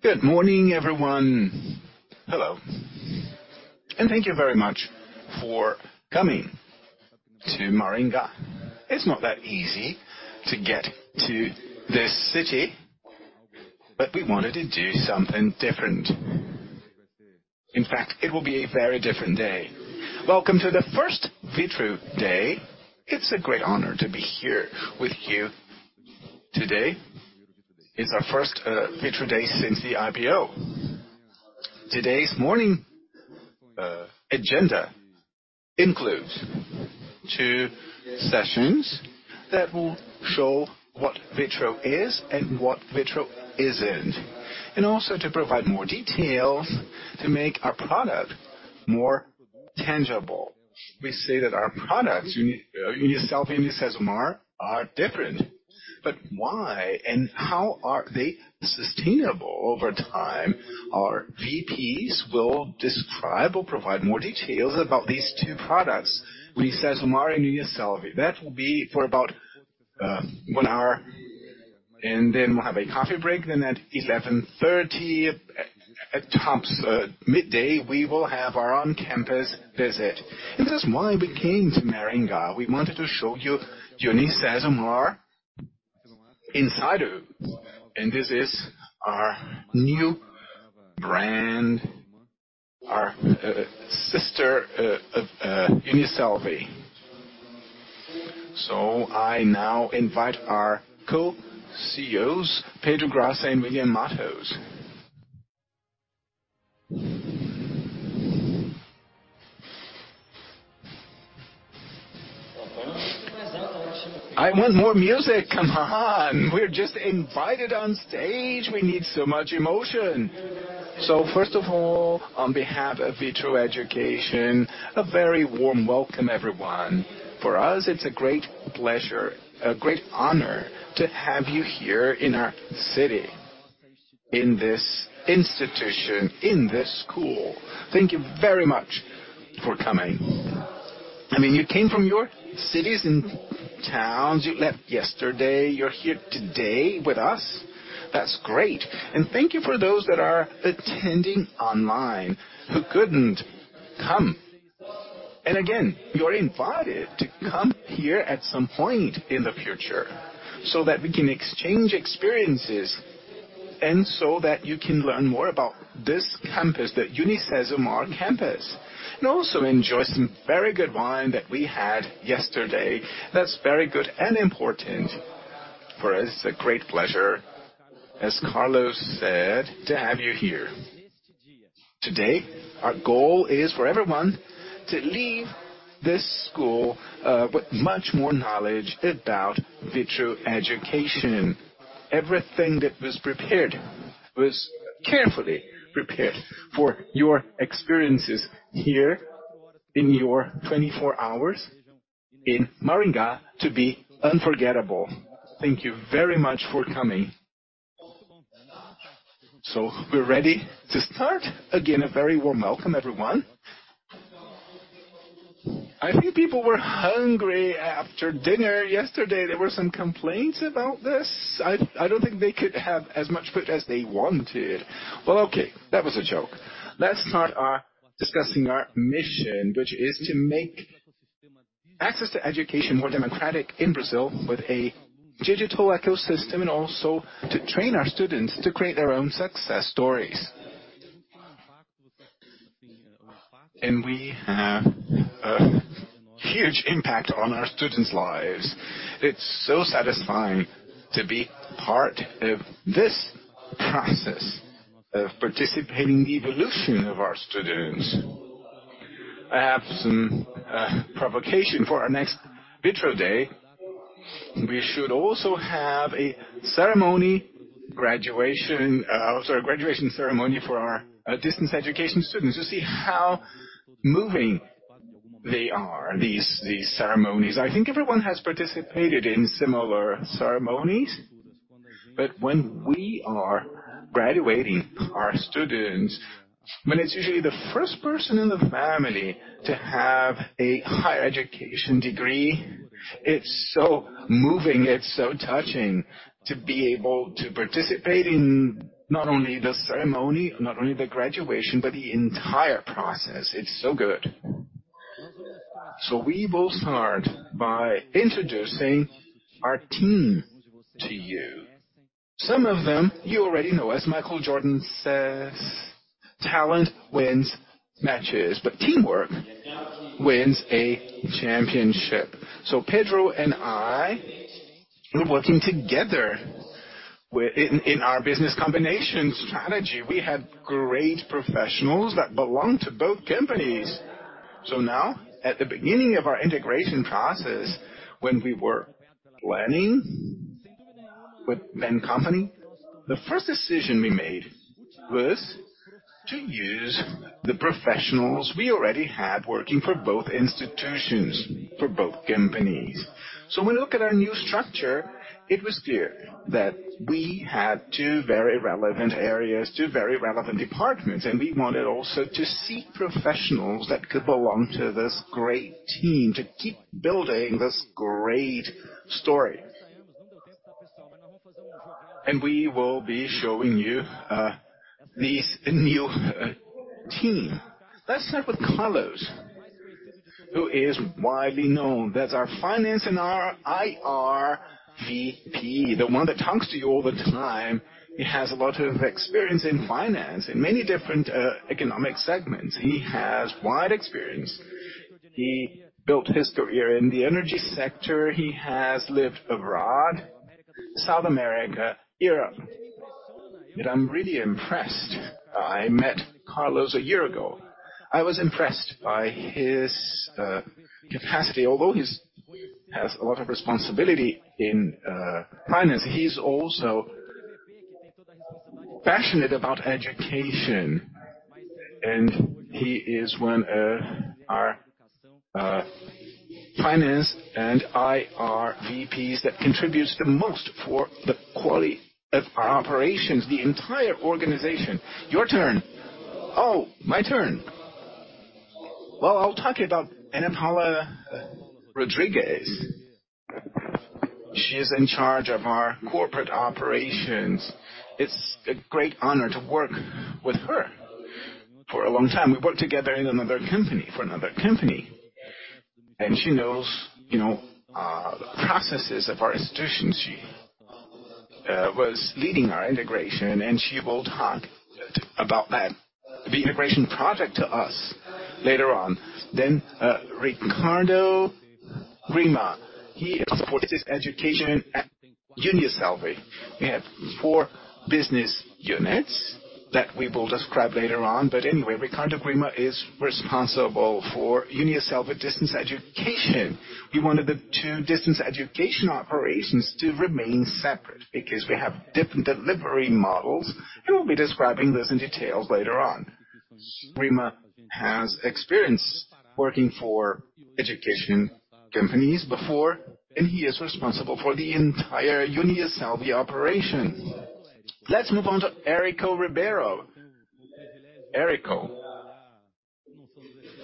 Good morning, everyone. Hello, thank you very much for coming to Maringá. It's not that easy to get to this city, we wanted to do something different. In fact, it will be a very different day. Welcome to the first Vitru day. It's a great honor to be here with you today. It's our first Vitru day since the IPO. Today's morning agenda includes two sessions that will show what Vitru is and what Vitru isn't, and also to provide more details to make our product more tangible. We say that our products, UNIASSELVI and UniCesumar are different, but why, and how are they sustainable over time? Our VPs will describe or provide more details about these two products. UNIASSELVI and UniCesumar, that will be for about one hour, and then we'll have a coffee break. At 11:30, at tops at midday, we will have our on-campus visit. That's why we came to Maringá. We wanted to show you UniCesumar inside. This is our new brand, our sister, UNIASSELVI. I now invite our co-CEOs, Pedro Graça and William Mattos. I want more music. Come on. We're just invited on stage. We need so much emotion. First of all, on behalf of Vitru Education, a very warm welcome, everyone. For us, it's a great pleasure, a great honor to have you here in our city, in this institution, in this school. Thank you very much for coming. I mean, you came from your cities and towns. You left yesterday. You're here today with us. That's great. Thank you for those that are attending online who couldn't come. Again, you're invited to come here at some point in the future so that we can exchange experiences, and so that you can learn more about this campus, the UniCesumar campus, and also enjoy some very good wine that we had yesterday. That's very good and important for us. A great pleasure, as Carlos said, to have you here. Today, our goal is for everyone to leave this school with much more knowledge about Vitru Education. Everything that was prepared was carefully prepared for your experiences here in your 24 hours in Maringá to be unforgettable. Thank you very much for coming. We're ready to start. Again, a very warm welcome, everyone. I think people were hungry after dinner yesterday. There were some complaints about this. I don't think they could have as much food as they wanted. Well, okay. That was a joke. Let's start discussing our mission, which is to make access to education more democratic in Brazil with a digital ecosystem and also to train our students to create their own success stories. We have a huge impact on our students' lives. It's so satisfying to be part of this process of participating in the evolution of our students. I have some provocation for our next Vitru Day. We should also have a graduation ceremony for our distance education students. You see how moving they are, these ceremonies. I think everyone has participated in similar ceremonies. When we are graduating our students, when it's usually the first person in the family to have a higher education degree, it's so moving, it's so touching to be able to participate in not only the ceremony, not only the graduation, but the entire process. It's so good. We will start by introducing our team to you. Some of them you already know. As Michael Jordan says, "Talent wins matches, but teamwork wins a championship." Pedro and I, we're working together In our business combination strategy, we had great professionals that belong to both companies. Now, at the beginning of our integration process, when we were planning with main company, the first decision we made was to use the professionals we already had working for both institutions, for both companies. When we look at our new structure, it was clear that we had two very relevant areas, two very relevant departments, and we wanted also to seek professionals that could belong to this great team to keep building this great story. We will be showing you these new team. Let's start with Carlos, who is widely known. That's our finance and our IR VP. The one that talks to you all the time. He has a lot of experience in finance, in many different economic segments. He has wide experience. He built his career in the energy sector. He has lived abroad, South America, Europe. I'm really impressed. I met Carlos a year ago. I was impressed by his capacity. Although he has a lot of responsibility in finance, he's also passionate about education, and he is one of our finance and IR VPs that contributes the most for the quality of our operations, the entire organization. Your turn. Oh, my turn. Well, I'll talk about Ana Paula Rodriguez. She is in charge of our corporate operations. It's a great honor to work with her. For a long time, we worked together in another company for another company, and she knows, you know, the processes of our institutions. She was leading our integration, and she will talk about that, the integration project to us later on. Ricardo Grima. He supports his education at UNIASSELVI. We have four business units that we will describe later on. Anyway, Ricardo Grima is responsible for UNIASSELVI distance education. We wanted the two distance education operations to remain separate because we have different delivery models. He will be describing this in detail later on. Grima has experience working for education companies before, he is responsible for the entire UNIASSELVI operation. Let's move on to Érico Ribeiro. Érico,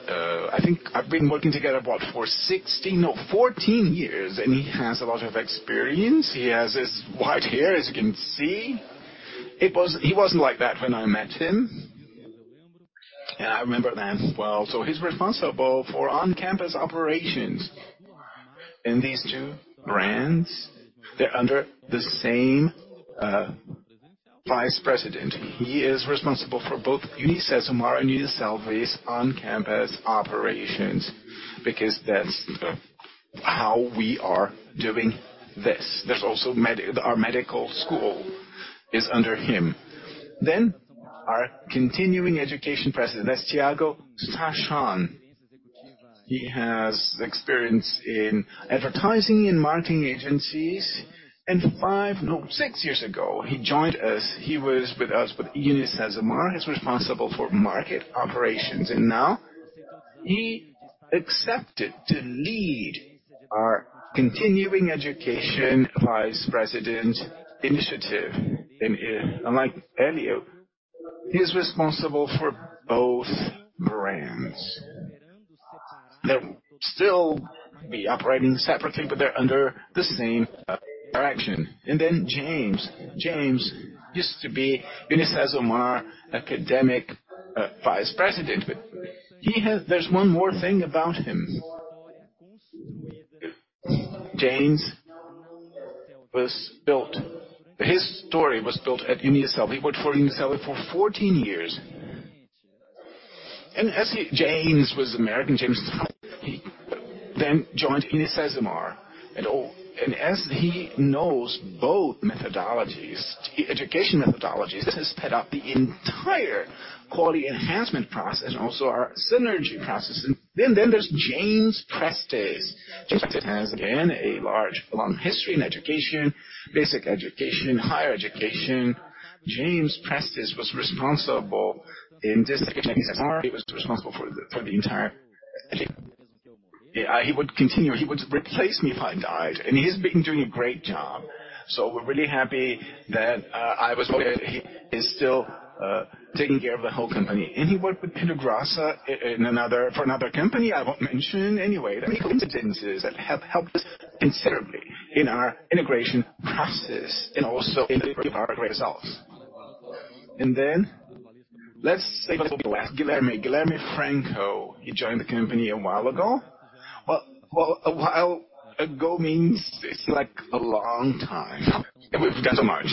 I think I've been working together, what, for 16 or 14 years, he has a lot of experience. He has his white hair, as you can see. He wasn't like that when I met him. I remember that well. He's responsible for on-campus operations. In these two brands, they're under the same Vice President. He is responsible for both UniCesumar and UNIASSELVI's on-campus operations because that's how we are doing this. There's also our medical school is under him. Our continuing education president, that's Tiago Stachon. He has experience in advertising and marketing agencies. Five, no, six years ago, he joined us. He was with us with UniCesumar. He's responsible for market operations. Now he accepted to lead our Continuing Education Vice President initiative. Unlike Helio, he's responsible for both brands. They'll still be operating separately, but they're under the same direction. James. James used to be UniCesumar Academic Vice President. There's one more thing about him. His story was built at UNIASSELVI. He worked for UNIASSELVI for 14 years. James was American. James, he then joined UniCesumar and all. As he knows both methodologies, education methodologies, this has sped up the entire quality enhancement process and also our synergy process. There's James Prestes. James has, again, a large, long history in education, basic education, higher education. James Prestes was responsible in this education at UniCesumar. He was responsible for the entire education. He would continue. He would replace me if I died. He's been doing a great job. We're really happy that I was working. He is still taking care of the whole company. He worked with Pedro Graça in another for another company I won't mention anyway. There are many coincidences that have helped us considerably in our integration process and also in the delivery of our great results. Let's save the best people last. Guilherme. Guilherme Franco. He joined the company a while ago. Well, a while ago means it's like a long time. We've done so much.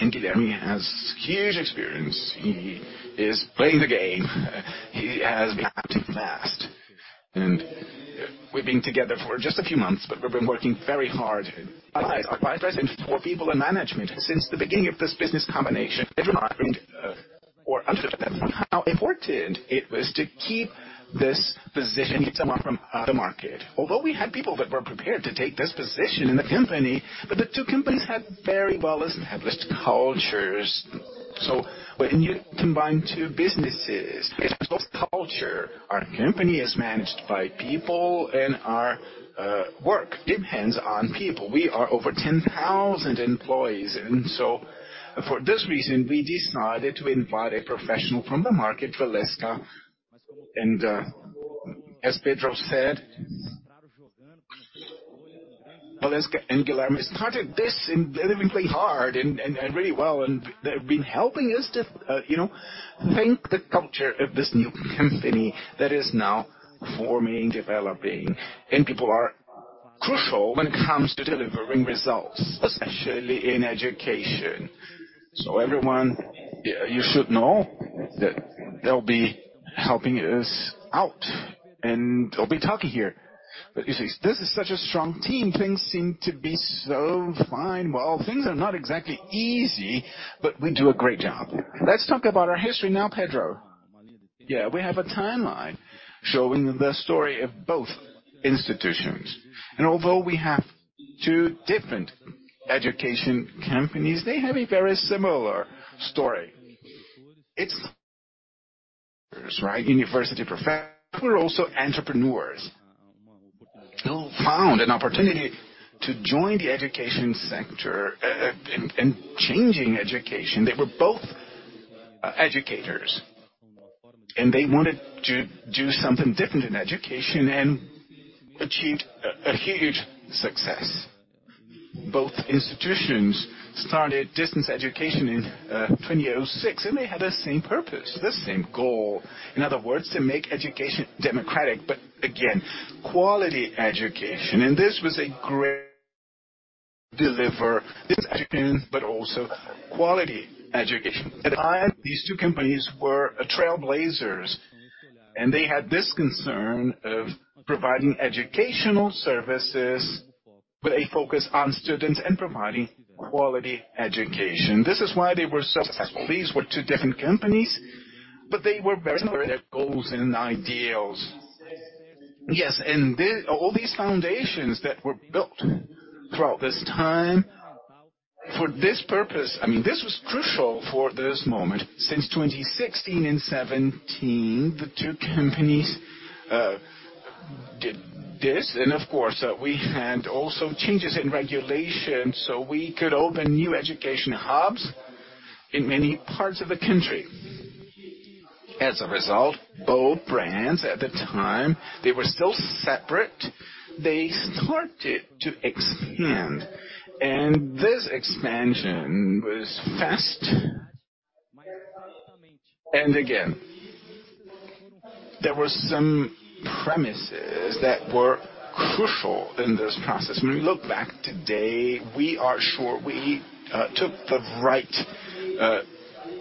Guilherme has huge experience. He is playing the game. He has been acting fast. We've been together for just a few months, but we've been working very hard. Our vice president for people and management since the beginning of this business combination. Pedro and I agreed or understood how important it was to keep this position separate from the market. Although we had people that were prepared to take this position in the company, but the two companies had very well-established cultures. When you combine two businesses, it's both culture. Our company is managed by people, and our work depends on people. We are over 10,000 employees. For this reason, we decided to invite a professional from the market, Valesca. As Pedro said Valesca and Guilherme started this and they've been playing hard and really well, and they've been helping us to, you know, think the culture of this new company that is now forming, developing. People are crucial when it comes to delivering results, especially in education. Everyone, you should know that they'll be helping us out, and they'll be talking here. You see, this is such a strong team. Things seem to be so fine. Well, things are not exactly easy, but we do a great job. Let's talk about our history now, Pedro. Yeah. We have a timeline showing the story of both institutions. Although we have two different education companies, they have a very similar story. It's right? University professors who are also entrepreneurs, who found an opportunity to join the education sector, and changing education. They were both educators, and they wanted to do something different in education and achieved a huge success. Both institutions started distance education in 2006, and they had the same purpose, the same goal. In other words, to make education democratic, but again, quality education. This was a great deliver this education, but also quality education. At the time, these two companies were a trailblazers, and they had this concern of providing educational services with a focus on students and providing quality education. This is why they were successful. These were two different companies, but they were very similar in their goals and ideals. Yes. All these foundations that were built throughout this time for this purpose, I mean, this was crucial for this moment. Since 2016 and 2017, the two companies did this. Of course, we had also changes in regulation, so we could open new education hubs in many parts of the country. As a result, both brands at the time, they were still separate. They started to expand, and this expansion was fast. Again, there were some premises that were crucial in this process. When we look back today, we are sure we took the right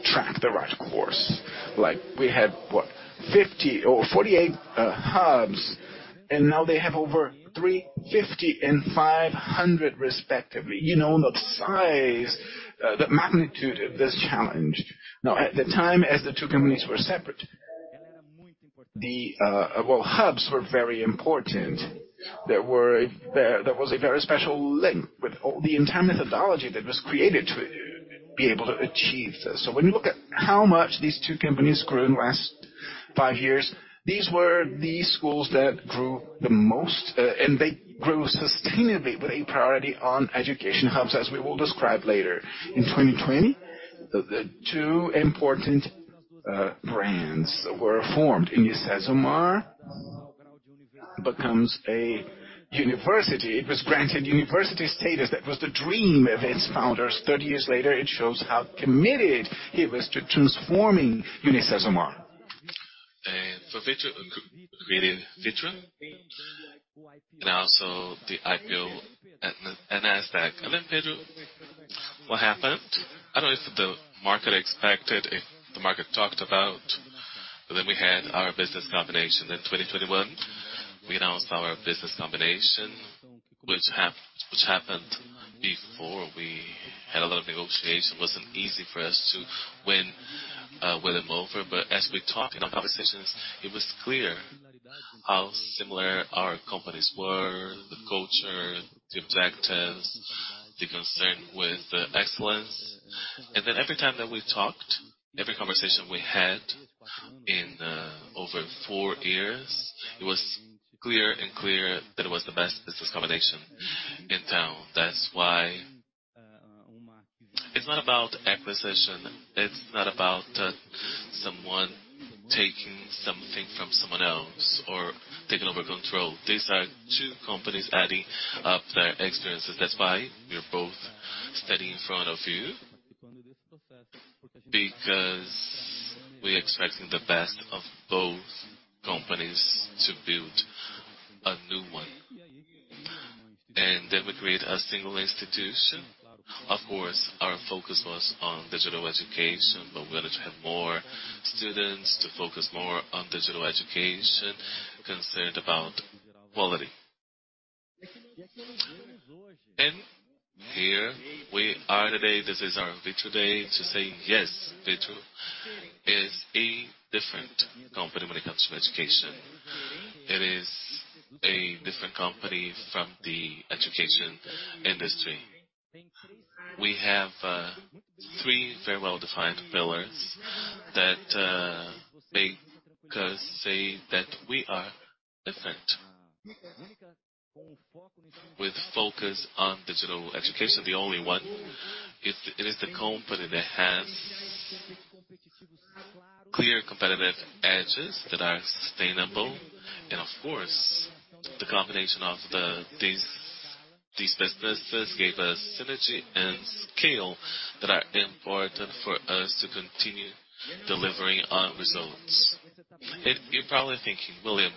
track, the right course. Like, we had, what, 50 or 48 hubs, and now they have over 350 and 500 respectively. You know the size, the magnitude of this challenge. At the time, as the two companies were separate, the, well, hubs were very important. There was a very special link with all the entire methodology that was created to be able to achieve this. When you look at how much these two companies grew in the last five years, these were the schools that grew the most, and they grew sustainably with a priority on education hubs, as we will describe later. In 2020, the two important brands were formed. UniCesumar becomes a university. It was granted university status. That was the dream of its founders. 30 years later, it shows how committed it was to transforming UniCesumar. For Vitru, creating Vitru and also the IPO at Nasdaq. Then Pedro, what happened? I don't know if the market expected, if the market talked about. We had our business combination in 2021. We announced our business combination, which happened before we had a lot of negotiation. It wasn't easy for us to win them over. As we talked in our conversations, it was clear how similar our companies were, the culture, the objectives, the concern with the excellence. Every time that we talked, every conversation we had in over four years, it was clear and clear that it was the best business combination in town. That's why it's not about acquisition, it's not about someone taking something from someone else or taking over control. These are two companies adding up their experiences. That's why we are both standing in front of you because we're expecting the best of both companies to build a new one. We create a single institution. Of course, our focus was on digital education, but we wanted to have more students to focus more on digital education concerned about quality. Here we are today. This is our victory today to say yes, Vitru is a different company when it comes to education. It is a different company from the education industry. We have three very well-defined pillars that make us say that we are different. With focus on digital education, the only one. It is the company that has clear competitive edges that are sustainable. Of course, the combination of these businesses gave us synergy and scale that are important for us to continue delivering our results. You're probably thinking, William,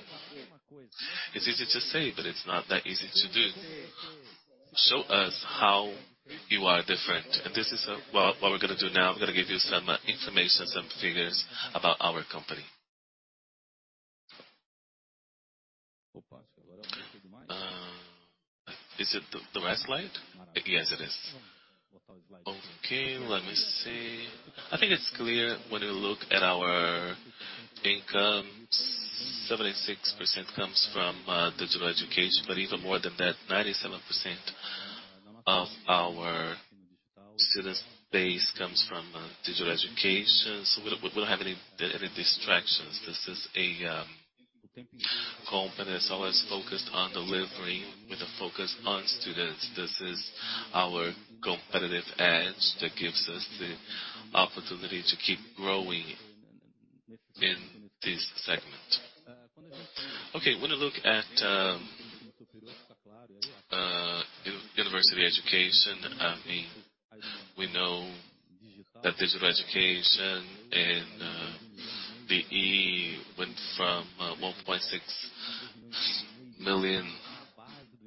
it's easy to say, but it's not that easy to do. Show us how you are different. This is what we're gonna do now. I'm gonna give you some information, some figures about our company. Is it the last slide? Yes, it is. Okay, let me see. I think it's clear when you look at our income, 76% comes from digital education, but even more than that, 97% of our student base comes from digital education. We don't have any distractions. This is a company that's always focused on delivering with a focus on students. This is our competitive edge that gives us the opportunity to keep growing in this segment. When you look at university education, I mean, we know that digital education and DE went from 1.6 million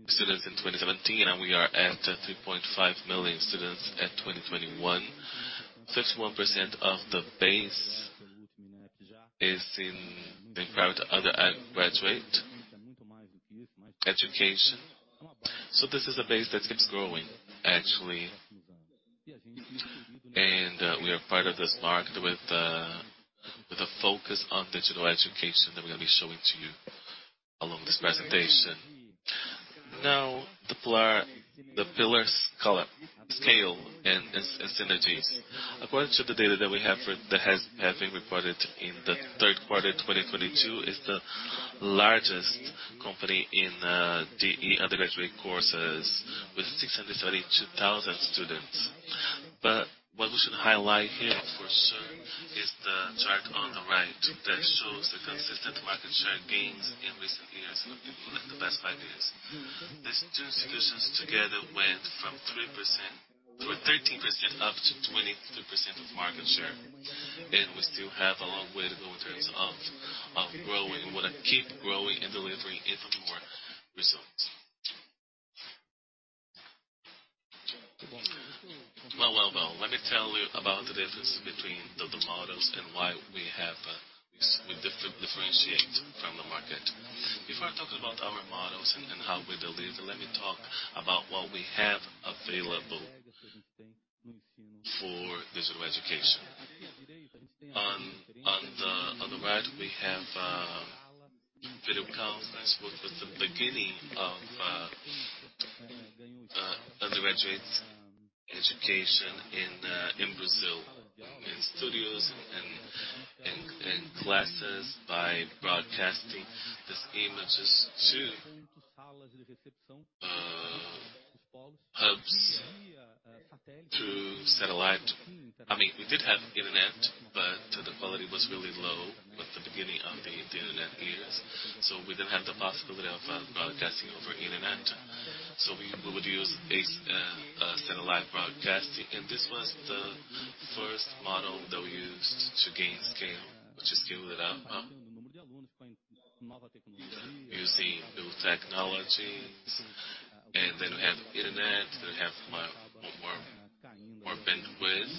students in 2017, and we are at 3.5 million students at 2021. 51% of the base is in prior to undergraduate education. This is a base that keeps growing, actually. We are part of this market with a focus on digital education that we're gonna be showing to you along this presentation. The pillars call, scale and synergies. According to the data that have been reported in the third quarter 2022, is the largest company in DE Undergraduate Coursess with 632,000 students. What we should highlight here for sure is the chart on the right that shows the consistent market share gains in recent years, in the past five years. These two institutions together went from 3% or 13% up to 23% of market share. We still have a long way to go in terms of growing. We wanna keep growing and delivering even more results. Well, let me tell you about the difference between the models and why we differentiate from the market. T our models and how we deliver, let me talk about what we have available for digital education. On the right, we have video conference with the beginning of undergraduate education in Brazil, in studios and classes by broadcasting these images to hubs through satellite. I mean, we did have internet, but the quality was really low at the beginning of the internet years, so we didn't have the possibility of broadcasting over internet. We would use a satellite broadcasting, and this was the first model that we used to gain scale, to scale it up, using new technologies. Then we have internet, then we have more bandwidth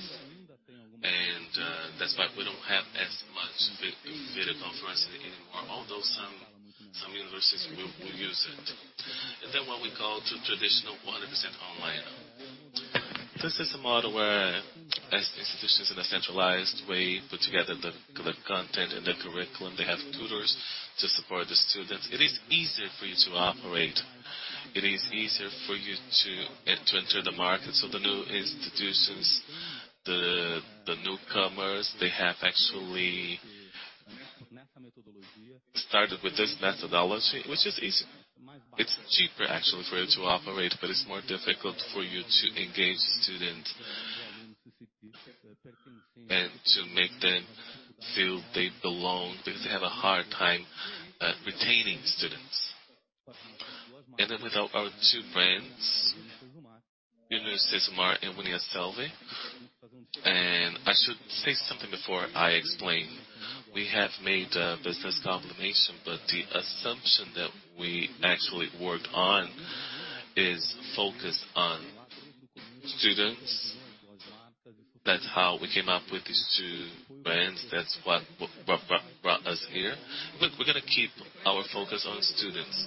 That's why we don't have as much video conferencing anymore, although some universities will use it. What we call to traditional 100% online. This is a model where as institutions in a centralized way put together the content and the curriculum. They have tutors to support the students. It is easier for you to operate. It is easier for you to enter the market. The new institutions, the newcomers, they have actually started with this methodology, which is easy. It's cheaper actually for you to operate, but it's more difficult for you to engage students and to make them feel they belong. They have a hard time retaining students. With our two brands, UniCesumar and UNIASSELVI. I should say something before I explain. We have made a business combination. The assumption that we actually worked on is focus on students. That's how we came up with these two brands. That's what brought us here. We're gonna keep our focus on students.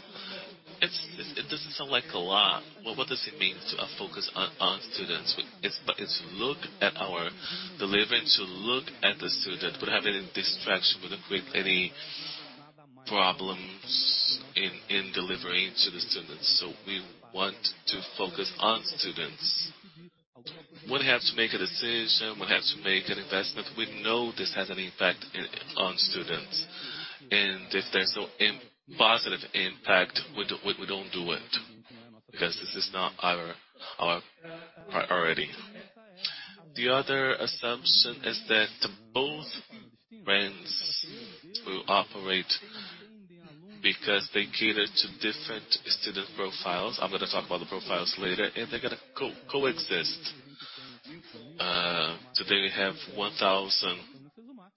It doesn't sound like a lot, but what does it mean to focus on students? It's, but it's look at our delivery, to look at the student. We don't have any distraction. We don't create any problems in delivering to the students. We want to focus on students. When we have to make a decision, when we have to make an investment, we know this has an impact on students. If there's no positive impact, we don't do it. Because this is not our priority. The other assumption is that both brands will operate because they cater to different student profiles. I'm gonna talk about the profiles later, and they're gonna coexist. Today we have 1,000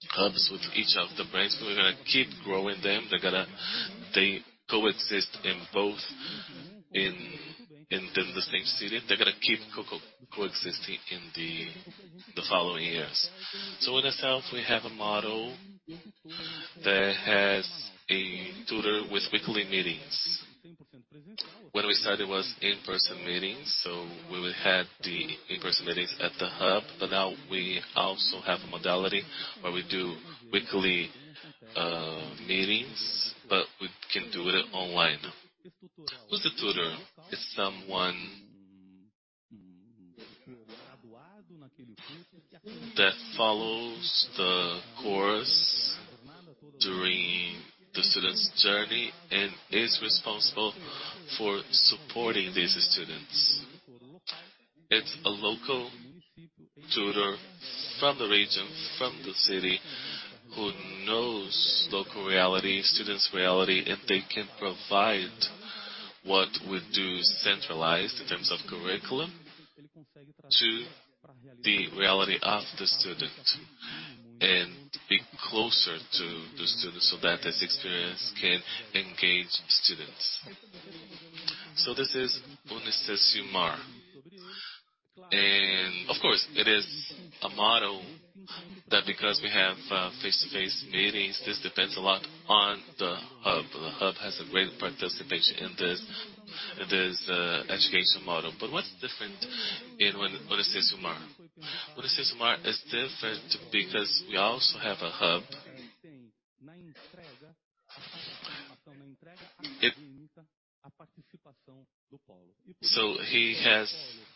hubs with each of the banks. We're gonna keep growing them. They coexist in both in the same city. They're gonna keep coexisting in the following years. In itself we have a model that has a tutor with weekly meetings. When we started it was in-person meetings, so we would have the in-person meetings at the hub. Now we also have a modality where we do weekly meetings, but we can do it online. Who's the tutor? It's someone that follows the course during the student's journey and is responsible for supporting these students. It's a local tutor from the region, from the city who knows local reality, students' reality. They can provide what we do centralized in terms of curriculum to the reality of the student and be closer to the students so that this experience can engage students. This is UniCesumar. Of course, it is a model that because we have face-to-face meetings, this depends a lot on the hub. The hub has a great participation in this education model. What's different in UniCesumar? UniCesumar is different because we also have a hub.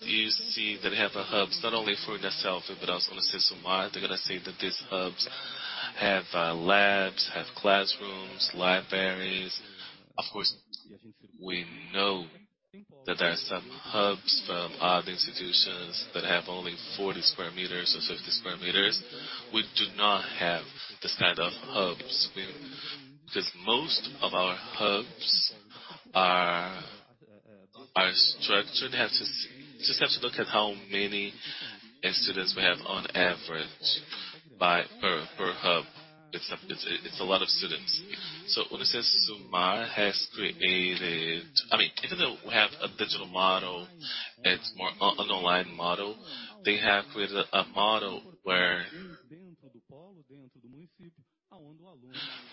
You see that they have the hubs not only for UNIASSELVI but also UniCesumar. They're gonna say that these hubs have labs, have classrooms, libraries. Of course, we know that there are some hubs from other institutions that have only 40 sq m or 50 sq m. We do not have this kind of hubs. Because most of our hubs are structured. just have to look at how many students we have on average per hub. It's a lot of students. UniCesumar has created—I mean, even though we have a digital model, it's more online model. They have created a model where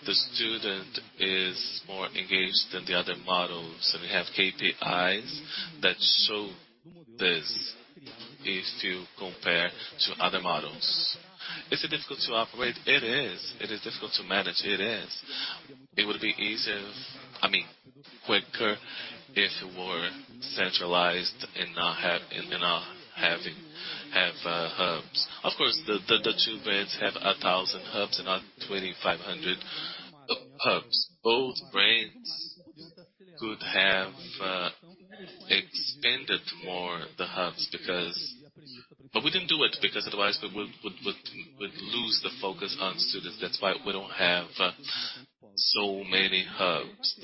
the student is more engaged than the other models, and we have KPIs that show this if you compare to other models. Is it difficult to operate? It is. It is difficult to manage? It is. It would be easier, I mean, quicker if it were centralized and not having hubs. Of course, the two brands have 1,000 hubs and not 2,500 hubs. Both brands could have expanded more the hubs because... We didn't do it because otherwise we would lose the focus on students. That's why we don't have so many hubs.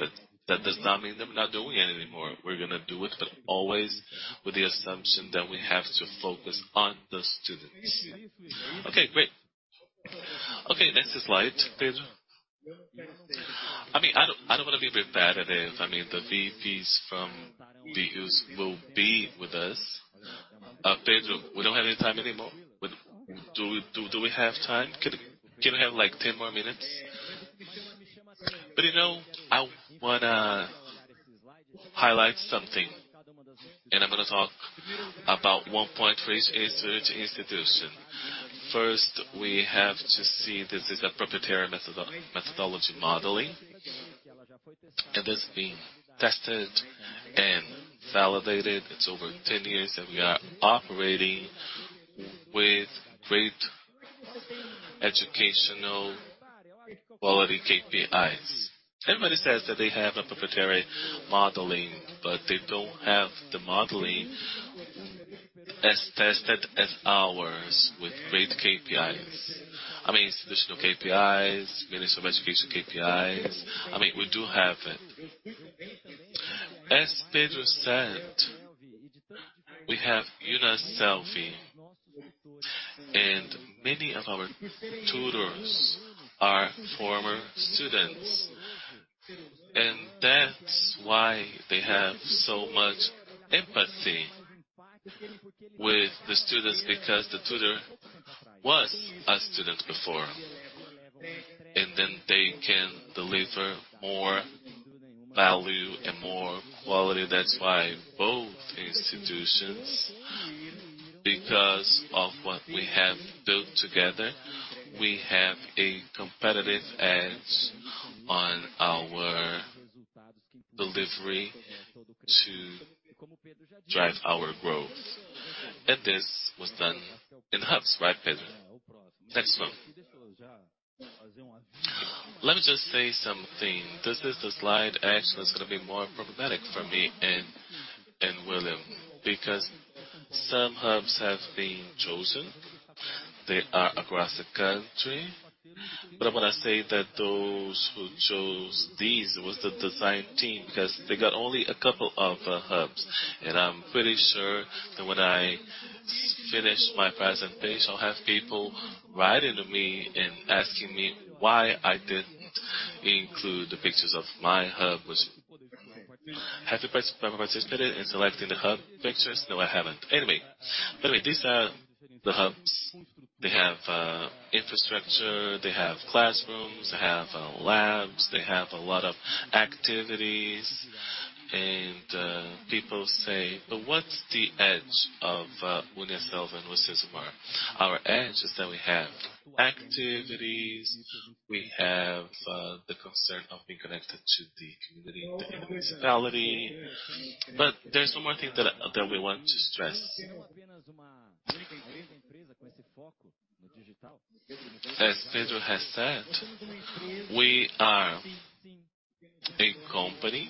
That does not mean that we're not doing it anymore. We're gonna do it, always with the assumption that we have to focus on the students. Okay, great. Okay, next slide, Pedro. I mean, I don't wanna be repetitive. I mean, the VPs from the UniCesumar will be with us. Pedro, we don't have any time anymore. Do we have time? Can we have, like, 10 more minutes? You know, I wanna highlight something, and I'm gonna talk about one point for each institution. First, we have to see this is a proprietary methodology modeling. It has been tested and validated. It's over 10 years that we are operating with great educational quality KPIs. Everybody says that they have a proprietary modeling, they don't have the modeling as tested as ours with great KPIs. I mean, institutional KPIs, Ministério da Educação KPIs. I mean, we do have it. As Pedro said, we have UNIASSELVI, many of our tutors are former students, that's why they have so much empathy with the students because the tutor was a student before, then they can deliver more value and more quality. That's why both institutions, because of what we have built together, we have a competitive edge on our delivery to drive our growth. This was done in hubs, right, Pedro? Next one. Let me just say something. This is the slide actually that's gonna be more problematic for me and William, because some hubs have been chosen. They are across the country. I'm gonna say that those who chose these was the design team because they got only a couple of hubs. I'm pretty sure that when I finish my presentation, I'll have people writing to me and asking me why I didn't include the pictures of my hub, which. Have you participated in selecting the hub pictures? No, I haven't. Anyway. By the way, these are the hubs. They have infrastructure, they have classrooms, they have labs. They have a lot of activities. People say, "What's the edge of UNIASSELVI and UniCesumar?" Our edge is that we have activities. We have the concern of being connected to the community and the municipality. There's one more thing that we want to stress. As Pedro has said, we are a company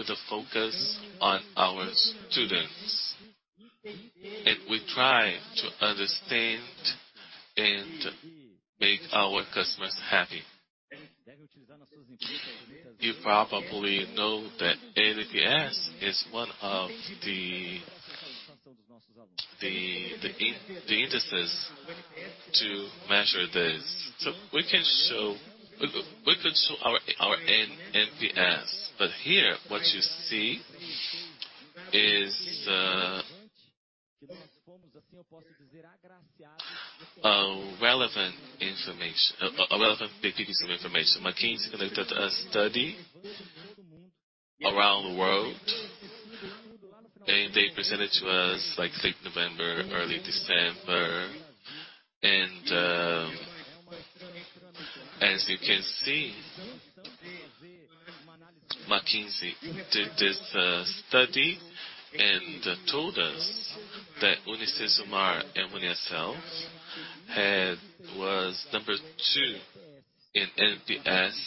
with a focus on our students. We try to understand and make our customers happy. You probably know that NPS is one of the indices to measure this. We can show our NPS. Here what you see is a relevant information, a relevant piece of information. McKinsey conducted a study around the world, and they presented to us like late November, early December. As you can see, McKinsey did this study and told us that UniCesumar and UNIASSELVI was number two in NPS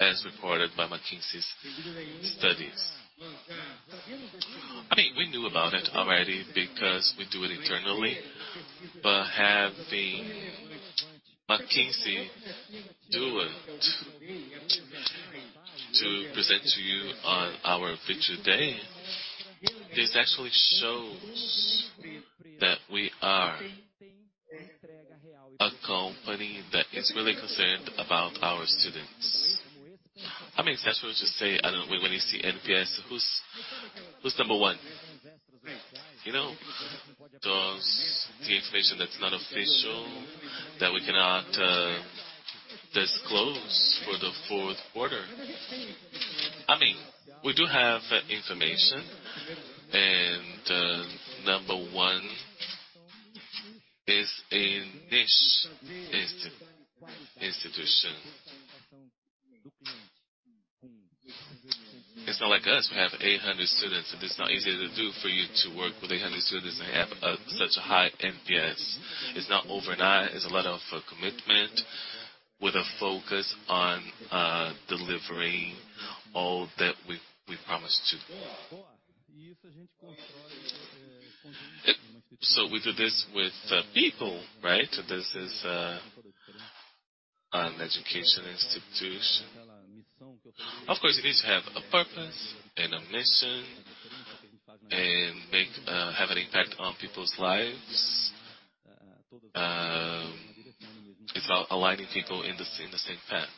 as recorded by McKinsey's studies. I mean, we knew about it already because we do it internally. Having McKinsey do it to present to you on our Investor Day, this actually shows that we are a company that is really concerned about our students. I mean, it's actually to say, I don't know, when you see NPS, who's number one? You know. The information that's not official that we cannot disclose for the fourth quarter. I mean, we do have information, and number one is a niche institution. It's not like us. We have 800 students, and it's not easy to do for you to work with 800 students and have such a high NPS. It's not overnight. It's a lot of commitment with a focus on delivering all that we promised to. We do this with people, right? This is an education institution. Of course, it needs to have a purpose and a mission and make have an impact on people's lives. It's about aligning people in the same path.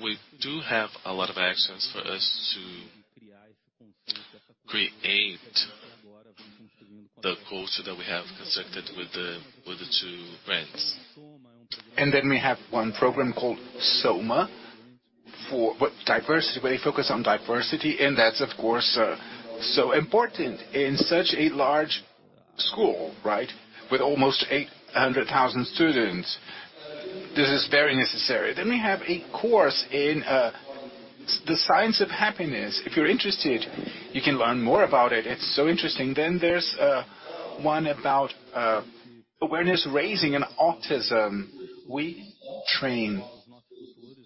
We do have a lot of actions for us to create the culture that we have constructed with the, with the two brands. Then we have one program called SOMA for where we focus on diversity, and that's of course, so important in such a large school, right? With almost 800,000 students. This is very necessary. We have a course in the science of happiness. If you're interested, you can learn more about it. It's so interesting. There's one about awareness raising in autism. We train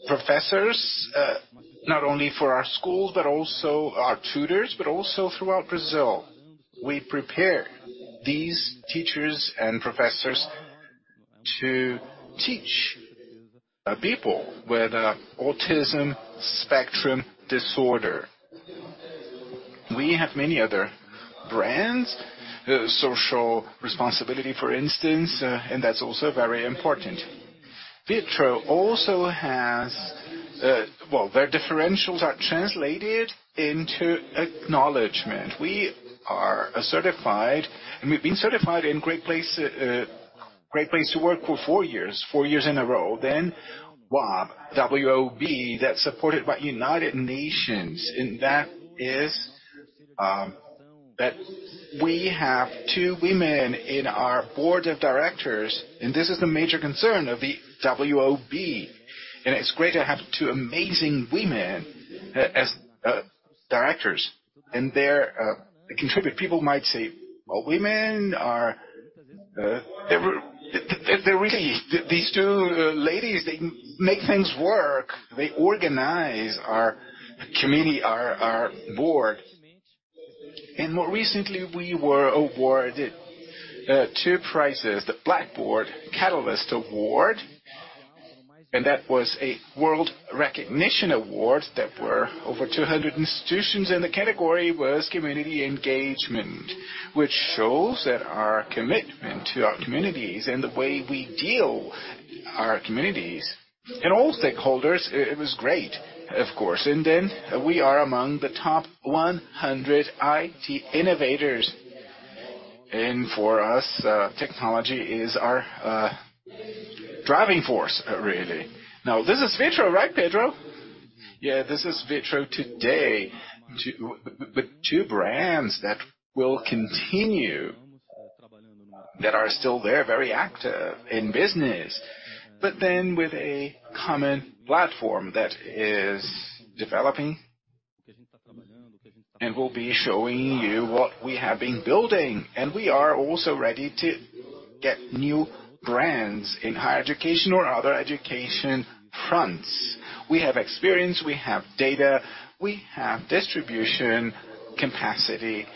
professors, not only for our schools, but also our tutors, but also throughout Brazil. We prepare these teachers and professors to teach people with autism spectrum disorder. We have many other brands. Social responsibility, for instance, and that's also very important. Vitru also has, well, their differentials are translated into acknowledgment. We've been certified in Great Place To Work for four years in a row. WOB, W-O-B, that's supported by United Nations, that is, that we have two women in our Board of Directors, this is the major concern of the WOB. It's great to have two amazing women as directors and their contribute. People might say, well, they're really, these two ladies, they make things work. They organize our community, our board. More recently, we were awarded two prizes, the Blackboard Catalyst Award, that was a world recognition award that were over 200 institutions, the category was community engagement, which shows that our commitment to our communities and the way we deal our communities and all stakeholders, it was great, of course. We are among the top 100 IT innovators. For us, technology is our driving force, really. This is Vitru, right, Pedro? This is Vitru today. With two brands that will continue, that are still there, very active in business. With a common platform that is developing, and we'll be showing you what we have been building. We are also ready to get new brands in higher education or other education fronts. We have experience, we have data, we have distribution capacity.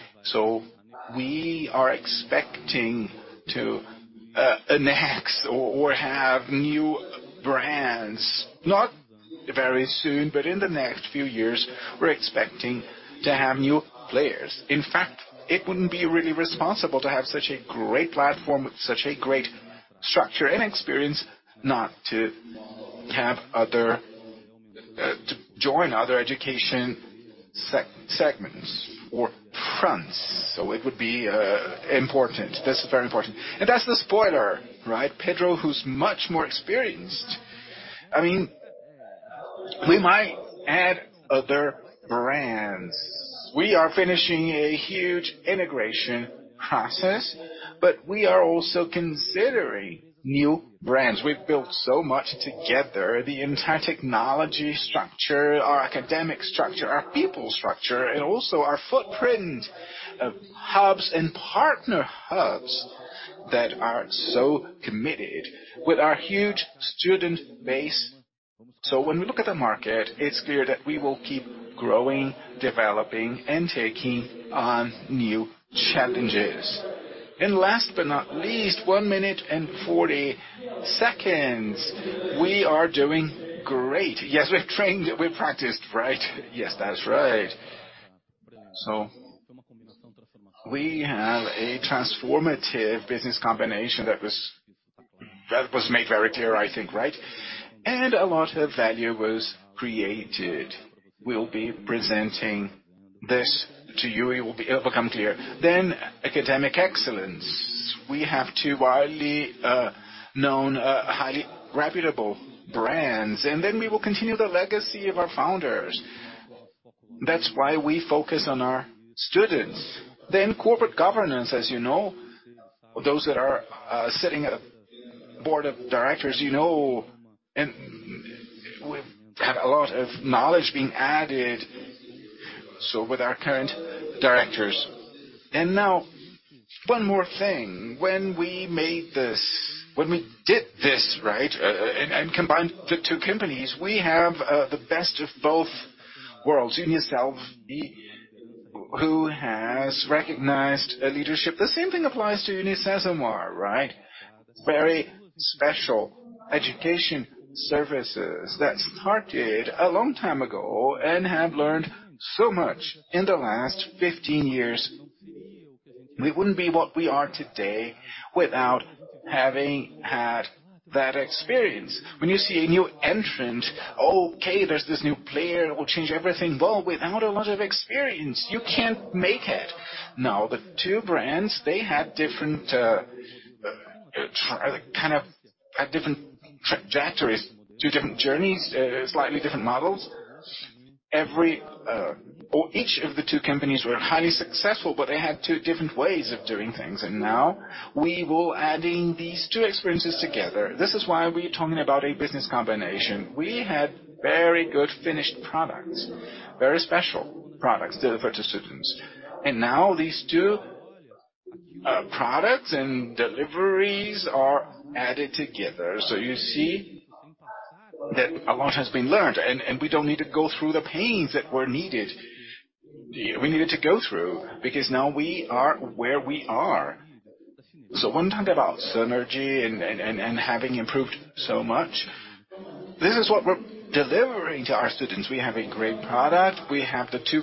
We are expecting to annex or have new brands, not very soon, but in the next few years, we're expecting to have new players. In fact, it wouldn't be really responsible to have such a great platform, such a great structure and experience not to have to join other education segments or fronts. It would be important. That's very important. That's the spoiler, right? Pedro, who's much more experienced. I mean, we might add other brands. We are finishing a huge integration process, but we are also considering new brands. We've built so much together, the entire technology structure, our academic structure, our people structure, and also our footprint of hubs and partner hubs that are so committed with our huge student base. When we look at the market, it's clear that we will keep growing, developing, and taking on new challenges. Last but not least, one minute and 40 seconds. We are doing great. Yes, we've trained, we've practiced, right? Yes, that's right. We have a transformative business combination that was made very clear, I think, right? A lot of value was created. We'll be presenting this to you. It'll become clear. academic excellence. We have two widely known, highly reputable brands, and then we will continue the legacy of our founders. That's why we focus on our students. Corporate governance, as you know, those that are sitting at a Board of Directors, you know, and we have a lot of knowledge being added, so with our current directors. Now, one more thing. When we made this, when we did this, right, and combined the two companies, we have the best of both worlds. UNIASSELVI, who has recognized leadership. The same thing applies to UniCesumar, right? Very special education services that started a long time ago and have learned so much in the last 15 years. We wouldn't be what we are today without having had that experience. When you see a new entrant, okay, there's this new player, it will change everything. Well, without a lot of experience, you can't make it. The two brands, they had different, kind of had different trajectories, two different journeys, slightly different models. Every, or each of the two companies were highly successful, they had two different ways of doing things. Now we will adding these two experiences together. This is why we're talking about a business combination. We had very good finished products, very special products delivered to students. Now these two products and deliveries are added together. You see that a lot has been learned, and we don't need to go through the pains that were needed. We needed to go through because now we are where we are. When we talk about synergy and having improved so much, this is what we're delivering to our students. We have a great product. We have the two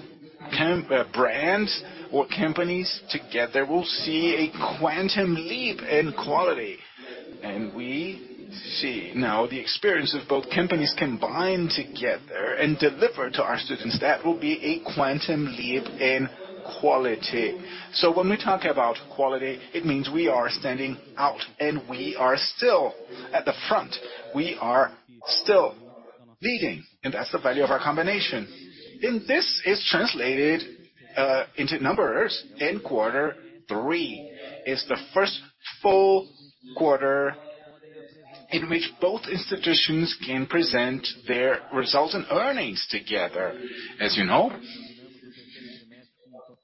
brands or companies together. We'll see a quantum leap in quality. We see now the experience of both companies combined together and delivered to our students. That will be a quantum leap in quality. When we talk about quality, it means we are standing out and we are still at the front. We are still leading, and that's the value of our combination. This is translated into numbers in quarter three is the first full quarter in which both institutions can present their results and earnings together. As you know,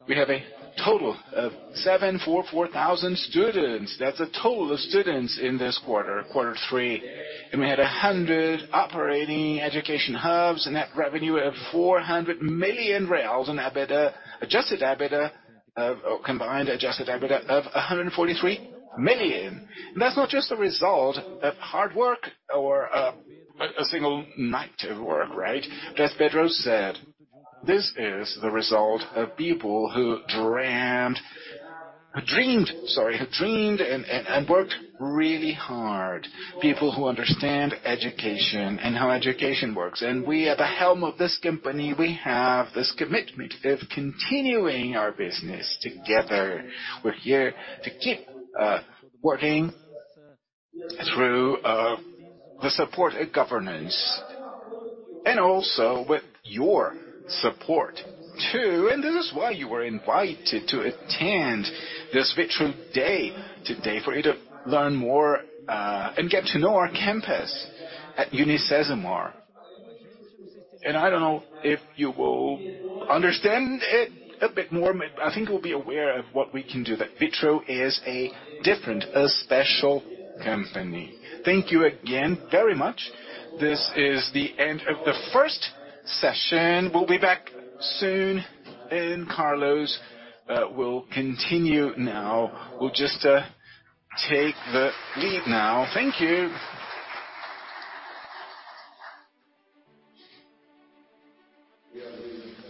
we have a total of 744,000 students. That's a total of students in this quarter three. We had 100 operating education hubs, a net revenue of 400 million, and combined adjusted EBITDA of 143 million. That's not just the result of hard work or a single night of work, right? As Pedro said, this is the result of people who dreamed. Who dreamed and worked really hard. People who understand education and how education works. We, at the helm of this company, we have this commitment of continuing our business together. We're here to keep working through the support of governance and also with your support too, and this is why you were invited to attend this Vitru Day today, for you to learn more and get to know our campus at UniCesumar. I don't know if you will understand it a bit more, but I think you'll be aware of what we can do, that Vitru is a different, a special company. Thank you again very much. This is the end of the first session. We'll be back soon, and Carlos will continue now. We'll just take the leave now. Thank you.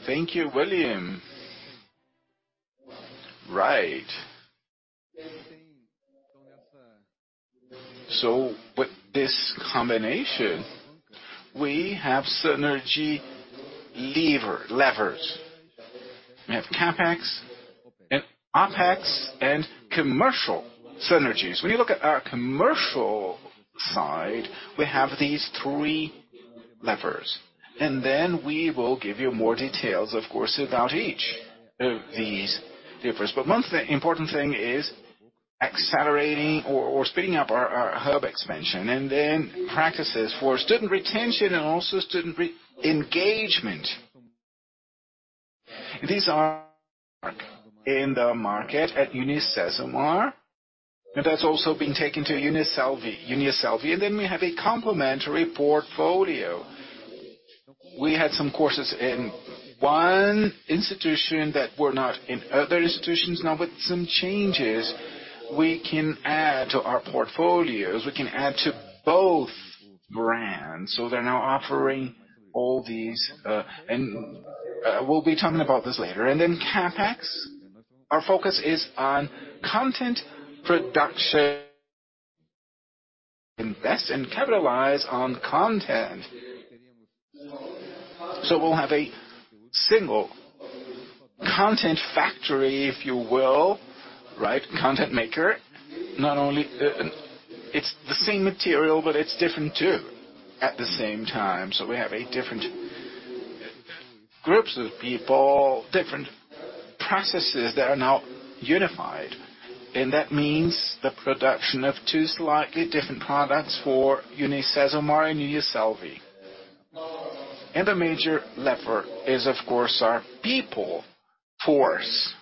Thank you, William. Right. With this combination, we have synergy levers. We have CapEx and OpEx and commercial synergies. When you look at our commercial side, we have these three levers. We will give you more details, of course, about each of these levers. Mostly, important thing is accelerating or speeding up our hub expansion and then practices for student retention and also student re-engagement. These are in the market at UniCesumar, and that's also been taken to UNIASSELVI. We have a complementary portfolio. We had some courses in one institution that were not in other institutions. Now with some changes, we can add to our portfolios, we can add to both brands. They're now offering all these, and we'll be talking about this later. CapEx, our focus is on content production. Invest and capitalize on content. We'll have a single content factory, if you will, right? Content maker. Not only, it's the same material, but it's different too at the same time. We have eight different groups of people, different processes that are now unified, and that means the production of two slightly different products for UniCesumar and UNIASSELVI. The major lever is, of course, our people force.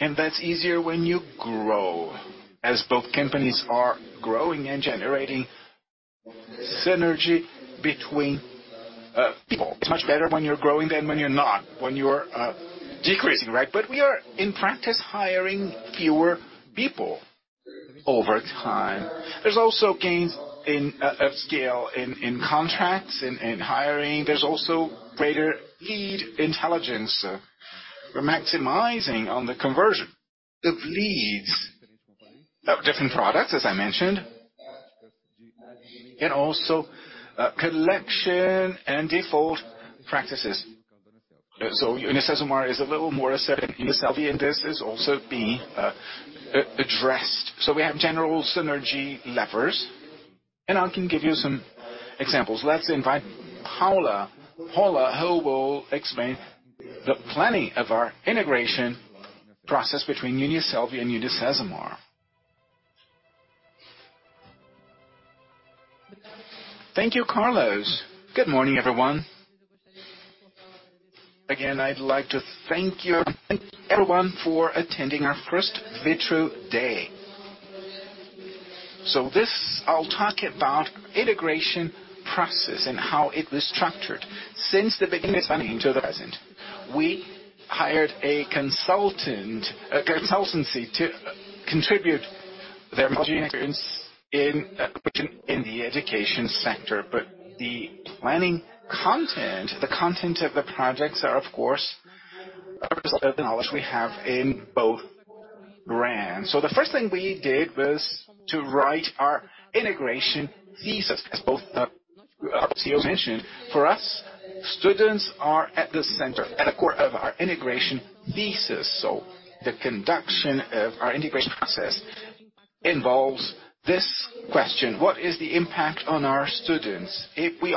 That's easier when you grow, as both companies are growing and generating synergy between people. It's much better when you're growing than when you're not, when you're decreasing, right? We are, in practice, hiring fewer people over time. There's also gains in up scale, in contracts, in hiring. There's also greater lead intelligence. We're maximizing on the conversion of leads of different products, as I mentioned, and also collection and default practices. UniCesumar is a little more assertive than UNIASSELVI, and this is also being addressed. We have general synergy levers, and I can give you some examples. Let's invite Paula. Paula, who will explain the planning of our integration process between UNIASSELVI and UniCesumar. Thank you, Carlos. Good morning, everyone. Again, I'd like to thank you, thank everyone for attending our first Vitru day. This, I'll talk about integration process and how it was structured since the beginning up until the present. We hired a consultancy to contribute their experience in within the education sector. The planning content, the content of the projects are, of course, a result of the knowledge we have in both brands. The first thing we did was to write our integration thesis, as both our CEOs mentioned. For us, students are at the core of our integration thesis. The conduction of our integration process involves this question: What is the impact on our students? If we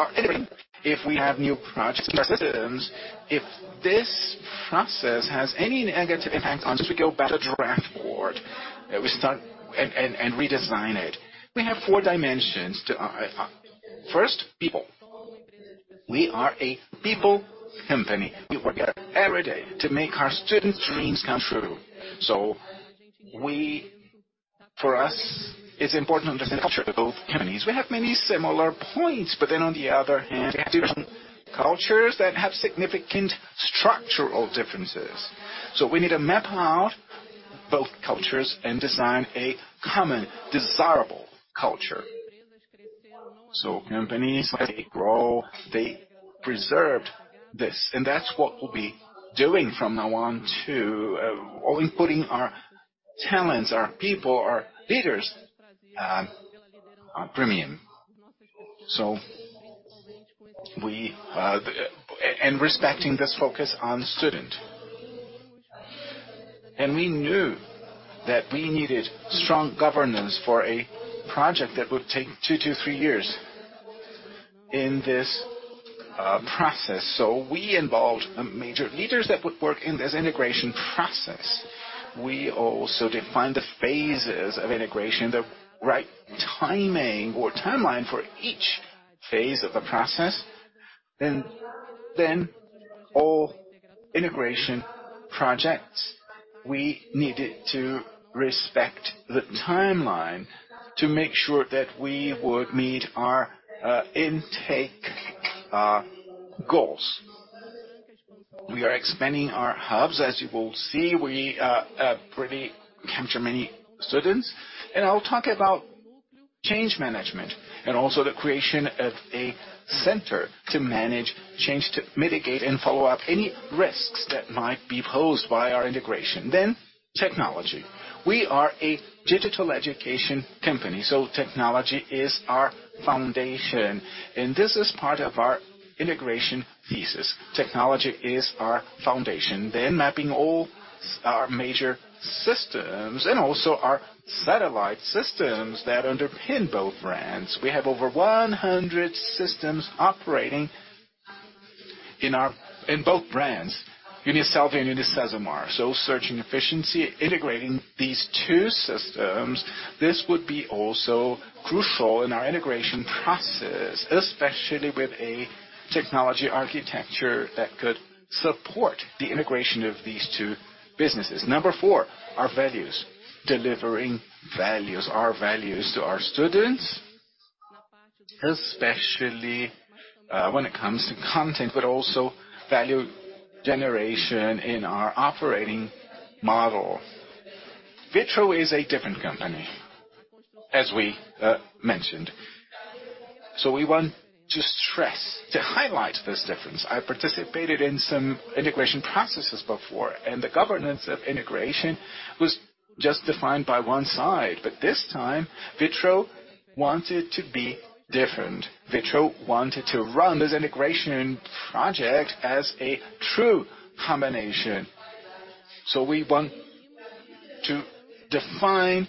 have new projects systems, if this process has any negative impact on us, we go back to the draft board and we start and redesign it. We have four dimensions to our First, people. We are a people company. We work every day to make our students' dreams come true. For us, it's important to understand the culture of both companies. We have many similar points, on the other hand, different cultures that have significant structural differences. We need to MAPA out both cultures and design a common, desirable culture. Companies, as they grow, they preserved this, and that's what we'll be doing from now on to all inputting our talents, our people, our leaders, our premium. We and respecting this focus on student. We knew that we needed strong governance for a project that would take two to three years in this process. We involved major leaders that would work in this integration process. We also defined the phases of integration, the right timing or timeline for each phase of the process. All integration projects, we needed to respect the timeline to make sure that we would meet our intake goals. We are expanding our hubs. As you will see, we pretty capture many students. I'll talk about change management and also the creation of a center to manage change, to mitigate and follow up any risks that might be posed by our integration. Technology. We are a digital education company, so technology is our foundation, and this is part of our integration thesis. Technology is our foundation. Mapping our major systems and also our satellite systems that underpin both brands. We have over 100 systems operating in both brands, UNIASSELVI and UniCesumar. Searching efficiency, integrating these two systems, this would be also crucial in our integration process, especially with a technology architecture that could support the integration of these two businesses. Number four, our values. Delivering values, our values to our students, especially, when it comes to content, but also value generation in our operating model. Vitru is a different company, as we mentioned. We want to stress, to highlight this difference. I participated in some integration processes before, the governance of integration was just defined by one side. This time, Vitru wanted to be different. Vitru wanted to run this integration project as a true combination. We want to define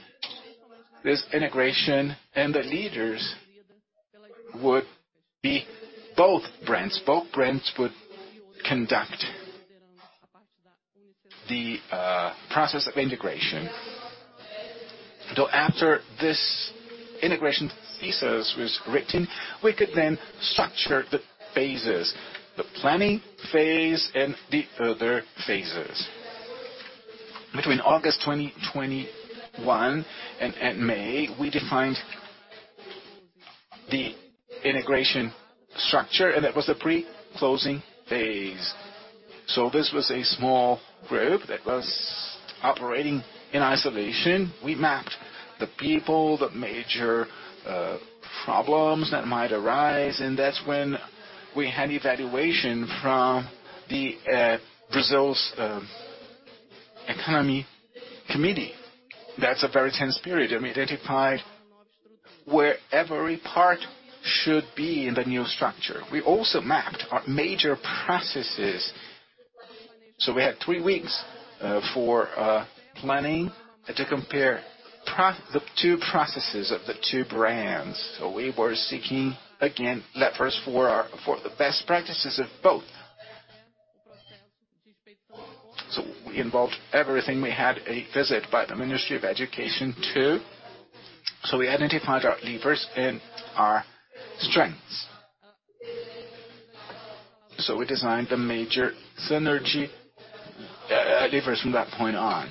this integration, and the leaders would be both brands. Both brands would conduct the process of integration. After this integration thesis was written, we could then structure the phases, the planning phase and the other phases. Between August 2021 and May, we defined the integration structure, and that was the pre-closing phase. This was a small group that was operating in isolation. We mapped the people, the major problems that might arise, and that's when we had evaluation from the Brazil's economy committee. That's a very tense period, and we identified where every part should be in the new structure. We also mapped our major processes. We had three weeks for planning to compare the two processes of the two brands. We were seeking, again, levers for the best practices of both. We involved everything. We had a visit by the Ministério da Educação, too. We identified our levers and our strengths. We designed the major synergy levers from that point on.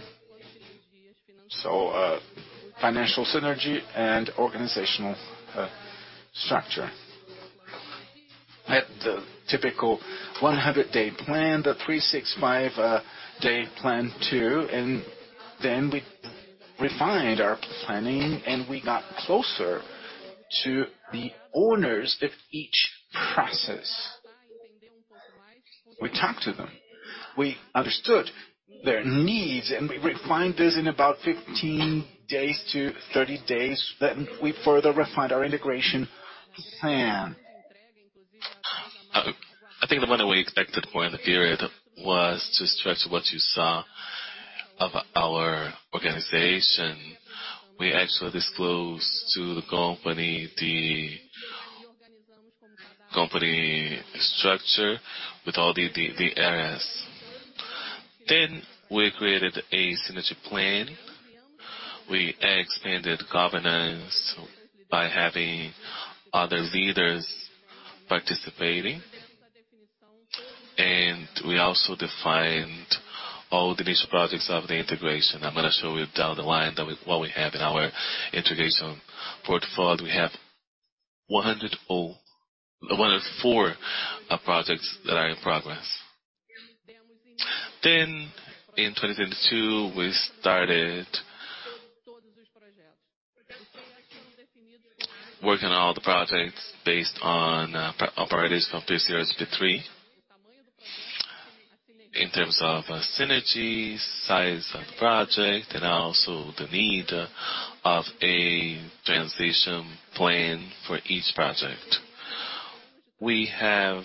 Financial synergy and organizational structure. At the typical 100-day plan, the 365-day plan, too, and then we refined our planning, and we got closer to the owners of each process. We talked to them, we understood their needs, and we refined this in about 15 days to 30 days. We further refined our integration plan. I think the one that we expected more in the period was to stretch what you saw of our organization. We actually disclosed to the company the company structure with all the areas. We created a synergy plan. We expanded governance by having other leaders participating. We also defined all the initial projects of the integration. I'm gonna show you down the line that what we have in our integration portfolio. We have 104 projects that are in progress. In 2022, we started working on all the projects based on priorities from 30 to 3. In terms of synergy, size of project, and also the need of a transition plan for each project. We have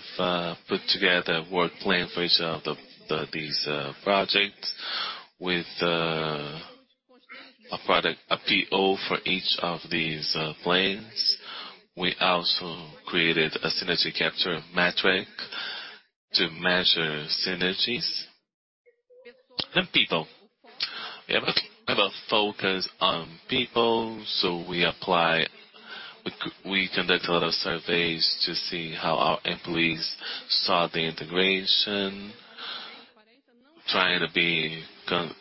put together work plan for each of these projects with a product, a PO for each of these plans. We also created a synergy capture metric to measure synergies and people. We have a focus on people, so we conduct a lot of surveys to see how our employees saw the integration. Trying to be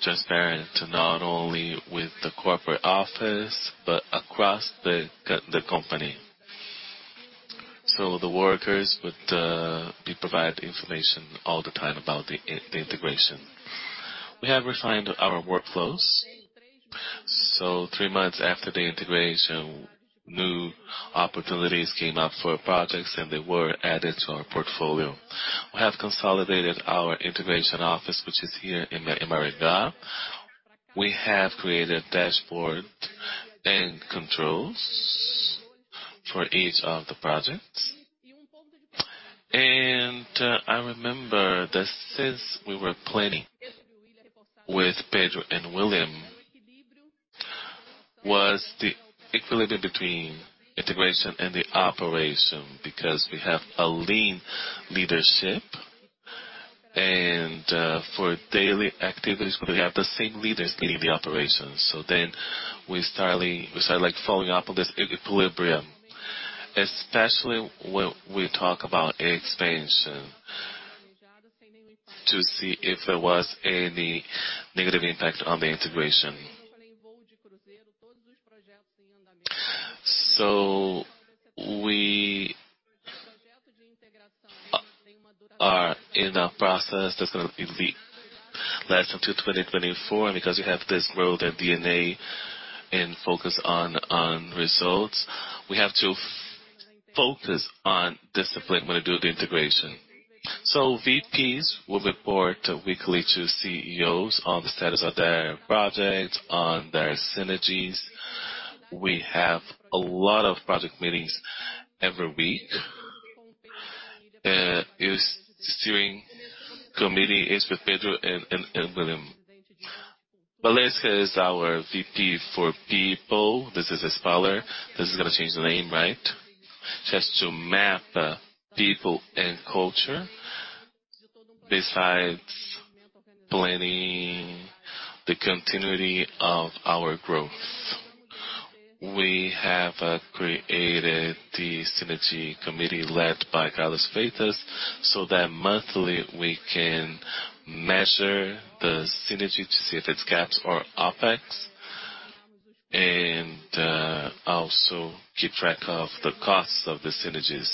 transparent not only with the corporate office but across the company. The workers we provide information all the time about the integration. We have refined our workflows. Three months after the integration, new opportunities came up for projects and they were added to our portfolio. We have consolidated our integration office, which is here in Maringá. We have created dashboards and controls for each of the projects. I remember that since we were planning with Pedro and William, was the equilibrium between integration and the operation, because we have a lean leadership. For daily activities, we have the same leaders leading the operations. We started, like, following up on this equilibrium, especially when we talk about expansion to see if there was any negative impact on the integration. We are in a process that's gonna last until 2024. Because we have this growth and DNA and focus on results, we have to focus on discipline when we do the integration. VPs will report weekly to CEOs on the status of their projects, on their synergies. We have a lot of project meetings every week. Steering committee is with Pedro and William. Melissa is our VP for people. This is a spoiler. This is gonna change the name, right? She has to map People and Culture besides planning the continuity of our growth. We have created the synergy committee led by Carlos Freitas, so that monthly we can measure the synergy to see if it's gaps or OpEx, and also keep track of the costs of the synergies.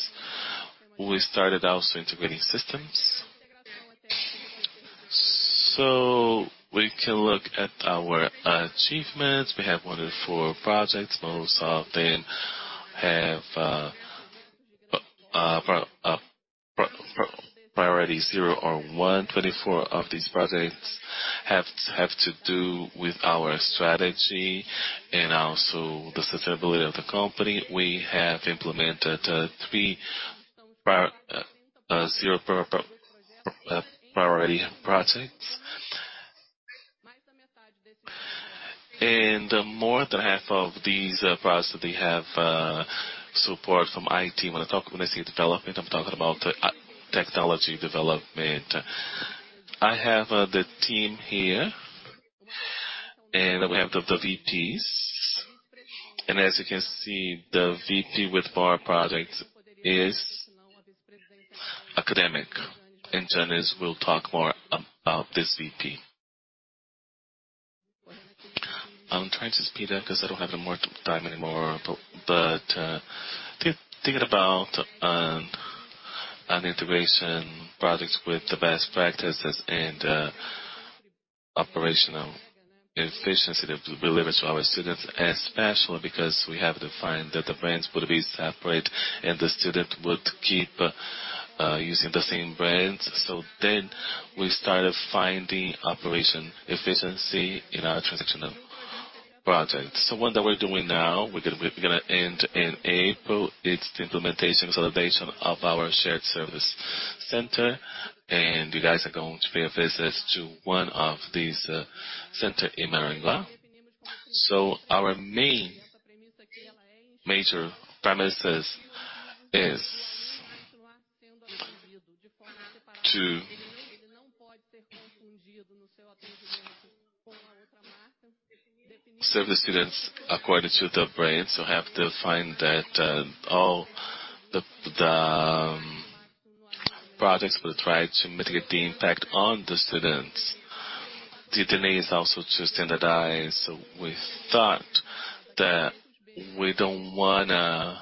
We started also integrating systems. We can look at our achievements. We have 104 projects. Most of them have priorities 0 or 1. 24 of these projects have to do with our strategy and also the sustainability of the company. We have implemented 3 0 priorities projects. More than half of these projects they have support from IT. When I say development, I'm talking about technology development. I have the team here, and we have the VPs. As you can see, the VP with more projects is academic. Jones will talk more about this VP. I'm trying to speed up 'cause I don't have any more time anymore, but thinking about an integration projects with the best practices and operational efficiency to be delivered to our students, especially because we have defined that the brands would be separate and the student would keep using the same brands. We started finding operation efficiency in our transactional project. One that we're doing now, we're gonna end in April. It's the implementation consolidation of our Shared Service Center, and you guys are going to pay a visit to one of these center in Maringá. Our main major premises is to serve the students according to the brand. Have to find that all the projects will try to mitigate the impact on the students. The other thing is also to standardize. We thought that we don't wanna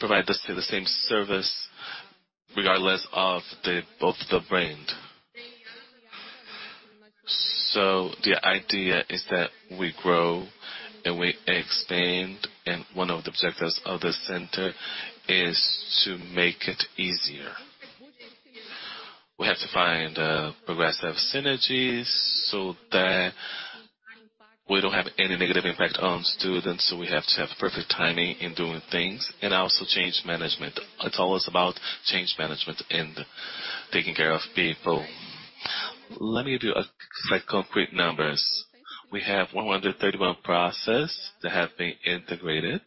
provide the same service regardless of the both the brand. The idea is that we grow, and we expand, and one of the objectives of the center is to make it easier. We have to find progressive synergies so that we don't have any negative impact on students. We have to have perfect timing in doing things and also change management. It's always about change management and taking care of people. Let me give you a like concrete numbers. We have 131 process that have been integrated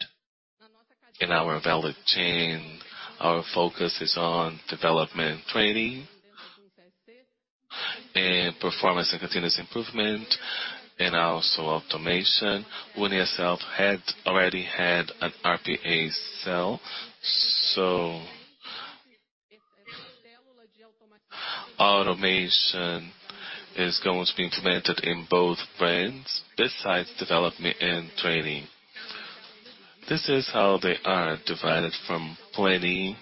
in our value chain. Our focus is on development training and performance and continuous improvement and also automation. UNIASSELVI already had an RPA cell. Automation is going to be implemented in both brands besides development and training. This is how they are divided from planning.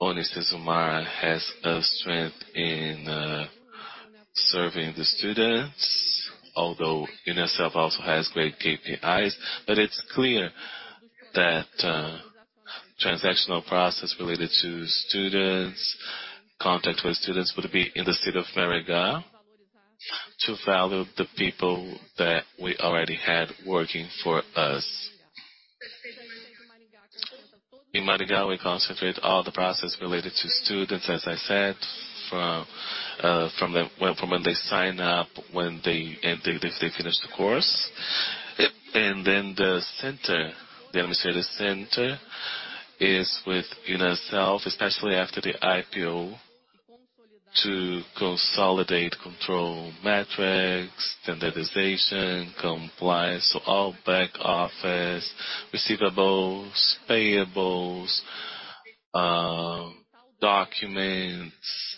UniCesumar has a strength in serving the students, although UNIASSELVI also has great KPIs. It's clear that transactional process related to students, contact with students would be in the city of Maringá to value the people that we already had working for us. In Maringá, we concentrate all the process related to students, as I said, from when they sign up, when they finish the course. The center, the administrative center is with UNIASSELVI, especially after the IPO, to consolidate control metrics, standardization, compliance. All back office, receivables, payables, documents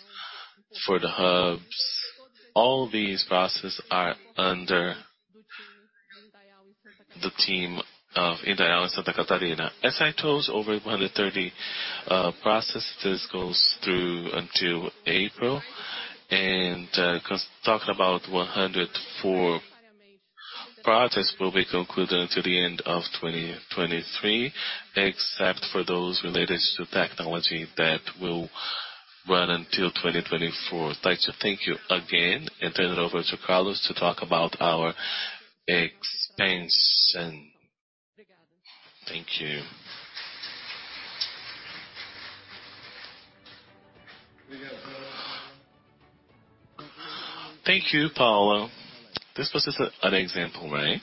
for the hubs, all these processes are under the team of Indaial in Santa Catarina. As I told, over 130 processes. This goes through until April. Talking about 104 projects will be concluded until the end of 2023, except for those related to technology that will run until 2024. Like to thank you again and turn it over to Carlos to talk about our expansion. Thank you. Thank you, Paulo. This was just an example, right?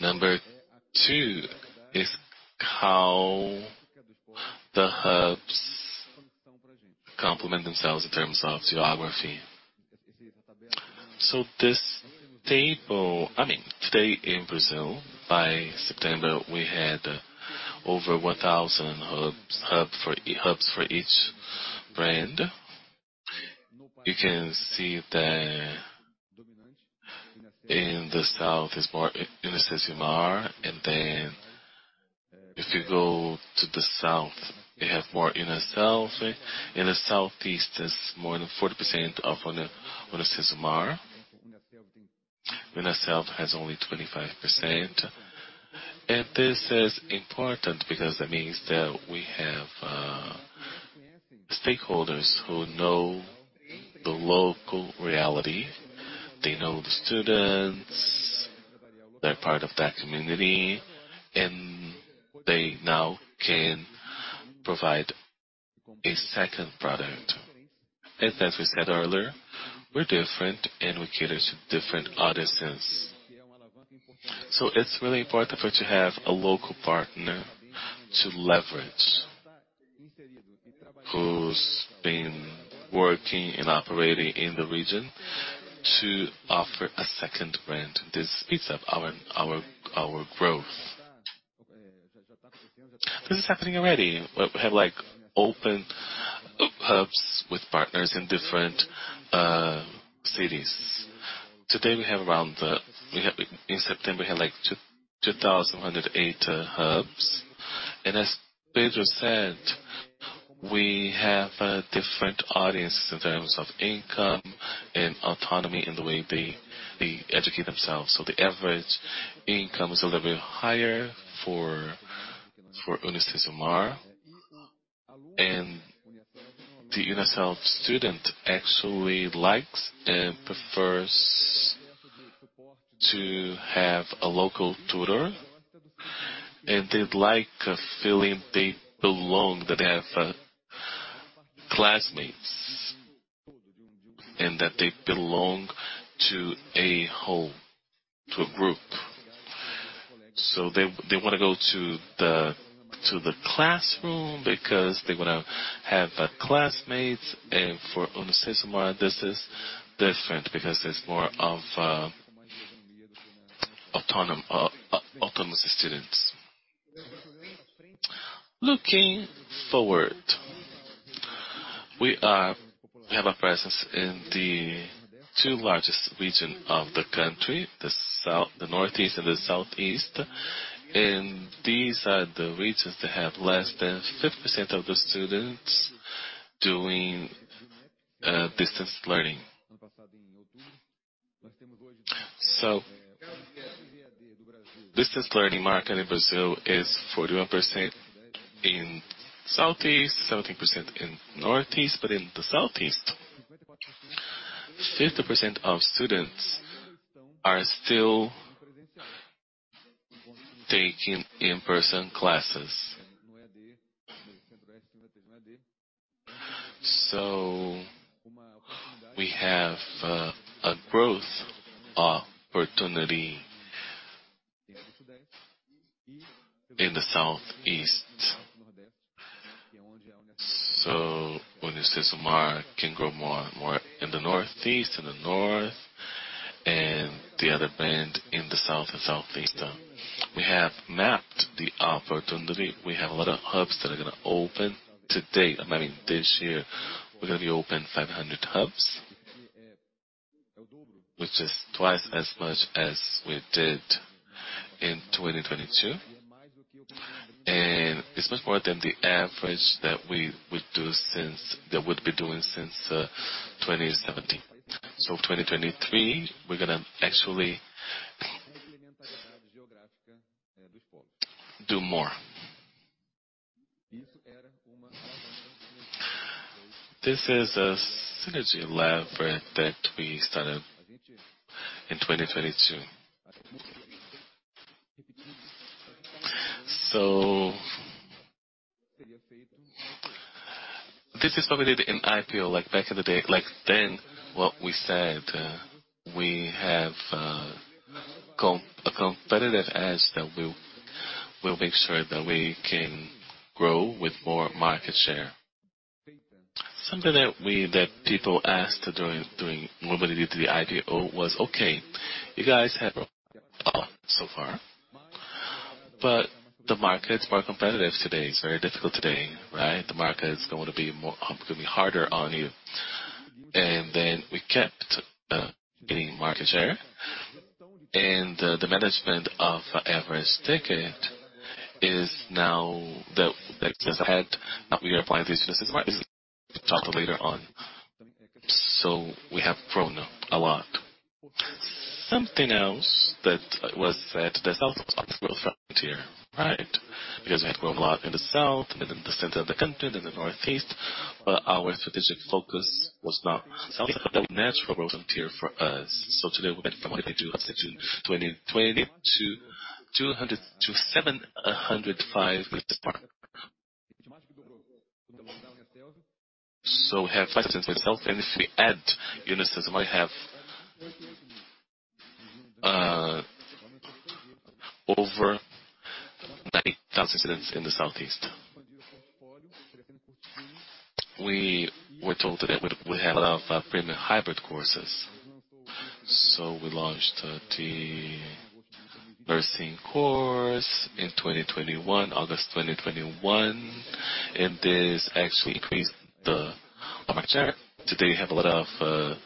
Number two is how the hubs complement themselves in terms of geography. This table. I mean, today in Brazil, by September, we had over 1,000 hubs for each brand. You can see that in the south is more UniCesumar, if you go to the south, you have more UNIASSELVI. In the Southeast is more than 40% of UniCesumar. UNIASSELVI has only 25%. This is important because that means that we have stakeholders who know the local reality. They know the students. They're part of that community, and they now can provide a second product. As we said earlier, we're different and we cater to different audiences. It's really important for you to have a local partner to leverage who's been working and operating in the region to offer a second brand. This speeds up our growth. This is happening already. We have like opened hubs with partners in different cities. Today we have around... In September, we had, like, 2,008 hubs. As Pedro said, we have a different audience in terms of income and autonomy in the way they educate themselves. The average income is a little bit higher for UniCesumar. The UNIASSELVI student actually likes and prefers to have a local tutor, and they like a feeling they belong, that they have classmates and that they belong to a home, to a group. They wanna go to the classroom because they wanna have classmates. For UniCesumar, this is different because it's more of autonomous students. Looking forward. We have a presence in the two largest region of the country, the Northeast and the Southeast. These are the regions that have less than 50% of the students doing distance learning. Distance learning market in Brazil is 41% in Southeast, 17% in Northeast. In the Southeast, 50% of students are still taking in-person classes. We have a growth opportunity in the Southeast. UniCesumar can grow more and more in the Northeast and the North and the other band in the South and Southeast. We have mapped the opportunity. We have a lot of hubs that are gonna open to date. I mean, this year we're gonna be open 500 hubs, which is twice as much as we did in 2022. It's much more than the average that we would do since 2017. 2023, we're gonna actually do more. This is a synergy lab that we started in 2022. This is what we did in IPO like back in the day. What we said, we have a competitive edge that we'll make sure that we can grow with more market share. Something that people asked during when we did the IPO was, "Okay, you guys have so far, but the market's more competitive today. It's very difficult today, right? The market is going to be harder on you." We kept getting market share. The management of the average ticket is now like We apply this to talk later on. We have grown a lot. Something else that was said, the South was not the growth frontier, right? We had grown a lot in the South and in the center of the country, then the Northeast. Our strategic focus was not South. That was natural growth frontier for us. Today we went from what we did to up to 2020 200–705 with Spark. We have 5% in the South. If we add UniCesumar, I have over 90,000 students in the Southeast. We were told that we have a lot of premium hybrid courses. We launched the nursing course in 2021, August 2021. This actually increased the market share. Today we have a lot of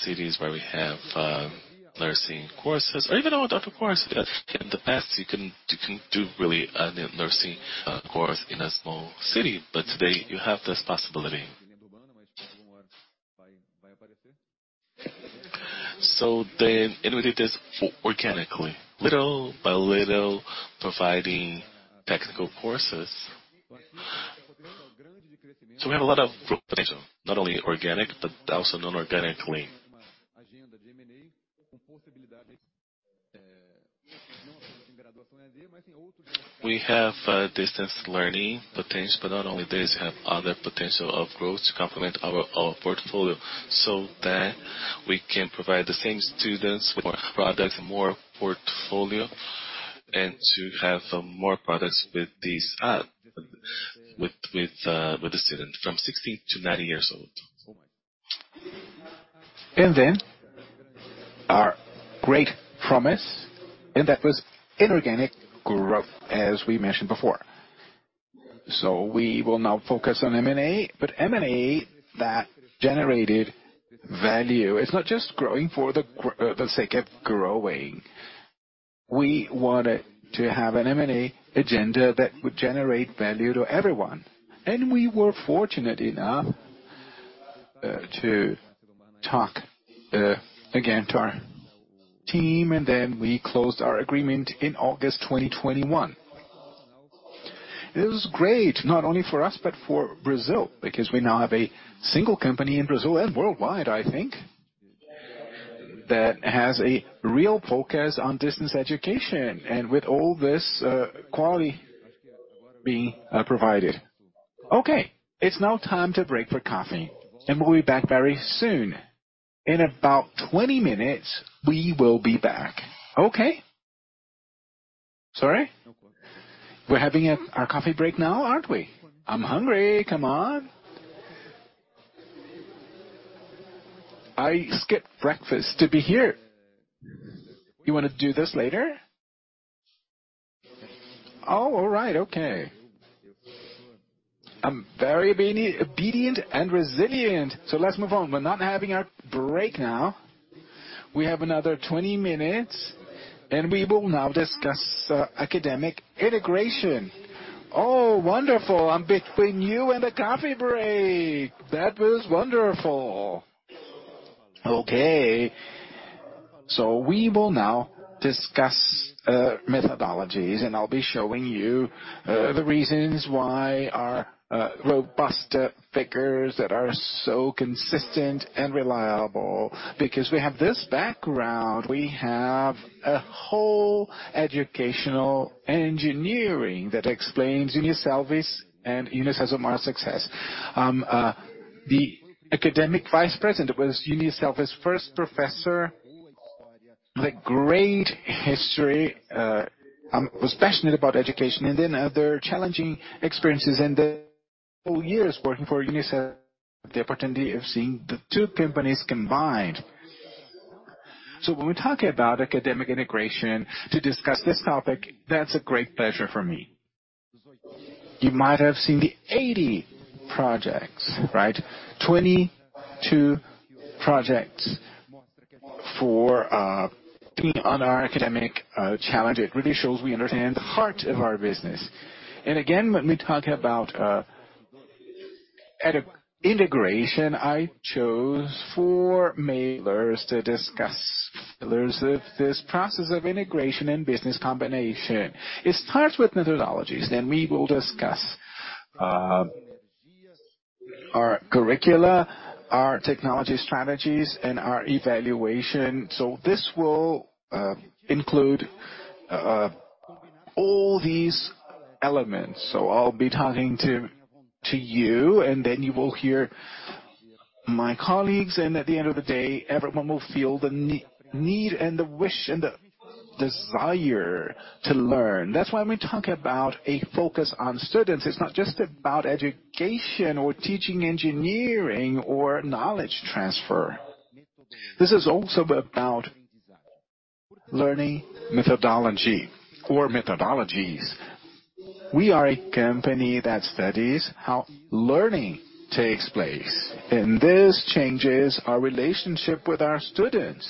cities where we have nursing courses or even other course. In the past you couldn't do really a new nursing course in a small city, today you have this possibility. We did this organically, little by little, providing technical courses. We have a lot of growth potential, not only organic but also non-organically. We have distance learning potential, not only this, we have other potential of growth to complement our portfolio, so that we can provide the same students with more products, more portfolio, and to have more products with these with the student from 16–90 years old. Our great promise, and that was inorganic growth, as we mentioned before. We will now focus on M&A, but M&A that generated value. It's not just growing for the sake of growing. We wanted to have an M&A agenda that would generate value to everyone. We were fortunate enough to talk again to our team, we closed our agreement in August 2021. It was great, not only for us but for Brazil, because we now have a single company in Brazil and worldwide, I think, that has a real focus on distance education and with all this quality being provided. It's now time to break for coffee, we'll be back very soon. In about 20 minutes, we will be back. Sorry? We're having our coffee break now, aren't we? I'm hungry. Come on. I skipped breakfast to be here. You wanna do this later? Oh, all right. Okay. I'm very obedient and resilient. Let's move on. We're not having our break now. We have another 20 minutes, and we will now discuss academic integration. Oh, wonderful. I'm between you and the coffee break. That was wonderful. Okay. We will now discuss methodologies, and I'll be showing you the reasons why our robust figures that are so consistent and reliable. Because we have this background, we have a whole educational engineering that explains UNIASSELVI: and UniCesumar success. The academic vice president was UNIASSELVI first professor. The great history was passionate about education and then other challenging experiences and the whole years working for UniCesumar, the opportunity of seeing the two companies combined. When we talk about academic integration to discuss this topic, that's a great pleasure for me. You might have seen the 80 projects, right? 22 projects for being on our academic challenge. It really shows we understand the heart of our business. Again, when we talk about educ integration, I chose four mailers to discuss pillars of this process of integration and business combination. It starts with methodologies. We will discuss our curricula, our technology strategies, and our evaluation. This will include all these elements. I'll be talking to you, and then you will hear my colleagues, and at the end of the day, everyone will feel the need and the wish and the desire to learn. That's why we talk about a focus on students. It's not just about education or teaching engineering or knowledge transfer. This is also about learning methodology or methodologies. We are a company that studies how learning takes place, and this changes our relationship with our students.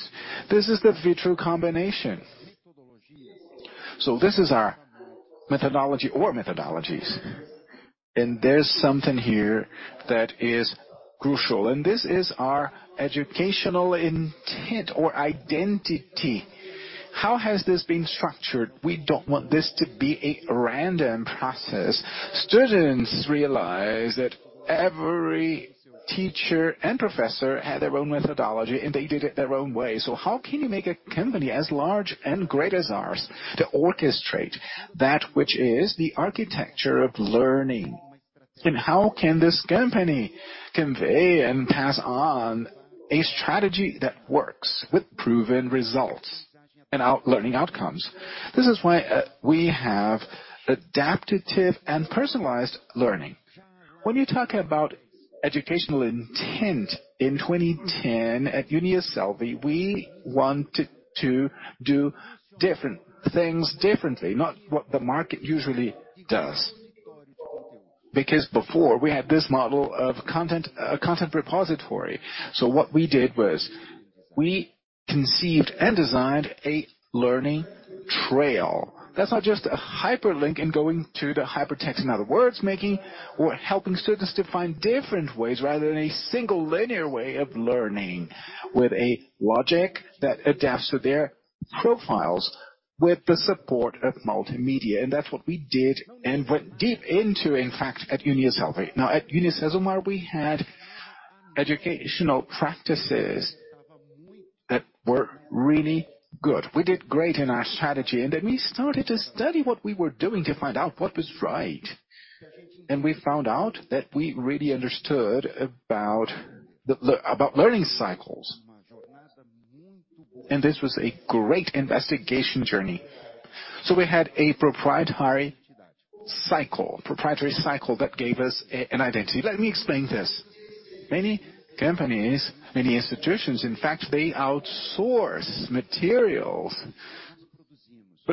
This is the virtual combination. This is our methodology or methodologies. There's something here that is crucial. This is our educational intent or identity. How has this been structured? We don't want this to be a random process. Students realize that every teacher and professor had their own methodology, and they did it their own way. How can you make a company as large and great as ours to orchestrate that which is the architecture of learning? How can this company convey and pass on a strategy that works with proven results and learning outcomes. This is why we have adaptive and personalized learning. When you talk about educational intent in 2010 at UNIASSELVI, we wanted to do different things differently, not what the market usually does. Before we had this model of content repository. What we did was we conceived and designed a learning trail. That's not just a hyperlink in going to the hypertext. In other words, making or helping students to find different ways rather than a single linear way of learning with a logic that adapts to their profiles with the support of multimedia. That's what we did and went deep into, in fact, at UNIASSELVI. At UniCesumar, we had educational practices that were really good. We did great in our strategy, we started to study what we were doing to find out what was right. We found out that we really understood about learning cycles. This was a great investigation journey. We had a proprietary cycle that gave us an identity. Let me explain this. Many companies, many institutions, in fact, they outsource materials.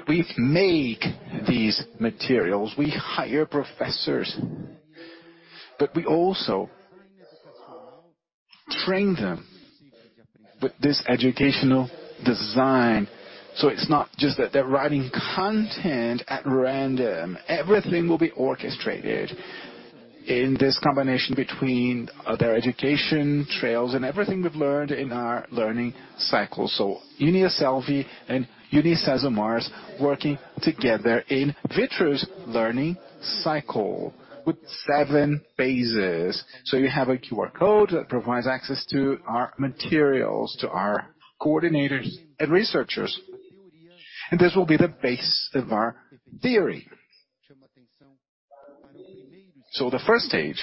We make these materials. We hire professors, but we also train them with this educational design. It's not just that they're writing content at random. Everything will be orchestrated in this combination between their education trails and everything we've learned in our learning cycle. UNIASSELVI and UniCesumar working together in Vitru's learning cycle with seven phases. You have a QR code that provides access to our materials, to our coordinators and researchers, and this will be the base of our theory. The first stage,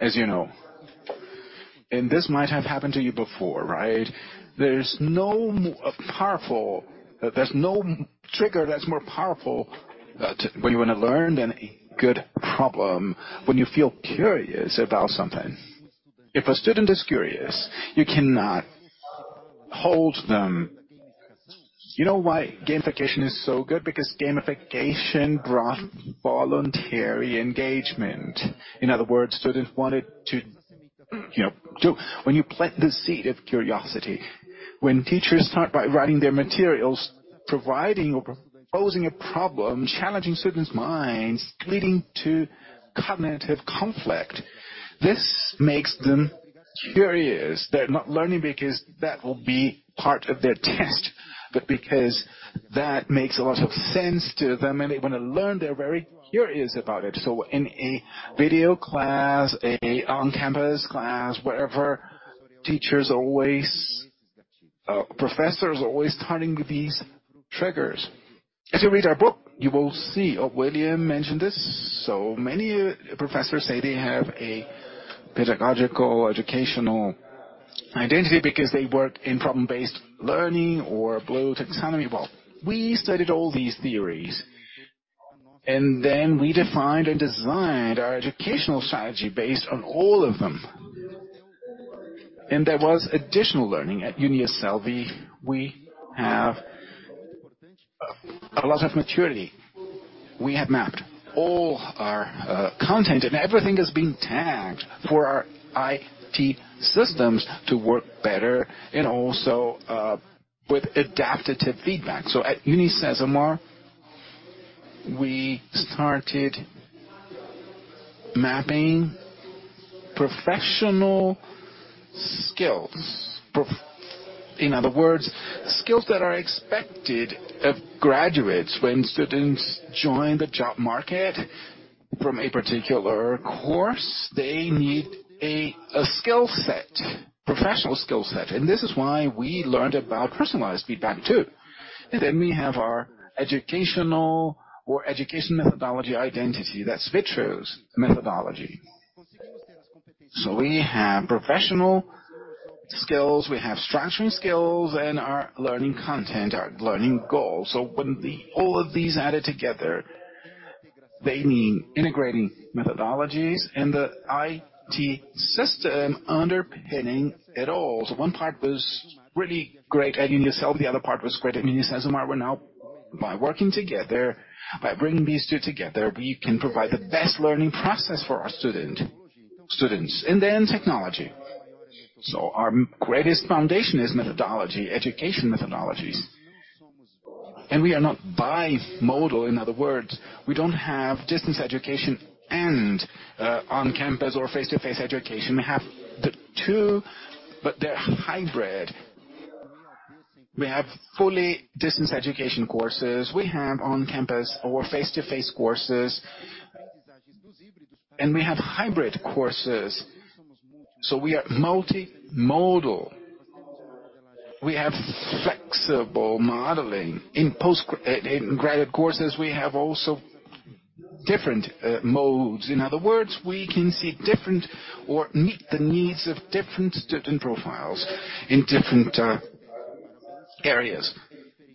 as you know, and this might have happened to you before, right? There's no powerful... There's no trigger that's more powerful when you wanna learn than a good problem when you feel curious about something. If a student is curious, you cannot hold them. You know why gamification is so good? Gamification brought voluntary engagement. In other words, students wanted to, you know, do... When you plant the seed of curiosity, when teachers start by writing their materials, providing or proposing a problem, challenging students' minds, leading to cognitive conflict, this makes them curious. They're not learning because that will be part of their test, but because that makes a lot of sense to them, and they wanna learn. They're very curious about it. In a video class, a on-campus class, wherever, teachers always, professors are always starting with these triggers. If you read our book, you will see, William mentioned this. Many professors say they have a pedagogical educational identity because they work in problem-based learning or Bloom's taxonomy. Well, we studied all these theories, then we defined and designed our educational strategy based on all of them. There was additional learning. At UNIASSELVI, we have a lot of maturity. We have mapped all our content, everything has been tagged for our IT systems to work better also with adaptive feedback. At UniCesumar, we started mapping professional skills. In other words, skills that are expected of graduates when students join the job market from a particular course, they need a skill set, professional skill set, this is why we learned about personalized feedback too. Then we have our educational or education methodology identity. That's Vitru's methodology. We have professional skills, we have structuring skills in our learning content, our learning goals. When all of these added together, they mean integrating methodologies and the IT system underpinning it all. One part was really great at UNIASSELVI, the other part was great at UniCesumar. We're now, by working together, by bringing these two together, we can provide the best learning process for our students, and then technology. Our greatest foundation is methodology, education methodologies. We are not bimodal. In other words, we don't have distance education and on-campus or face-to-face education. We have the two, but they're hybrid. We have fully distance education courses. We have on-campus or face-to-face courses, and we have hybrid courses. We are multi-modal. We have flexible modeling. Graduate Coursess, we have also different modes. In other words, we can see different or meet the needs of different student profiles in different areas.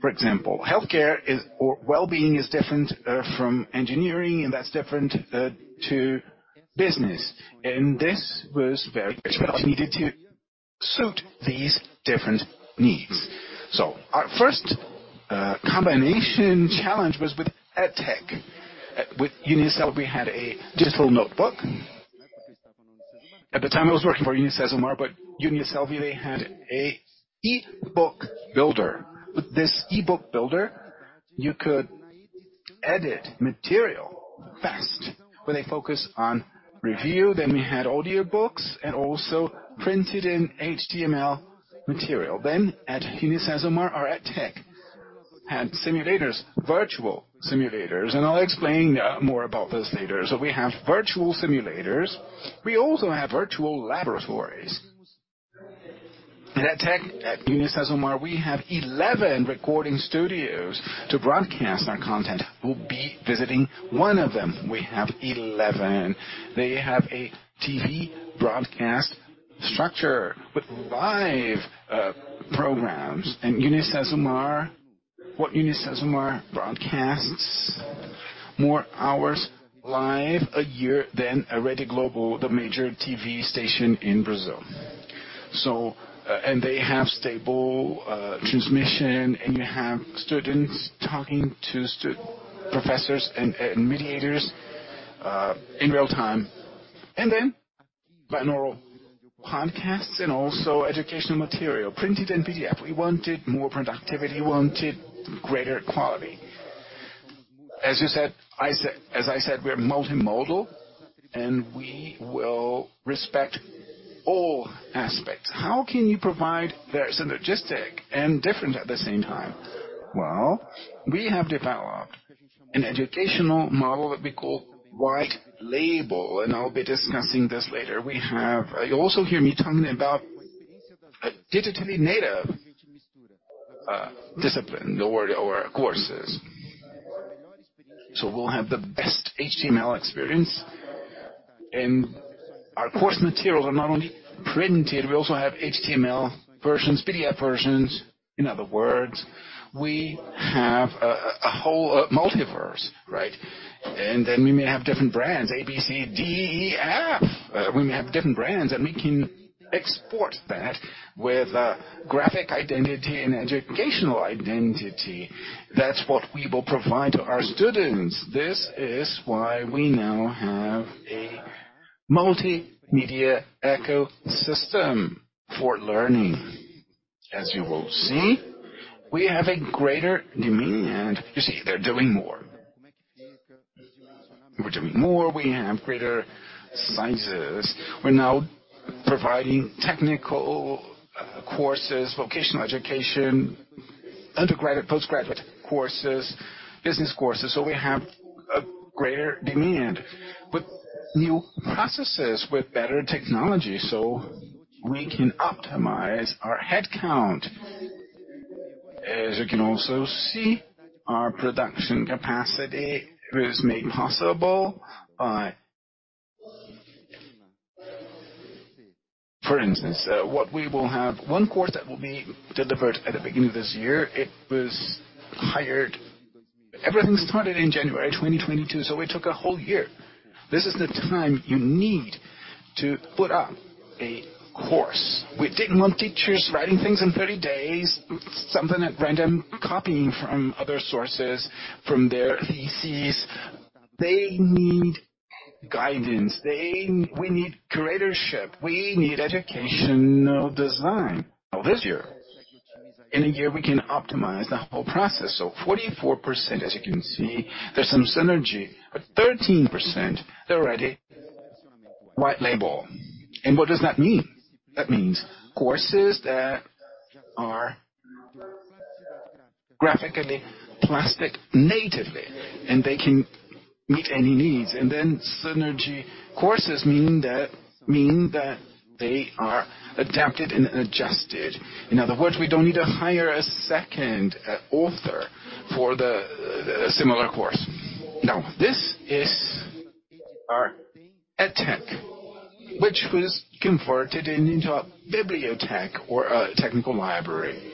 For example, Healthcare is or well-being is different from engineering, and that's different to business, and this was very much what was needed to suit these different needs. Our first combination challenge was with EdTech. With UNIASSELVI, we had a digital notebook. At the time, I was working for UniCesumar, but UNIASSELVI, they had a e-book builder. With this e-book builder, you could edit material fast with a focus on review. We had audiobooks and also printed and HTML material. At UniCesumar or EdTech had simulators, virtual simulators, and I'll explain more about this later. We have virtual simulators. We also have virtual laboratories. At EdTech, at UniCesumar, we have 11 recording studios to broadcast our content. We'll be visiting one of them. We have 11. They have a TV broadcast structure with live programs. UniCesumar broadcasts more hours live a year than Rede Globo, the major TV station in Brazil. They have stable transmission, and you have students talking to professors and mediators in real time. Binaural podcasts and also educational material, printed and PDF. We wanted more productivity. We wanted greater quality. As I said, we're multimodal and we will respect all aspects. How can you provide that's synergistic and different at the same time? We have developed an educational model that we call White Label, and I'll be discussing this later. You'll also hear me talking about a digitally native discipline or courses. We'll have the best HTML experience. Our course materials are not only printed, we also have HTML versions, PDF versions. In other words, we have a whole multiverse, right? We may have different brands, A, B, C, D, E, F. We may have different brands, and we can export that with graphic identity and educational identity. That's what we will provide to our students. This is why we now have a multimedia ecosystem for learning. As you will see, we have a greater demand. You see, they're doing more. We're doing more. We have greater sizes. We're now providing technical courses, vocational education, postGraduate Coursess, business courses. We have a greater demand with new processes, with better technology, so we can optimize our headcount. As you can also see, our production capacity was made possible by... For instance, one course that will be delivered at the beginning of this year, it was hired. Everything started in January 2022, it took a whole year. This is the time you need to put up a course. We didn't want teachers writing things in 30 days, something at random, copying from other sources, from their theses. They need guidance. We need curatorship. We need educational design. Now, this year. In a year, we can optimize the whole process. 44%, as you can see, there's some synergy. 13% are already White Label. What does that mean? That means courses that are graphically plastic natively, and they can meet any needs. Then synergy courses, mean that they are adapted and adjusted. In other words, we don't need to hire a second author for the similar course. This is our EdTech, which was converted into a Bibliotech or a technical library.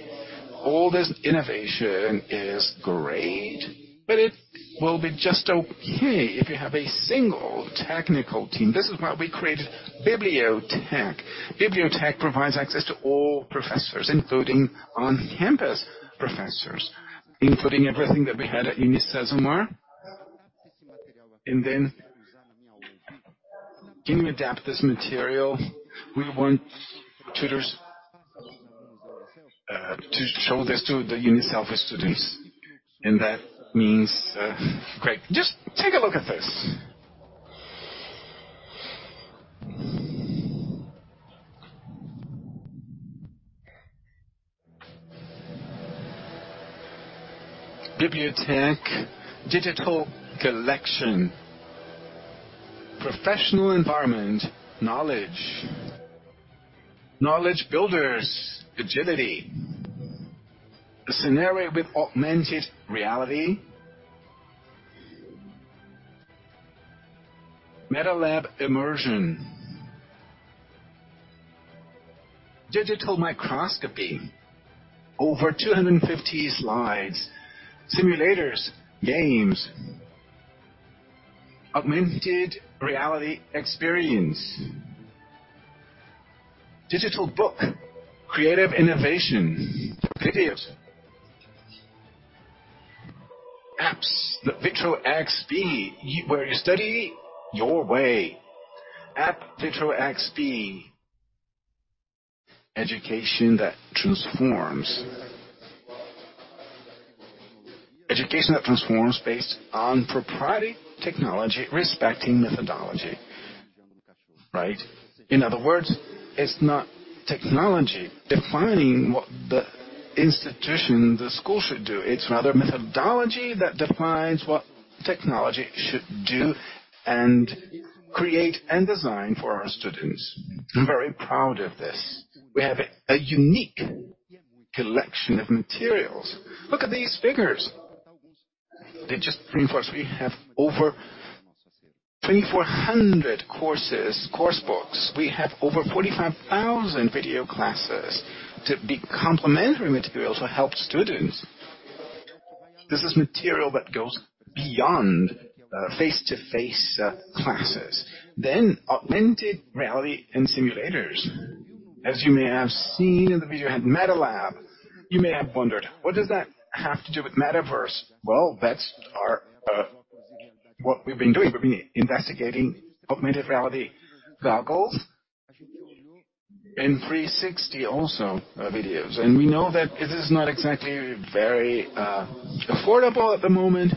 All this innovation is great, but it will be just okay if you have a single technical team. This is why we created Bibliotech. Bibliotech provides access to all professors, including on-campus professors, including everything that we had at UniCesumar. Can we adapt this material? We want tutors to show this to the UNIASSELVI students. That means great. Just take a look at this. Bibliotech digital collection. Professional environment knowledge. Knowledge builders agility. A scenario with augmented reality. MetaLAB immersion. Digital microscopy. Over 250 slides. Simulators. Games. Augmented reality experience. Digital book. Creative innovation. Videos. Apps. Vitru App, where you study your way. App Vitru App. Education that transforms. Education that transforms based on proprietary technology, respecting methodology, right? It's not technology defining what the institution, the school should do. It's rather methodology that defines what technology should do and create and design for our students. I'm very proud of this. We have a unique collection of materials. Look at these figures. They just reinforce. We have over 2,400 courses, course books. We have over 45,000 video classes to be complementary material to help students. This is material that goes beyond face-to-face classes. Augmented reality and simulators. As you may have seen in the video, we have MetaLAB. You may have wondered, what does that have to do with metaverse? Well, that's our what we've been doing. We've been investigating augmented reality goggles and 360 also videos. We know that it is not exactly very affordable at the moment,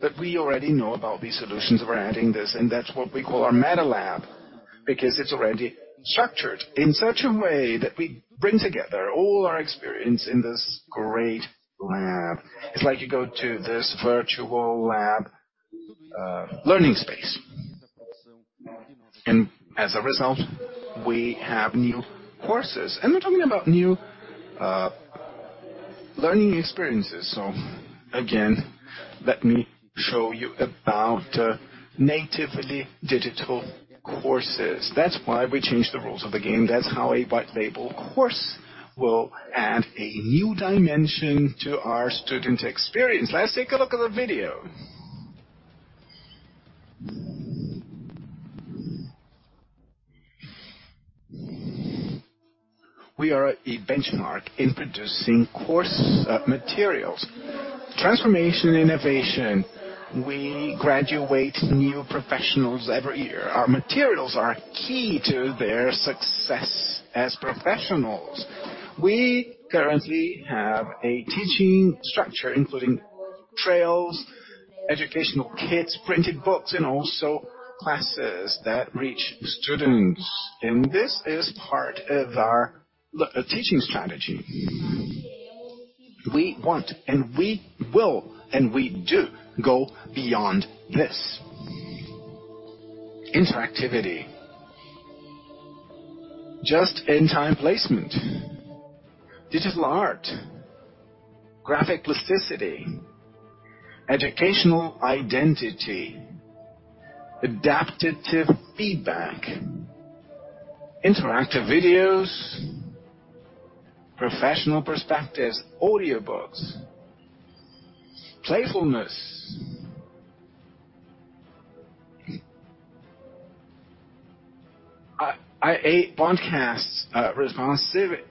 but we already know about these solutions. We're adding this, and that's what we call our MetaLab because it's already structured in such a way that we bring together all our experience in this great lab. It's like you go to this virtual lab learning space. As a result, we have new courses, and we're talking about new learning experiences. Again, let me show you about natively digital courses. That's why we changed the rules of the game. That's how a White Label course will add a new dimension to our student experience. Let's take a look at the video. We are a benchmark in producing course materials. Transformation, innovation. We graduate new professionals every year. Our materials are key to their success as professionals. We currently have a teaching structure including trails, educational kits, printed books, and also classes that reach students. This is part of our teaching strategy. We want, and we will, and we do go beyond this. Interactivity. Just-in-time placement. Digital art. Graphic plasticity. Educational identity. Adaptive feedback. Interactive videos. Professional perspectives. Audiobooks. Playfulness. IA broadcasts. Responsivity.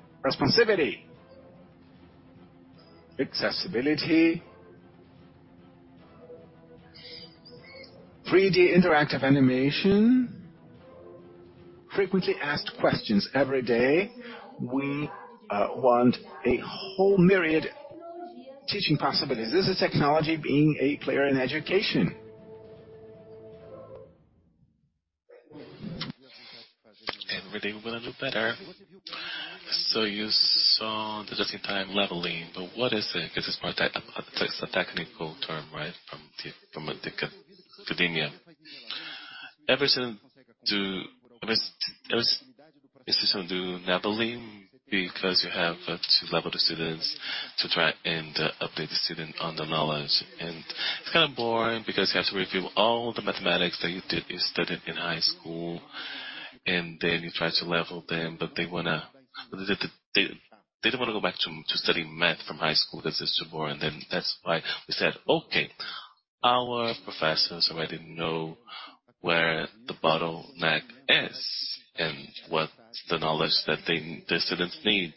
Accessibility. 3D interactive animation. Frequently asked questions every day. We want a whole myriad teaching possibilities. This is technology being a player in education. Every day we wanna do better. You saw the just-in-time leveling. What is it? It's a technical term, right? From the academia. Every student do leveling because you have to level the students to try and update the student on the knowledge. It's kinda boring because you have to review all the mathematics that you studied in high school, and then you try to level them, but they don't wanna go back to study math from high school 'cause it's too boring. That's why we said, "Okay, our professors already know where the bottleneck is and what the knowledge that the students need.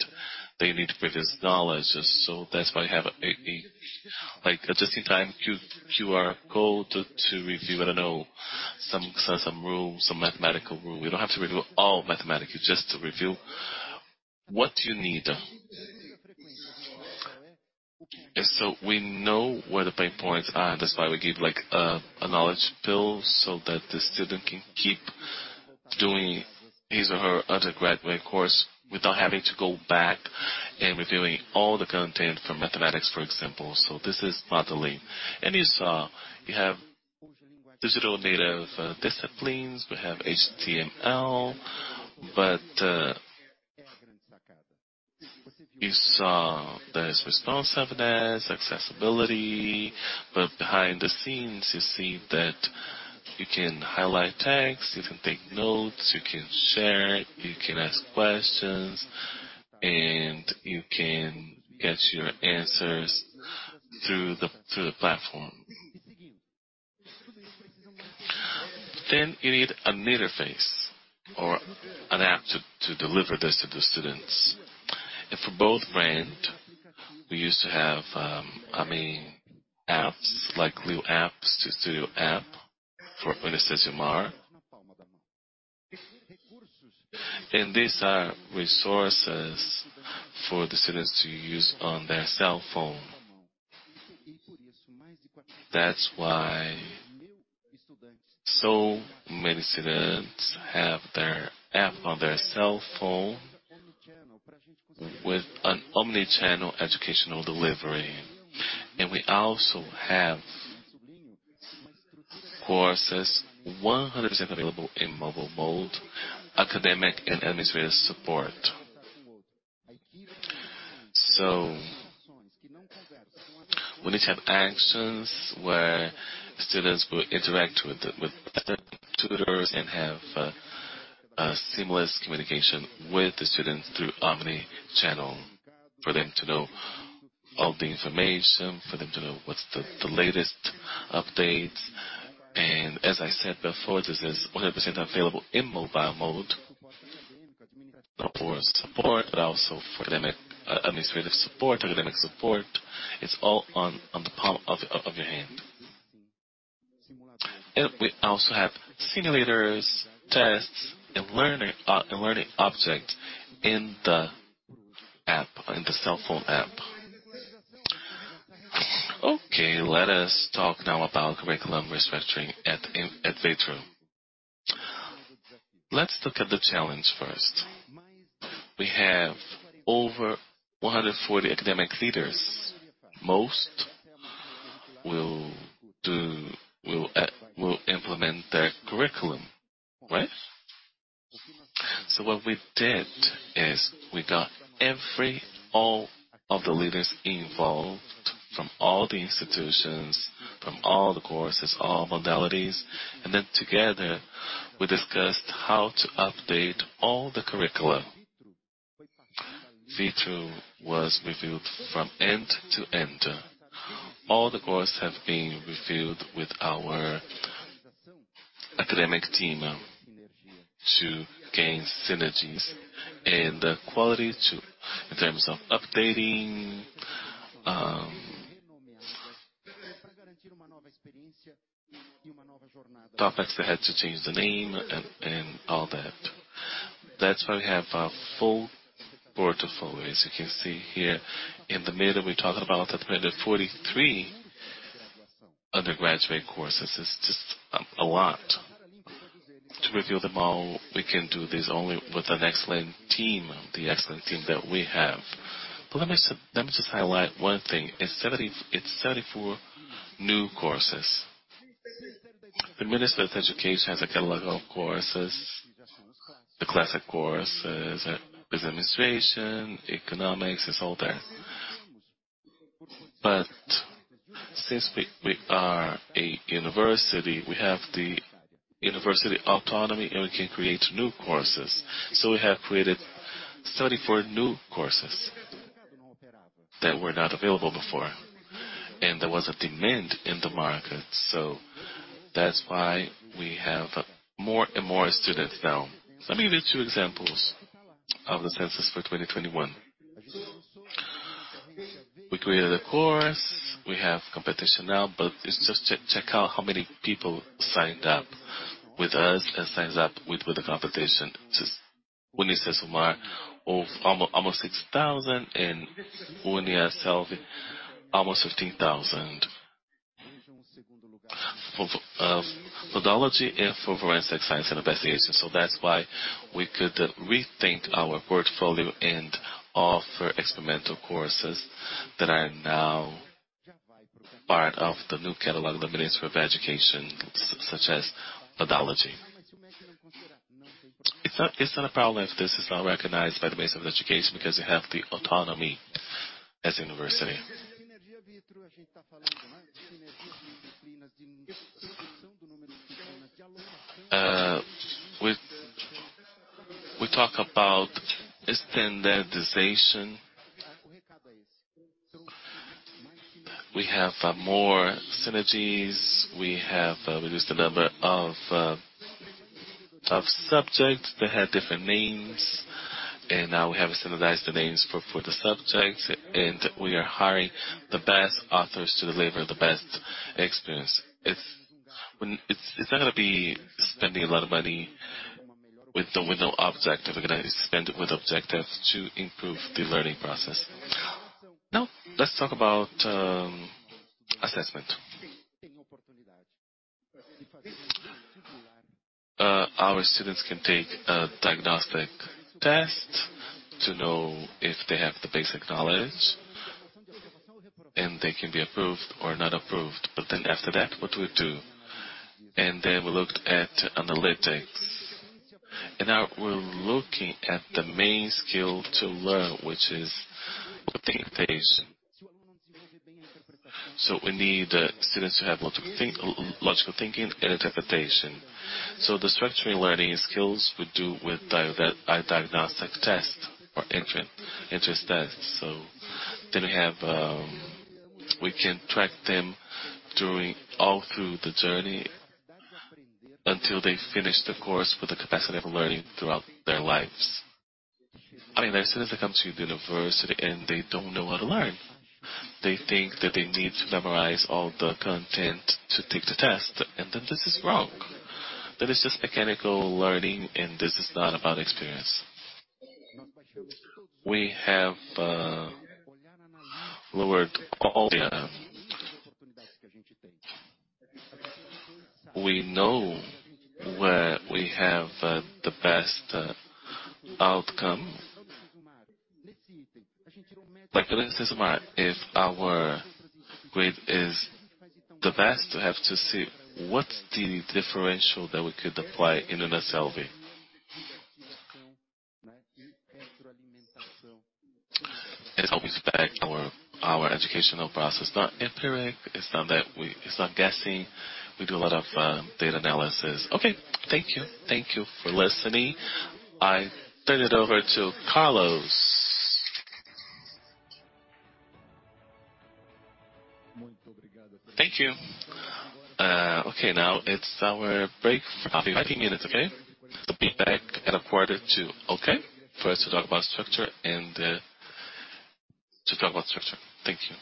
They need previous knowledge." That's why you have a like just-in-time QR code to review, I don't know, some rules, some mathematical rule. You don't have to review all mathematics. You just review what you need. We know where the pain points are. That's why we give, like, a knowledge pill so that the student can keep doing his or underGraduate Courses without having to go back and reviewing all the content from mathematics, for example. This is modeling. You saw we have digital native disciplines. We have HTML, but you saw there's responsiveness, accessibility, but behind the scenes you see that you can highlight text, you can take notes, you can share it, you can ask questions, and you can get your answers through the platform. You need an interface or an app to deliver this to the students. For both brand, we used to have, I mean, apps, like little apps to Studeo app for UniCesumar. These are resources for the students to use on their cell phone. That's why so many students have their app on their cell phone with an omni-channel educational delivery. We also have courses 100% available in mobile mode, academic and administrative support. We need to have actions where students will interact with other tutors and have a seamless communication with the students through omni-channel for them to know. All the information for them to know what's the latest updates. As I said before, this is 100% available in mobile mode. For support, but also for academic, administrative support, academic support. It's all on the palm of your hand. We also have simulators, tests, and learning object in the app, in the cell phone app. Okay, let us talk now about curriculum restructuring at Vitru. Let's look at the challenge first. We have over 140 academic leaders. Most will implement their curriculum, right? What we did is we got all of the leaders involved from all the institutions, from all the courses, all modalities, and then together, we discussed how to update all the curricula. Vitru was reviewed from end to end. All the course have been reviewed with our academic team to gain synergies and quality too, in terms of updating, topics that had to change the name and all that. That's why we have a full portfolio. As you can see here in the middle, we're talking about a total of underGraduate Coursess. It's just a lot. To review them all, we can do this only with an excellent team, the excellent team that we have. Let me just highlight one thing. It's 34 new courses. The Ministério da Educação has a catalog of courses. The classic courses, Business Adminisration, Economics, it's all there. Since we are a university, we have the university autonomy, and we can create new courses. We have created 34 new courses that were not available before, and there was a demand in the market. That's why we have more and more students now. Let me give you two examples of the census for 2021. We created a course. We have competition now, but it's just check out how many people signed up with us and signed up with the competition. It's UniCesumar of almost 6,000 and UNIASSELVI almost 15,000. For Pathology and for Forensic Science and Investigation. That's why we could rethink our portfolio and offer experimental courses that are now part of the new catalog of the Ministério da Educação, such as Pathology. It's not a problem if this is not recognized by the Ministério da Educação because you have the autonomy as a university. We talk about standardization. We have more synergies. We have reduced the number of subjects that had different names. Now we have standardized the names for the subjects. We are hiring the best authors to deliver the best experience. It's not gonna be spending a lot of money with the, with no objective. We're gonna spend it with objective to improve the learning process. Now let's talk about assessment. Our students can take a diagnostic test to know if they have the basic knowledge. They can be approved or not approved. After that, what do we do? We looked at analytics. Now we're looking at the main skill to learn, which is interpretation. We need the students to have logical thinking and interpretation. The structuring learning skills we do with the diagnostic test or entrance test. We have, we can track them all through the journey until they finish the course with the capacity of learning throughout their lives. I mean, our students, they come to university, and they don't know how to learn. They think that they need to memorize all the content to take the test, this is wrong. That is just mechanical learning, and this is not about experience. We have lowered all the. We know where we have the best outcome. Like UniCesumar, if our grade is the best, we have to see what's the differential that we could apply in UNIASSELVI. It helps us back our educational process. It's not empiric. It's not guessing. We do a lot of data analysis. Okay. Thank you. Thank you for listening. I turn it over to Carlos. Thank you. Okay, now it's our break for 15 minutes, okay? We'll be back at a quarter to okay for us to talk about structure and to talk about structure. Thank you.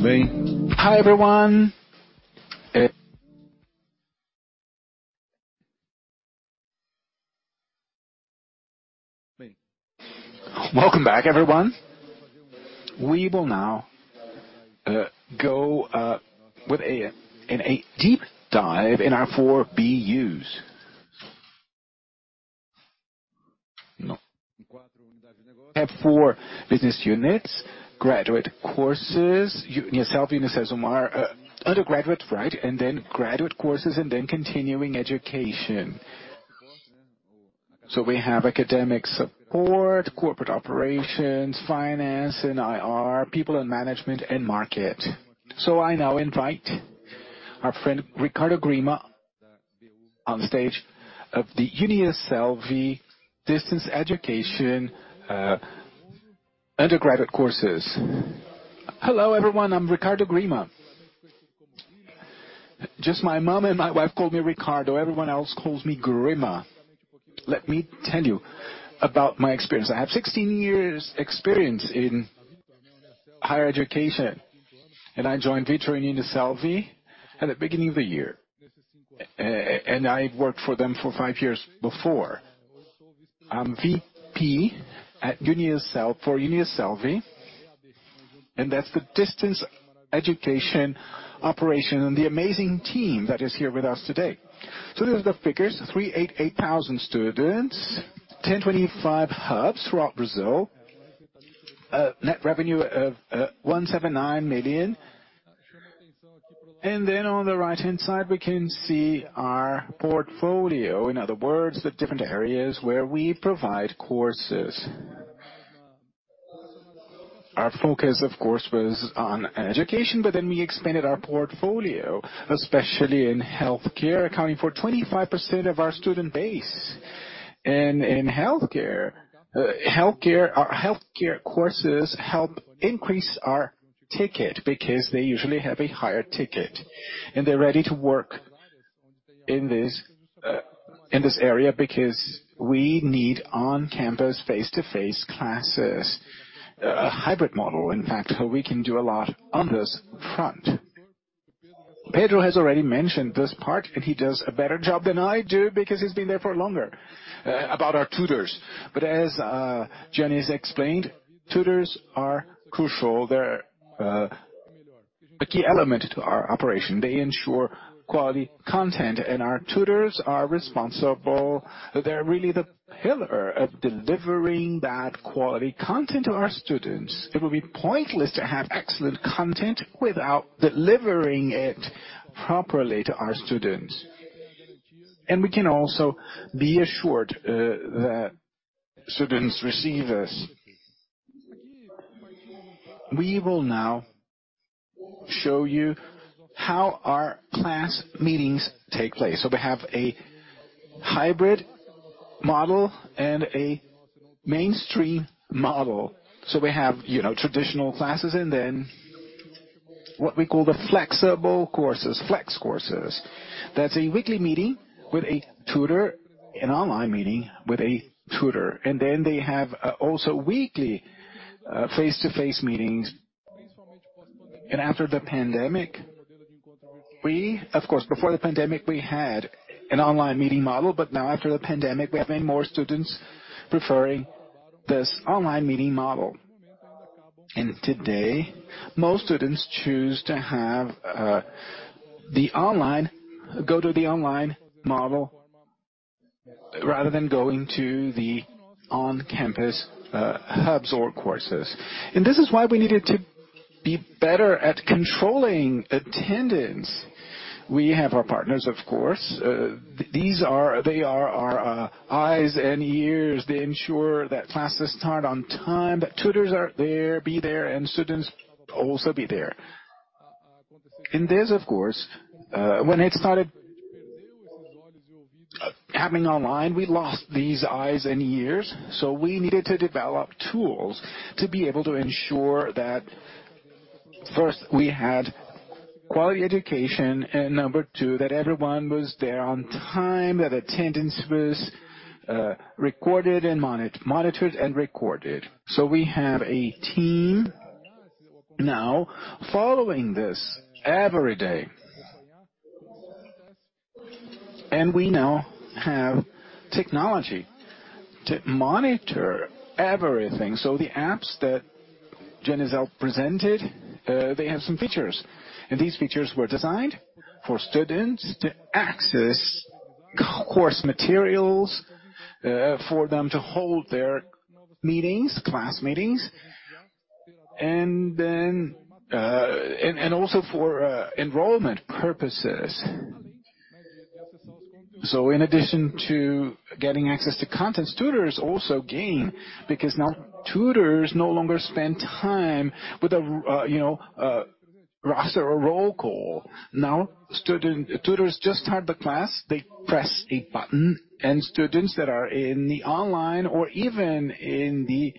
Muito bem, muito bem, muito bem. Hi, everyone! Welcome back, everyone. We will now go in a deep dive in our four BUs. We have four business units, Graduate Courses, yourself, UniCesumar, Undergraduate, right? Graduate Courses and then Continuing Education. We have Academic Support, Corporate Operations, Finance and IR, People and Management and Market. I now invite our friend Ricardo Grima on stage of the UNIASSELVI Distance Education, Undergraduate Courses. Hello, everyone. I'm Ricardo Grima. Just my mom and my wife call me Ricardo. Everyone else calls me Grima. Let me tell you about my experience. I have 16 years experience in higher education, and I joined UNIASSELVI at the beginning of the year. I worked for them for five years before. I'm VP for UNIASSELVI, and that's the distance education operation and the amazing team that is here with us today. Those are the figures. 388,000 students, 1,025 hubs throughout Brazil. Net revenue of $179 million. On the right-hand side, we can see our portfolio, in other words, the different areas where we provide courses. Our focus, of course, was on education, but then we expanded our portfolio, especially in Healthcare, Accounting for 25% of our student base. In Healthcare, our Healthcare courses help increase our ticket because they usually have a higher ticket, and they're ready to work in this area because we need on-campus face-to-face classes. A hybrid model, in fact, we can do a lot on this front. Pedro has already mentioned this part, he does a better job than I do because he's been there for longer, about our tutors. As Janes explained, tutors are crucial. They're a key element to our operation. They ensure quality content. Our tutors are responsible. They're really the pillar of delivering that quality content to our students. It will be pointless to have excellent content without delivering it properly to our students. We can also be assured that students receive this. We will now show you how our class meetings take place. We have a hybrid model and a mainstream model. We have, you know, traditional classes and then what we call the flexible courses, flex courses. That's a weekly meeting with a tutor, an online meeting with a tutor. They have also weekly face-to-face meetings. After the pandemic, Of course, before the pandemic, we had an online meeting model, but now after the pandemic, we have many more students preferring this online meeting model. Today, most students choose to go to the online model rather than going to the on-campus hubs or courses. This is why we needed to be better at controlling attendance. We have our partners, of course. They are our eyes and ears. They ensure that classes start on time, that tutors be there, and students also be there. This, of course, when it started happening online, we lost these eyes and ears, so we needed to develop tools to be able to ensure that, first, we had quality education, and number two, that everyone was there on time, that attendance was recorded and monitored and recorded. We have a team now following this every day. We now have technology to monitor everything. The apps that Janes presented, they have some features. These features were designed for students to access course materials, for them to hold their meetings, class meetings, and then, and also for, enrollment purposes. In addition to getting access to content, tutors also gain because now tutors no longer spend time with a, you know, a roster or roll call. Now tutors just start the class, they press a button, students that are in the online or even in the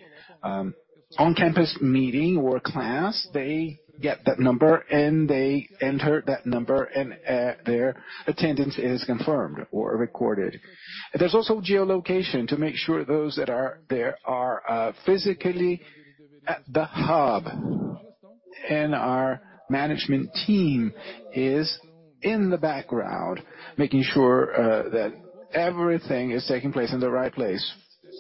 on-campus meeting or class, they get that number, they enter that number, and their attendance is confirmed or recorded. There's also geolocation to make sure those that are there are physically at the hub. Our management team is in the background, making sure that everything is taking place in the right place.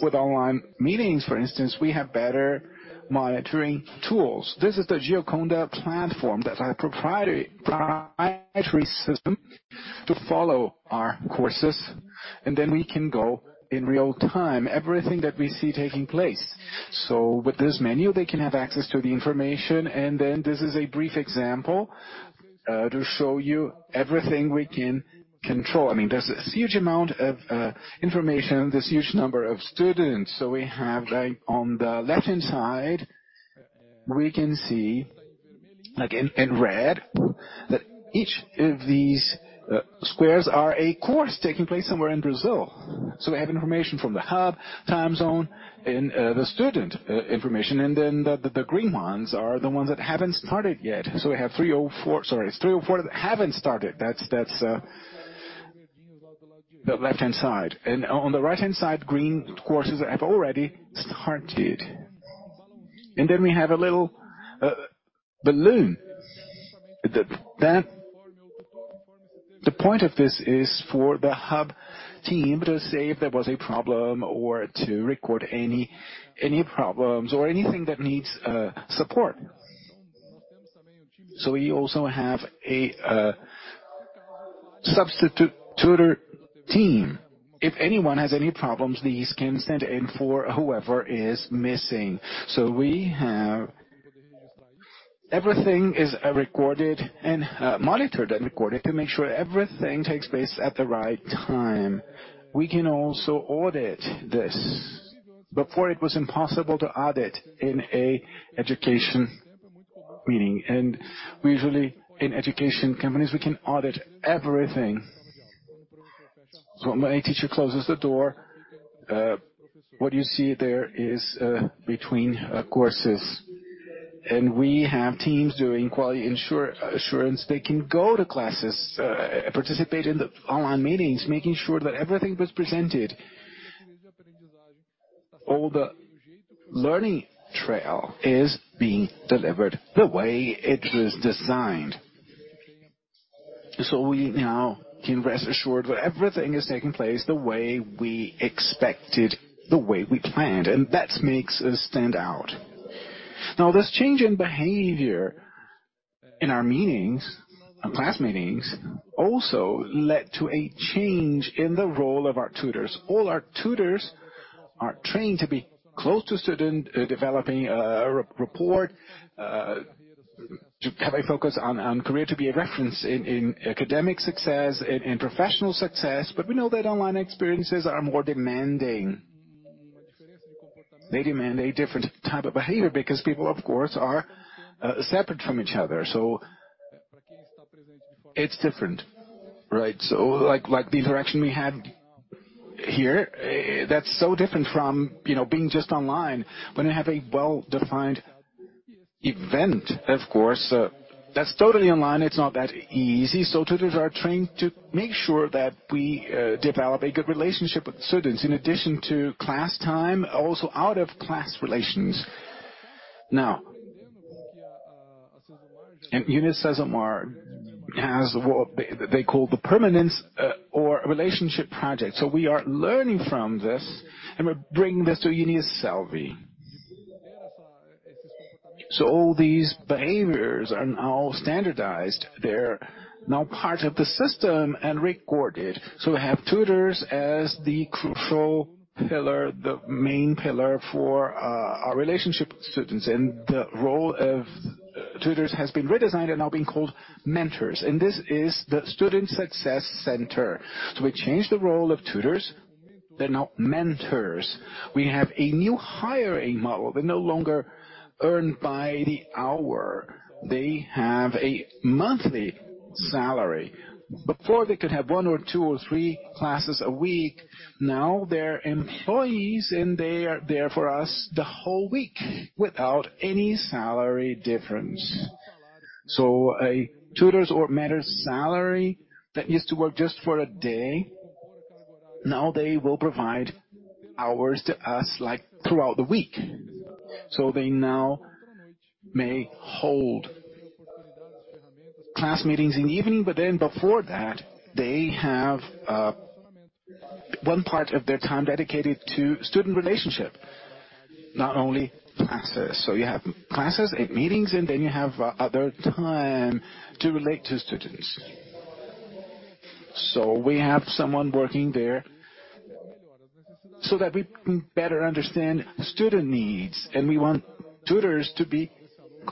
With online meetings, for instance, we have better monitoring tools. This is the Gioconda platform. That's our proprietary system to follow our courses, we can go in real time, everything that we see taking place. With this menu, they can have access to the information. This is a brief example to show you everything we can control. I mean, there's a huge amount of information, this huge number of students. We have right on the left-hand side. We can see, like in red, that each of these squares are a course taking place somewhere in Brazil. We have information from the hub, time zone, and the student information. The green ones are the ones that haven't started yet. It's three or four that haven't started. That's the left-hand side. On the right-hand side, green courses have already started. We have a little balloon. The point of this is for the hub team to say if there was a problem or to record any problems or anything that needs support. We also have a substitute tutor team. If anyone has any problems, these can stand in for whoever is missing. Everything is recorded and monitored and recorded to make sure everything takes place at the right time. We can also audit this. Before it was impossible to audit in a education meaning. Usually in education companies, we can audit everything. When a teacher closes the door, what you see there is between courses. We have teams doing quality assurance. They can go to classes, participate in the online meetings, making sure that everything was presented. All the learning trail is being delivered the way it was designed. We now can rest assured that everything is taking place the way we expected, the way we planned, and that makes us stand out. This change in behavior in our meetings and class meetings also led to a change in the role of our tutors. All our tutors are trained to be close to student, developing a report, to have a focus on career, to be a reference in academic success, in professional success. We know that online experiences are more demanding. They demand a different type of behavior because people, of course, are separate from each other. It's different, right? Like the interaction we had here, that's so different from, you know, being just online. When you have a well-defined event, of course, that's totally online. It's not that easy. Tutors are trained to make sure that we develop a good relationship with students in addition to class time, also out of class relations. UniCesumar has what they call the permanence or relationship project. We are learning from this, and we're bringing this to UNIASSELVI. All these behaviors are now standardized. They're now part of the system and recorded. We have tutors as the crucial pillar, the main pillar for our relationship with students. The role of tutors has been redesigned and now being called mentors. This is the Student Success Center. We changed the role of tutors. They're now mentors. We have a new hiring model. They no longer earn by the hour. They have a monthly salary. Before they could have one or two or three classes a week. Now they're employees, and they are there for us the whole week without any salary difference. A tutor's or mentor's salary that used to work just for a day, now they will provide hours to us, like, throughout the week. They now may hold class meetings in the evening. Before that, they have one part of their time dedicated to student relationship, not only classes. You have classes and meetings, and then you have other time to relate to students. We have someone working there so that we can better understand student needs, and we want tutors to be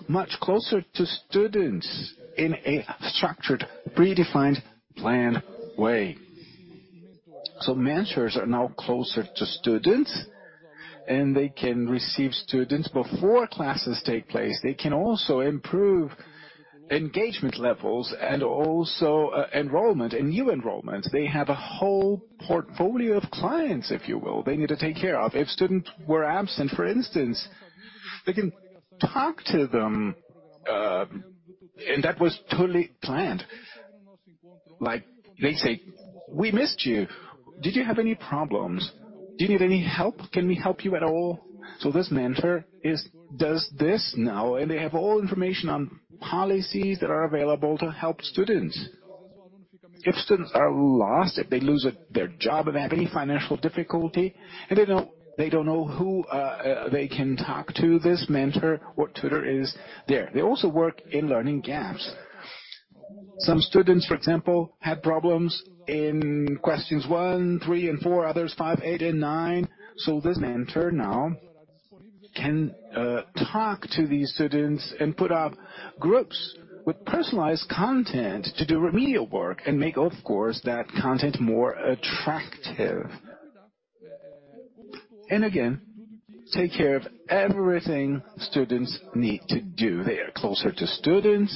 much closer to students in a structured, predefined, planned way. Mentors are now closer to students, and they can receive students before classes take place. They can also improve engagement levels and also enrollment and new enrollments. They have a whole portfolio of clients, if you will, they need to take care of. If student were absent, for instance, they can talk to them, and that was totally planned. Like they say, "We missed you. Did you have any problems? Do you need any help? Can we help you at all?" This mentor does this now, and they have all information on policies that are available to help students. If students are lost, if they lose their job, if they have any financial difficulty, if they don't, they don't know who they can talk to, this mentor or tutor is there. They also work in learning gaps. Some students, for example, have problems in questions one, three, and four, others five, eight, and nine. This mentor now can talk to these students and put up groups with personalized content to do remedial work and make, of course, that content more attractive. Again, take care of everything students need to do. They are closer to students.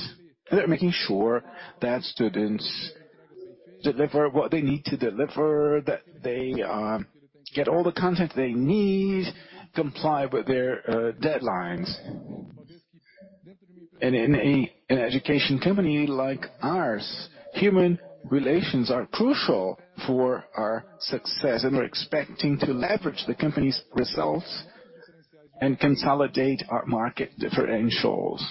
They're making sure that students deliver what they need to deliver, that they get all the content they need, comply with their deadlines. In an education company like ours, human relations are crucial for our success, and we're expecting to leverage the company's results and consolidate our market differentials.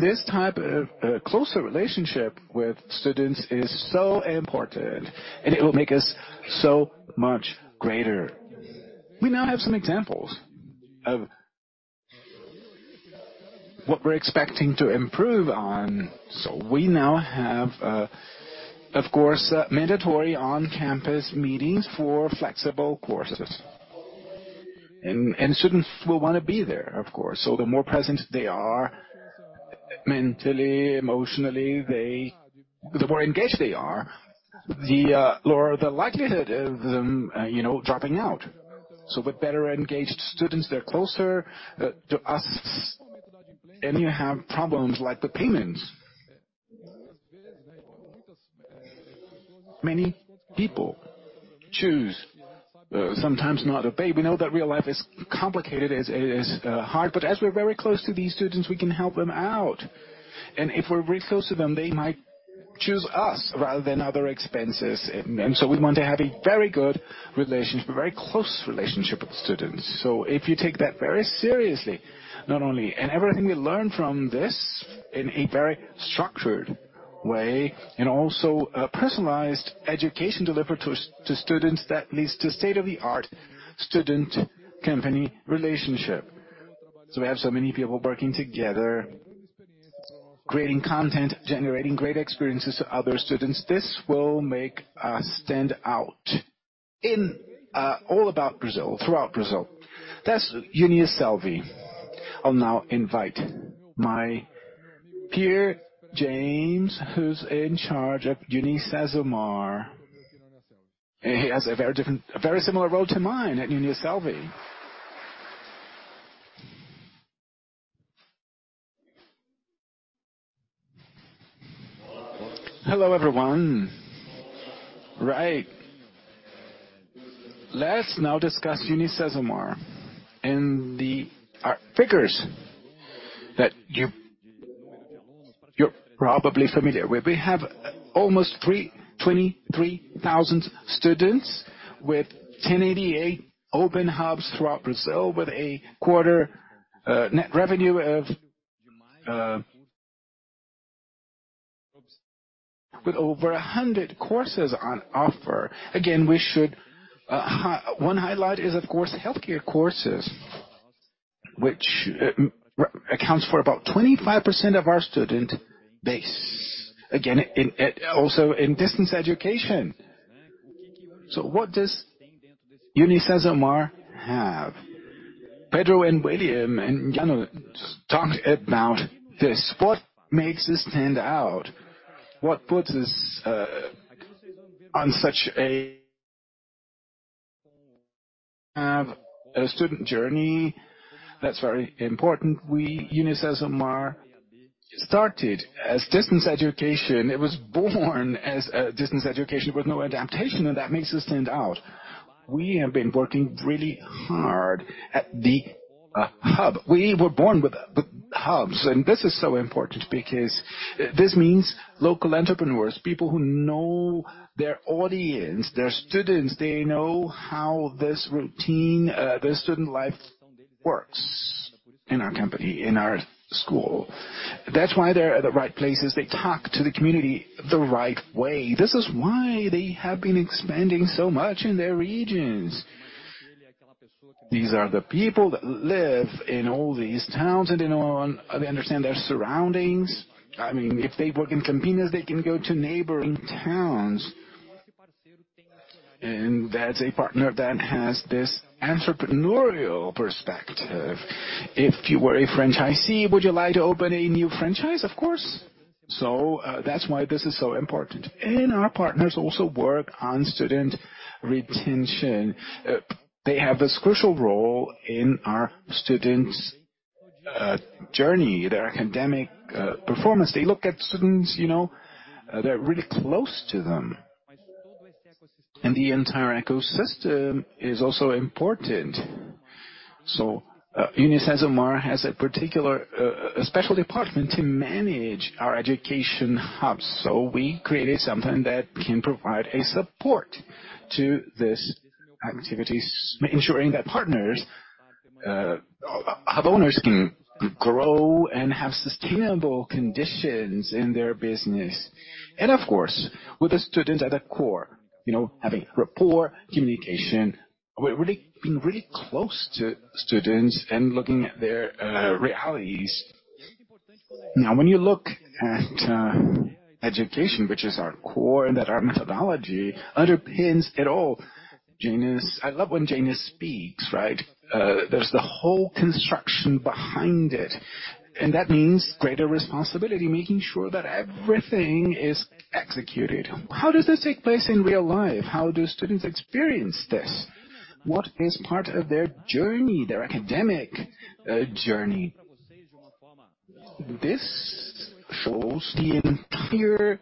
This type of closer relationship with students is so important, and it will make us so much greater. We now have some examples of what we're expecting to improve on. We now have, of course, mandatory on-campus meetings for flexible courses. Students will wanna be there, of course. The more present they are mentally, emotionally, the more engaged they are, the lower the likelihood of them, you know, dropping out. With better engaged students, they're closer to us. You have problems like the payments. Many people choose sometimes not to pay. We know that real life is complicated, it is hard, but as we're very close to these students, we can help them out. If we're very close to them, they might choose us rather than other expenses. We want to have a very good relationship, a very close relationship with students. If you take that very seriously, everything we learn from this in a very structured way and also a personalized education delivered to students, that leads to state-of-the-art student-company relationship. We have so many people working together, creating content, generating great experiences to other students. This will make us stand out in all about Brazil, throughout Brazil. That's UNIASSELVI. I'll now invite my peer, James, who's in charge of UniCesumar. He has a very similar role to mine at UNIASSELVI. Hello, everyone. Let's now discuss UniCesumar and the figures that you're probably familiar with. We have almost 23,000 students with 1,088 open hubs throughout Brazil with a quarter net revenue of—with over 100 courses on offer. One highlight is, of course, Healthcare courses, which accounts for about 25% of our student base. In also in distance education. What does UniCesumar have? Pedro and William and Janes talked about this. What makes us stand out? What puts us on such a student journey that's very important. We, UniCesumar, started as distance education. It was born as a distance education with no adaptation. That makes us stand out. We have been working really hard at the hub. We were born with hubs. This is so important because this means local entrepreneurs, people who know their audience, their students, they know how this routine, this student life works in our company, in our school. That's why they're at the right places. They talk to the community the right way. This is why they have been expanding so much in their regions. These are the people that live in all these towns. They understand their surroundings. I mean, if they work in Campinas, they can go to neighboring towns. That's a partner that has this entrepreneurial perspective. If you were a franchisee, would you like to open a new franchise? Of course. That's why this is so important. Our partners also work on student retention. They have this crucial role in our students' journey, their academic performance. They look at students, you know, they're really close to them. The entire ecosystem is also important. UniCesumar has a particular, a special department to manage our education hubs. We created something that can provide a support to these activities, ensuring that partners, hub owners can grow and have sustainable conditions in their business. Of course, with the student at the core, you know, having rapport, communication. Being really close to students and looking at their realities. Now, when you look at education, which is our core, that our methodology underpins it all. Janes, I love when Janes speaks, right? There's the whole construction behind it, and that means greater responsibility, making sure that everything is executed. How does this take place in real life? How do students experience this? What is part of their journey, their academic journey? This shows the entire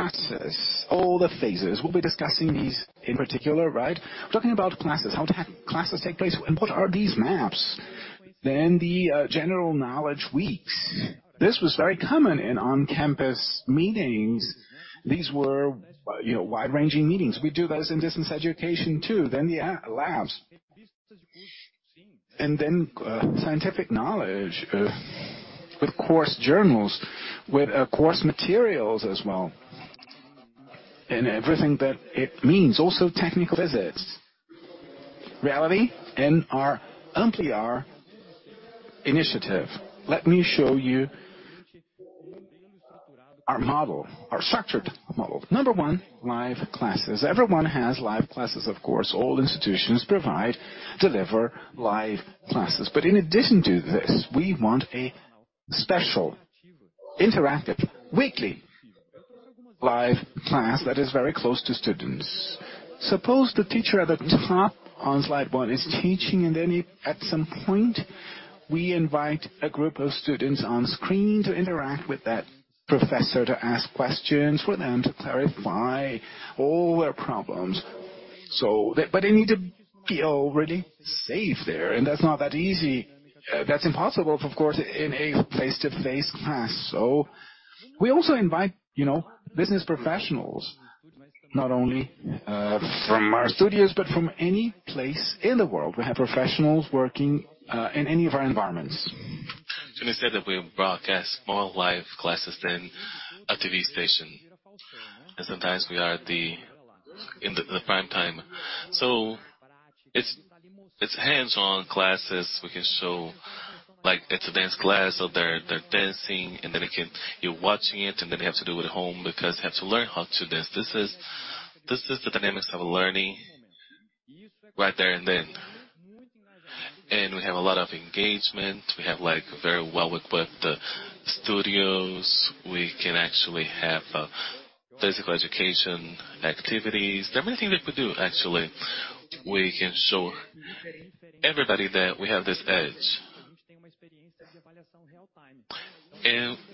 process, all the phases. We'll be discussing these in particular, right? We're talking about classes. How to have classes take place, and what are these maps? Then the General Knowledge weeks. This was very common in on-campus meetings. These were, you know, wide-ranging meetings. We do those in distance education, too. Then thelabs. Then scientific knowledge, with course journals, with course materials as well, and everything that it means, also technical visits. Reality in our [Ampliar] initiative. Let me show you our model, our structured model. Number one, live classes. Everyone has live classes, of course. All institutions provide, deliver live classes. In addition to this, we want a special interactive weekly live class that is very close to students. Suppose the teacher at the top on slide one is teaching, at some point, we invite a group of students on screen to interact with that professor, to ask questions with them, to clarify all their problems. They need to feel really safe there, and that's not that easy. That's impossible, of course, in a face-to-face class. We also invite, you know, business professionals, not only from our studios, but from any place in the world. We have professionals working in any of our environments. Janes said that we broadcast more live classes than a TV station, and sometimes we are in the prime time. It's hands-on classes. We can show, like it's a dance class, so they're dancing, and then you're watching it, and then you have to do it at home because you have to learn how to dance. This is the dynamics of learning right there and then. We have a lot of engagement. We have, like, very well-equipped studios. We can actually have, uh, physical education activities. There are many things we could do, actually. We can show everybody that we have this edge.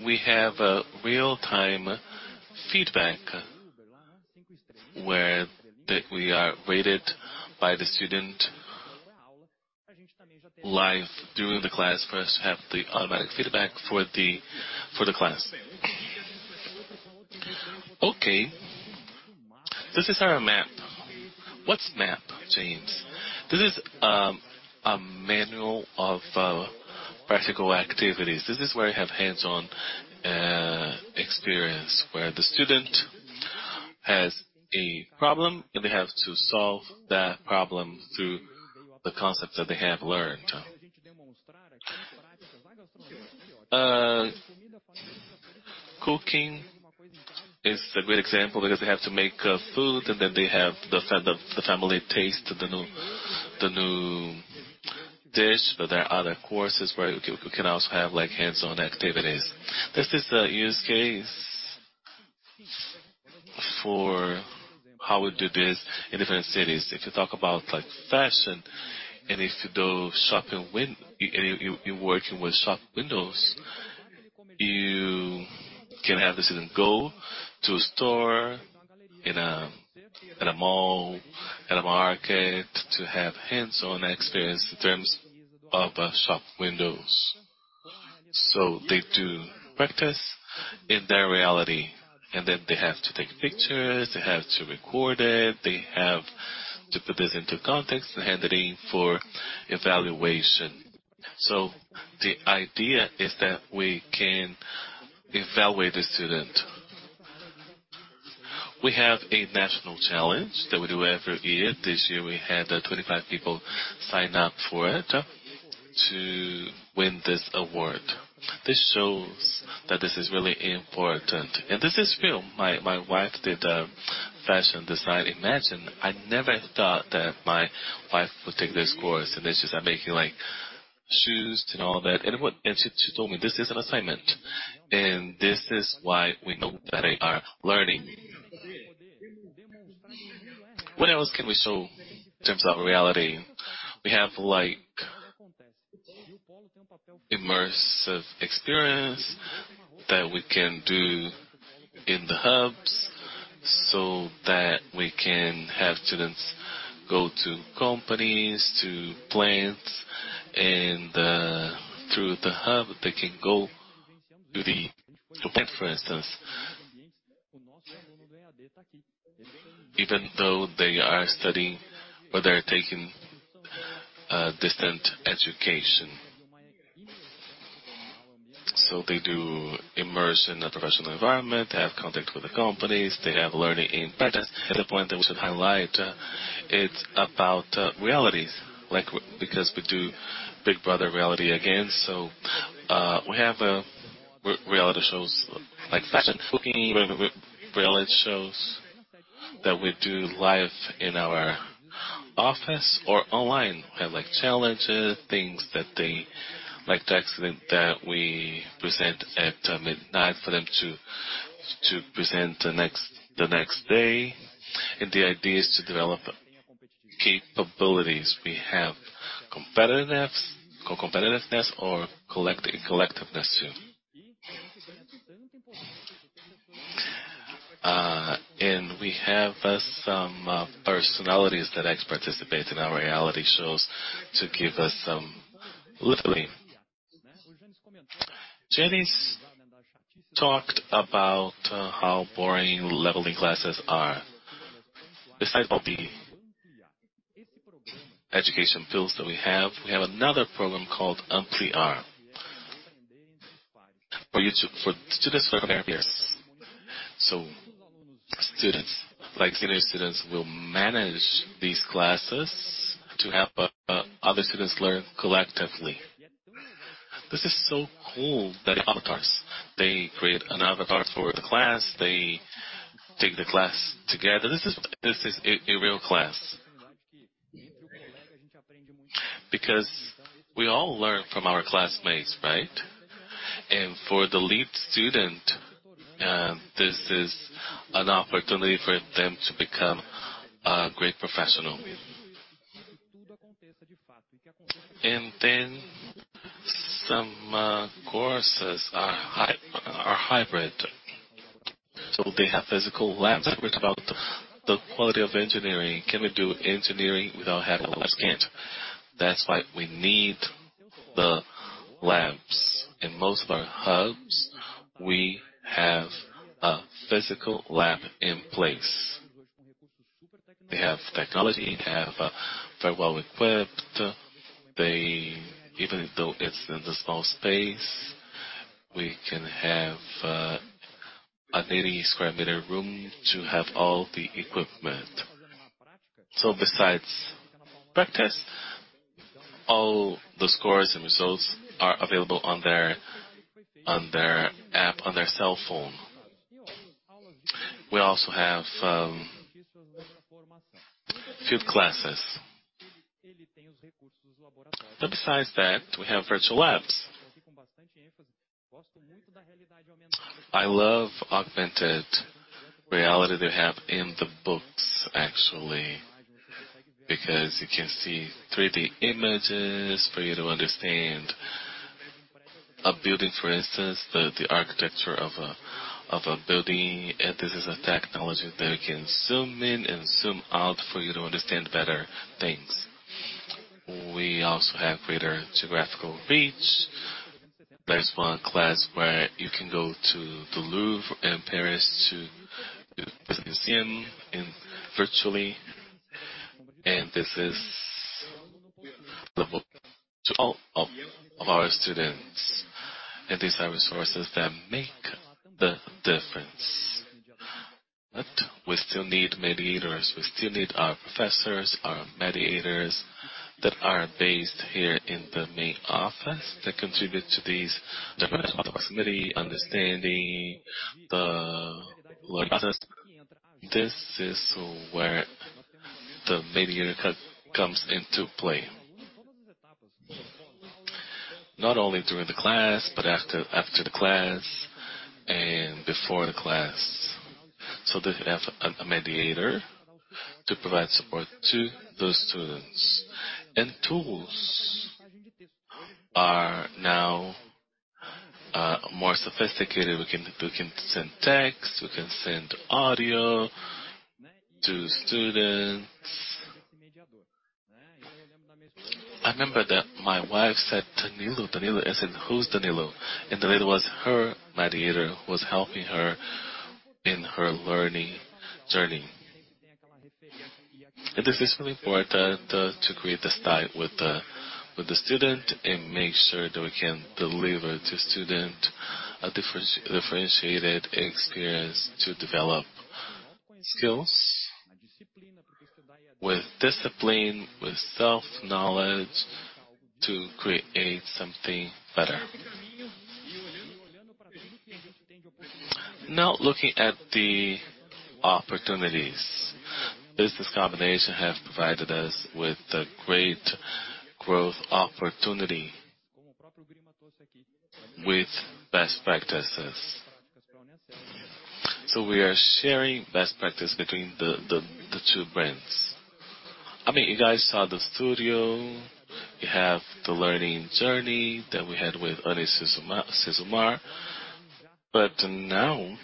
We have, uh, real-time feedback that we are rated by the student live during the class for us to have the automatic feedback for the class. Okay. This is our MAP. What's MAP, James? This is a manual of practical activities. This is where you have hands-on experience, where the student has a problem, and they have to solve that problem through the concepts that they have learned. Cooking is a great example because they have to make food, and then they have the family taste, the new, the new dish. There are other courses where you can also have, like, hands-on activities. This is a use case for how we do this in different cities. If you talk about, like, fashion, and if you do shopping and you working with shop windows, you can have the student go to a store in a mall, in a market to have hands-on experience in terms of shop windows. They do practice in their reality, and then they have to take pictures, they have to record it, they have to put this into context and hand it in for evaluation. The idea is that we can evaluate the student. We have a national challenge that we do every year. This year we had 25 people sign up for it to win this award. This shows that this is really important, and this is real. My wife did fashion design. Imagine I never thought that my wife would take this course, and then she started making, like, shoes and all that. She told me, "This is an assignment." This is why we know that they are learning. What else can we show in terms of reality? We have, like, immersive experience that we can do in the hubs so that we can have students go to companies, to plants, and through the hub, they can go to the plant, for instance. Even though they are studying or they're taking distant education. They do Immersed in a professional environment, they have contact with the companies, they have learning in practice. At the point that we should highlight, it's about realities. Like, because we do Big Brother reality again. We have reality shows like fashion, cooking reality shows that we do live in our office or online. We have like challenges, things that they like the accident that we present at midnight for them to present the next day. The idea is to develop capabilities. We have competitiveness, or collectiveness too. We have some personalities that participate in our reality shows to give us some. Janes talked about how boring leveling classes are. Besides Balbi education fields that we have, we have another program called Ampliar. For students who are pairs. Students, like senior students will manage these classes to help other students learn collectively. This is so cool that avatars. They create an avatar for the class. They take the class together. This is a real class. Because we all learn from our classmates, right? For the lead student, this is an opportunity for them to become a great professional. Some courses are hybrid. They have physical labs. We talked about the quality of engineering. Can we do engineering without having labs? We can't. That's why we need the labs. In most of our hubs, we have a physical lab in place. They have technology. They have very well equipped. Even though it's in the small space, we can have an 80 sq m room to have all the equipment. Besides practice, all the scores and results are available on their app, on their cell phone. We also have field classes. Besides that, we have virtual labs. I love augmented reality they have in the books, actually, because you can see 3D images for you to understand a building, for instance, the architecture of a building. This is a technology that you can zoom in and zoom out for you to understand better things. We also have greater geographical reach. There's one class where you can go to the Louvre in Paris to the museum virtually. This is the book to all of our students. These are resources that make the difference. We still need mediators. We still need our professors, our mediators that are based here in the main office that contribute to this proximity, understanding the learning process. This is where the mediator comes into play. Not only during the class, but after the class and before the class. They have a mediator to provide support to those students. Tools are now more sophisticated. We can send text, we can send audio to students. I remember that my wife said, "Danilo." I said, "Who's Danilo?" Danilo was her mediator who was helping her in her learning journey. It is extremely important to create this tie with the student and make sure that we can deliver to student a differentiated experience to develop skills with discipline, with self-knowledge to create something better. Now looking at the opportunities. This combination have provided us with a great growth opportunity with best practices. we are sharing best practice between the two brands. I mean, you guys saw the Studeo. You have the learning journey that we had with UniCesumar. now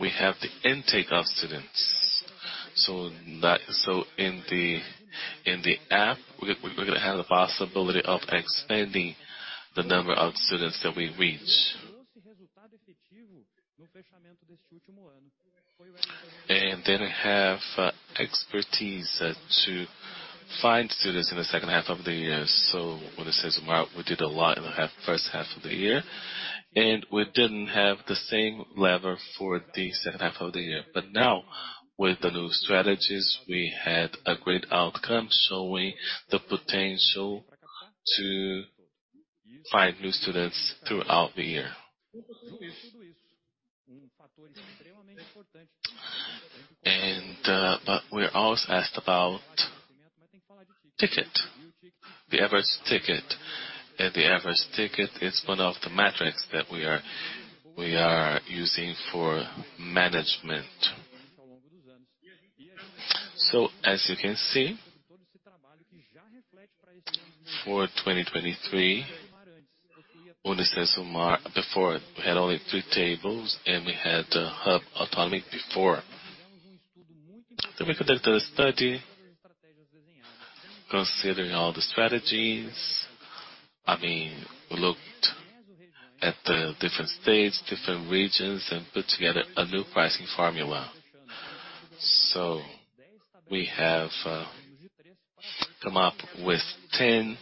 we have the intake of students. in the Vitru App, we're gonna have the possibility of expanding the number of students that we reach. have expertise to find students in the Graduate Courses of the year. when it says March, we did a lot in the first-half of the year, and we didn't have the same level for the Graduate Courses of the year. now with the new strategies, we had a great outcome, showing the potential to find new students throughout the year. we're also asked about ticket. The average ticket. The average ticket is one of the metrics that we are using for management. As you can see, for 2023, UniCesumar, before we had only three tables and we had the hub autonomy before. We conducted a study considering all the strategies. I mean, we looked at the different states, different regions and put together a new pricing formula. We have come up with 10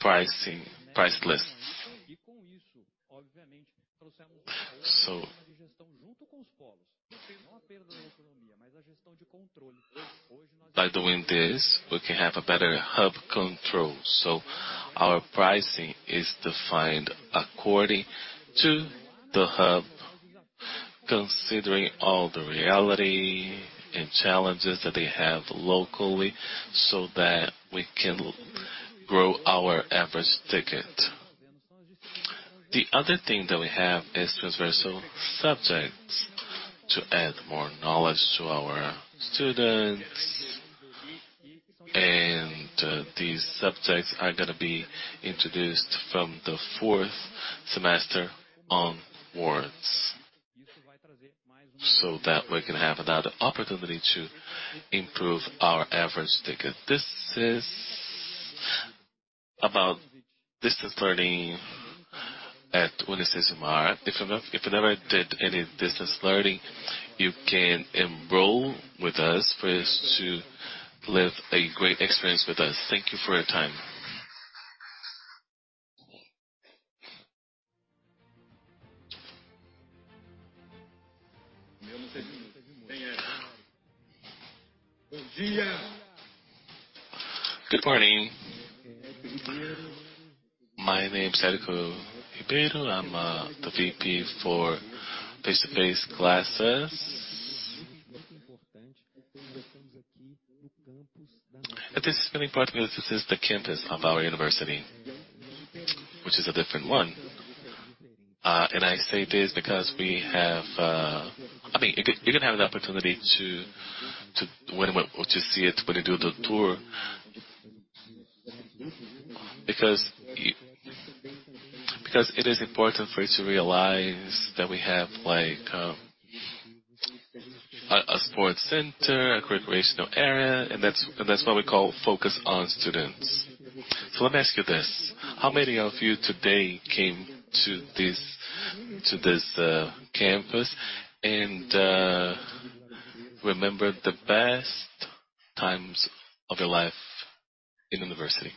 price list. By doing this we can have a better hub control. Our pricing is defined according to the hub, considering all the reality and challenges that they have locally so that we can grow our average ticket. The other thing that we have is transversal subjects to add more knowledge to our students. These subjects are gonna be introduced from the fourth semester onwards, so that we can have another opportunity to improve our average ticket. This is about distance learning at UniCesumar. If you never did any distance learning, you can enroll with us first to live a great experience with us. Thank you for your time. Good morning. My name is Sérgio Ribeiro. I'm the VP for face-to-face classes. This is very important because this is the campus of our university, which is a different one. I say this because we have. I mean, you're gonna have the opportunity to see it when you do the tour. Because it is important for you to realize that we have like, a sports center, a recreational area, and that's what we call focus on students. Let me ask you this, how many of you today came to this campus and remembered the best times of your life in university?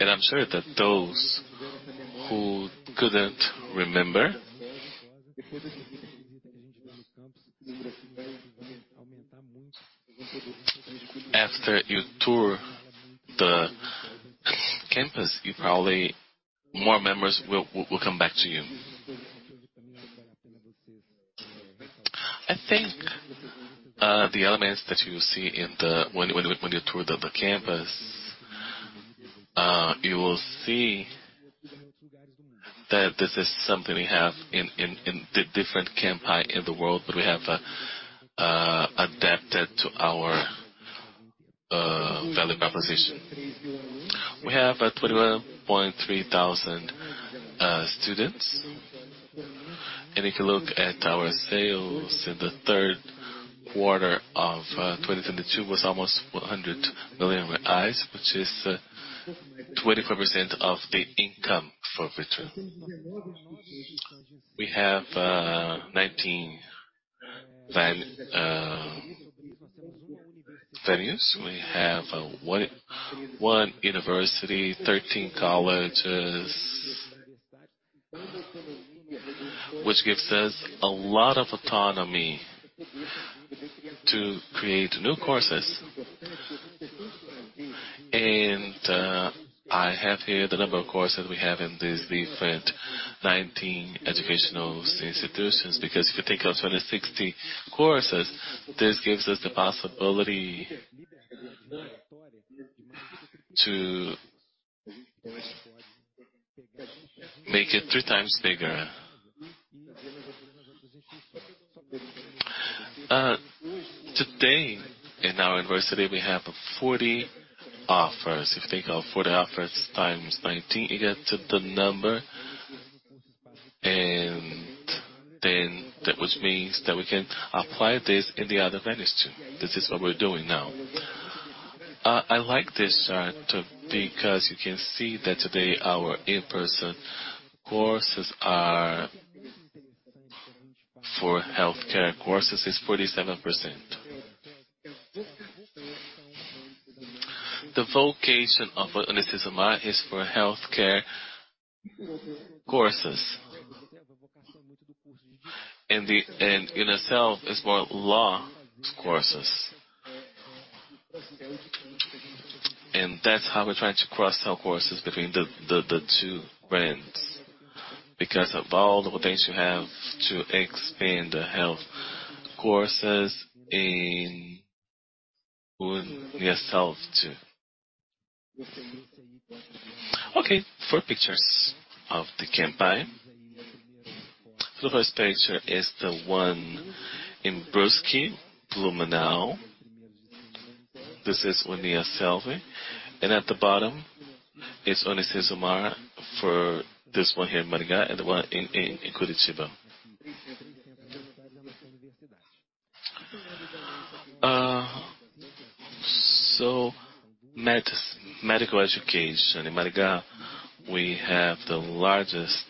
I'm sure that those who couldn't remember, after you tour the campus, you probably more members will come back to you. I think the elements that you will see when you tour the campus, you will see that this is something we have in the different campus in the world, but we have adapted to our value proposition. We have 21,300 students. You can look at our sales in the third quarter of 2022 was almost 100 million reais, which is 24% of the income for Vitru. We have 19 venues. We have one university, 13 colleges. Which gives us a lot of autonomy to create new courses. I have here the number of courses we have in these different 19 educational institutions. If you take our 2,060 courses, this gives us the possibility to make it three times bigger. Today in our university we have 40 offers. If you think of 40 offers times 19, you get to the number. Which means that we can apply this in the other venues, too. This is what we're doing now. I like this chart because you can see that today our in-person courses are For Healthcare courses is 47%. The vocation of UniCesumar is for Healthcare courses. UNIASSELVI is for Law courses. That's how we're trying to cross our courses between the two brands. Because of all the things you have to expand the health courses in UNIASSELVI too. Okay, four pictures of the campaign. The first picture is the one in Brusque, Blumenau. This is UNIASSELVI. At the bottom is UniCesumar for this one here in Maringá and the one in Curitiba. Medical education. In Maringá, we have the largest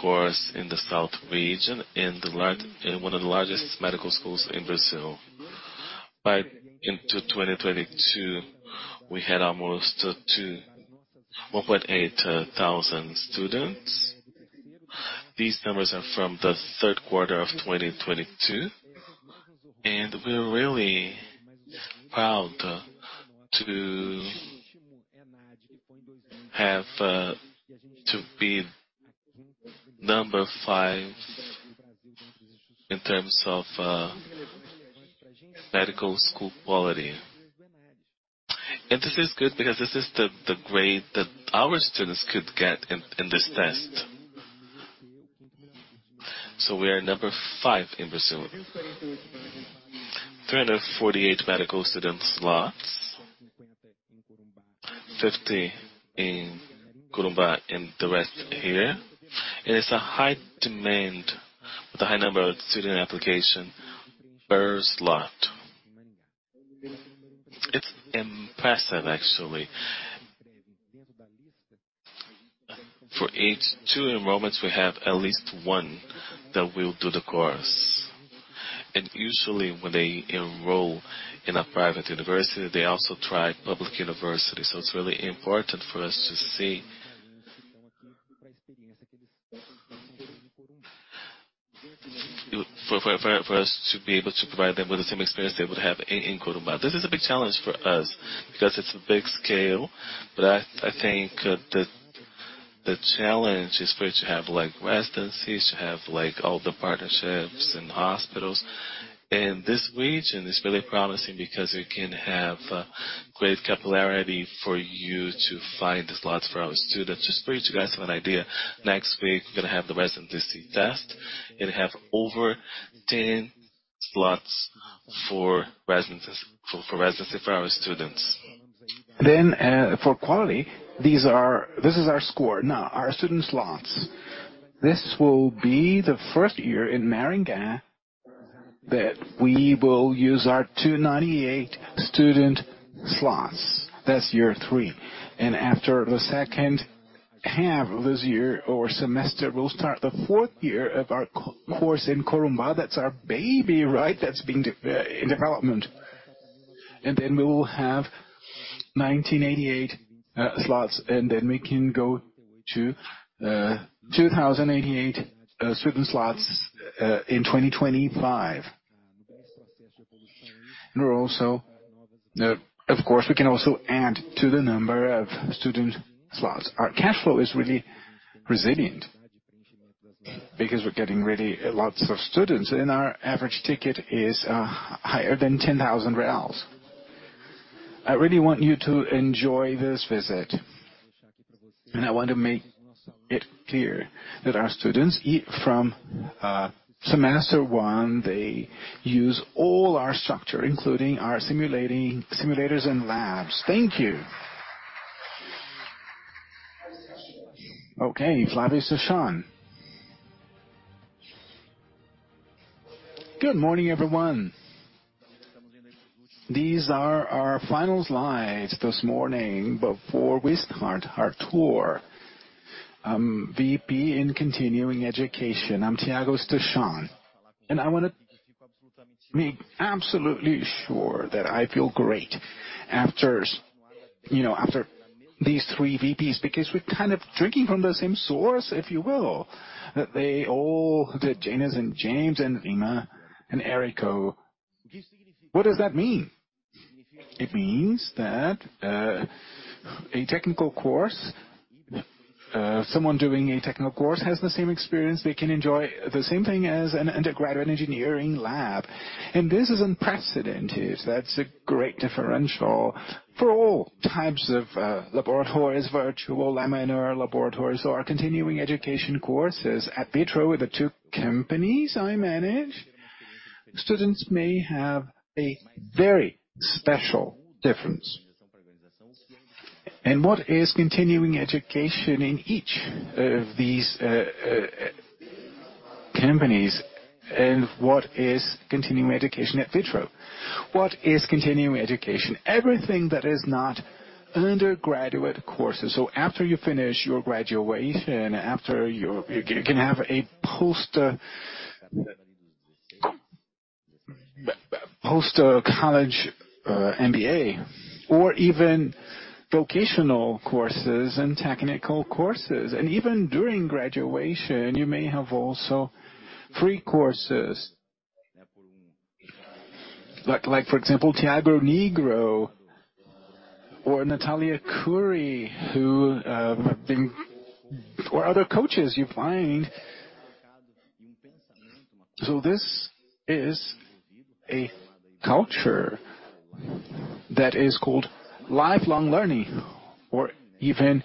course in the South region and one of the largest medical schools in Brazil. Into 2022, we had almost 1,800 students. These numbers are from the third quarter of 2022, and we're really proud to have to be number five in terms of medical school quality. This is good because this is the grade that our students could get in this test. We are number five in Brazil. 348 medical student slots. 50 in Corumbá and the rest here. It is a high demand with a high number of student application per slot. It's impressive actually. For each two enrollments, we have at least 1 that will do the course. Usually when they enroll in a private university, they also try public university, so it's really important for us to see. For us to be able to provide them with the same experience they would have in Corumbá. This is a big challenge for us because it's a big scale. I think the challenge is for it to have like residencies, to have like all the partnerships and hospitals. This region is really promising because it can have great popularity for you to find the slots for our students. Just for you guys have an idea, next week we're gonna have the residency test. It has over 10 slots for residency for our students. For quality, this is our score. Now our student slots. This will be the first year in Maringá that we will use our 298 student slots. That's year three. After the second-half of this year or semester, we'll start the fourth year of our c-course in Corumbá. That's our baby, right? That's been in development. Then we will have 1,988 slots, then we can go to 2,088 student slots in 2025. We'll also. Of course we can also add to the number of student slots. Our cash flow is really resilient because we're getting really lots of students, and our average ticket is higher than 10,000 reais. I really want you to enjoy this visit. I want to make it clear that our students, from semester one, they use all our structure, including our simulators and labs. Thank you Good morning, everyone. These are our final slides this morning before we start our tour. I'm VP in Continuing Education. I'm Tiago Stachon, I wanna be absolutely sure that I feel great after, you know, after these three VPs, because we're kind of drinking from the same source, if you will. They all, that Janes and James and Inga and Érico. What does that mean? It means that a technical course, someone doing a technical course has the same experience. They can enjoy the same thing as an Undergraduate Engineering lab. This is unprecedented. That's a great differential for all types of laboratories, virtual, minor laboratories or Continuing Education courses. At Vitru with the two companies I manage, students may have a very special difference. What is Continuing Education in each of these companies and what is Continuing Education at Vitru? What is Continuing Eeucation? Everything that is underGraduate Coursess. After you finish your graduation, after you can have a post college MBA or even vocational courses and technical courses. Even during graduation, you may have also free courses. Like, for example, Thiago Nigro or Natalia Arcuri, who other coaches you find. This is a culture that is called lifelong learning or even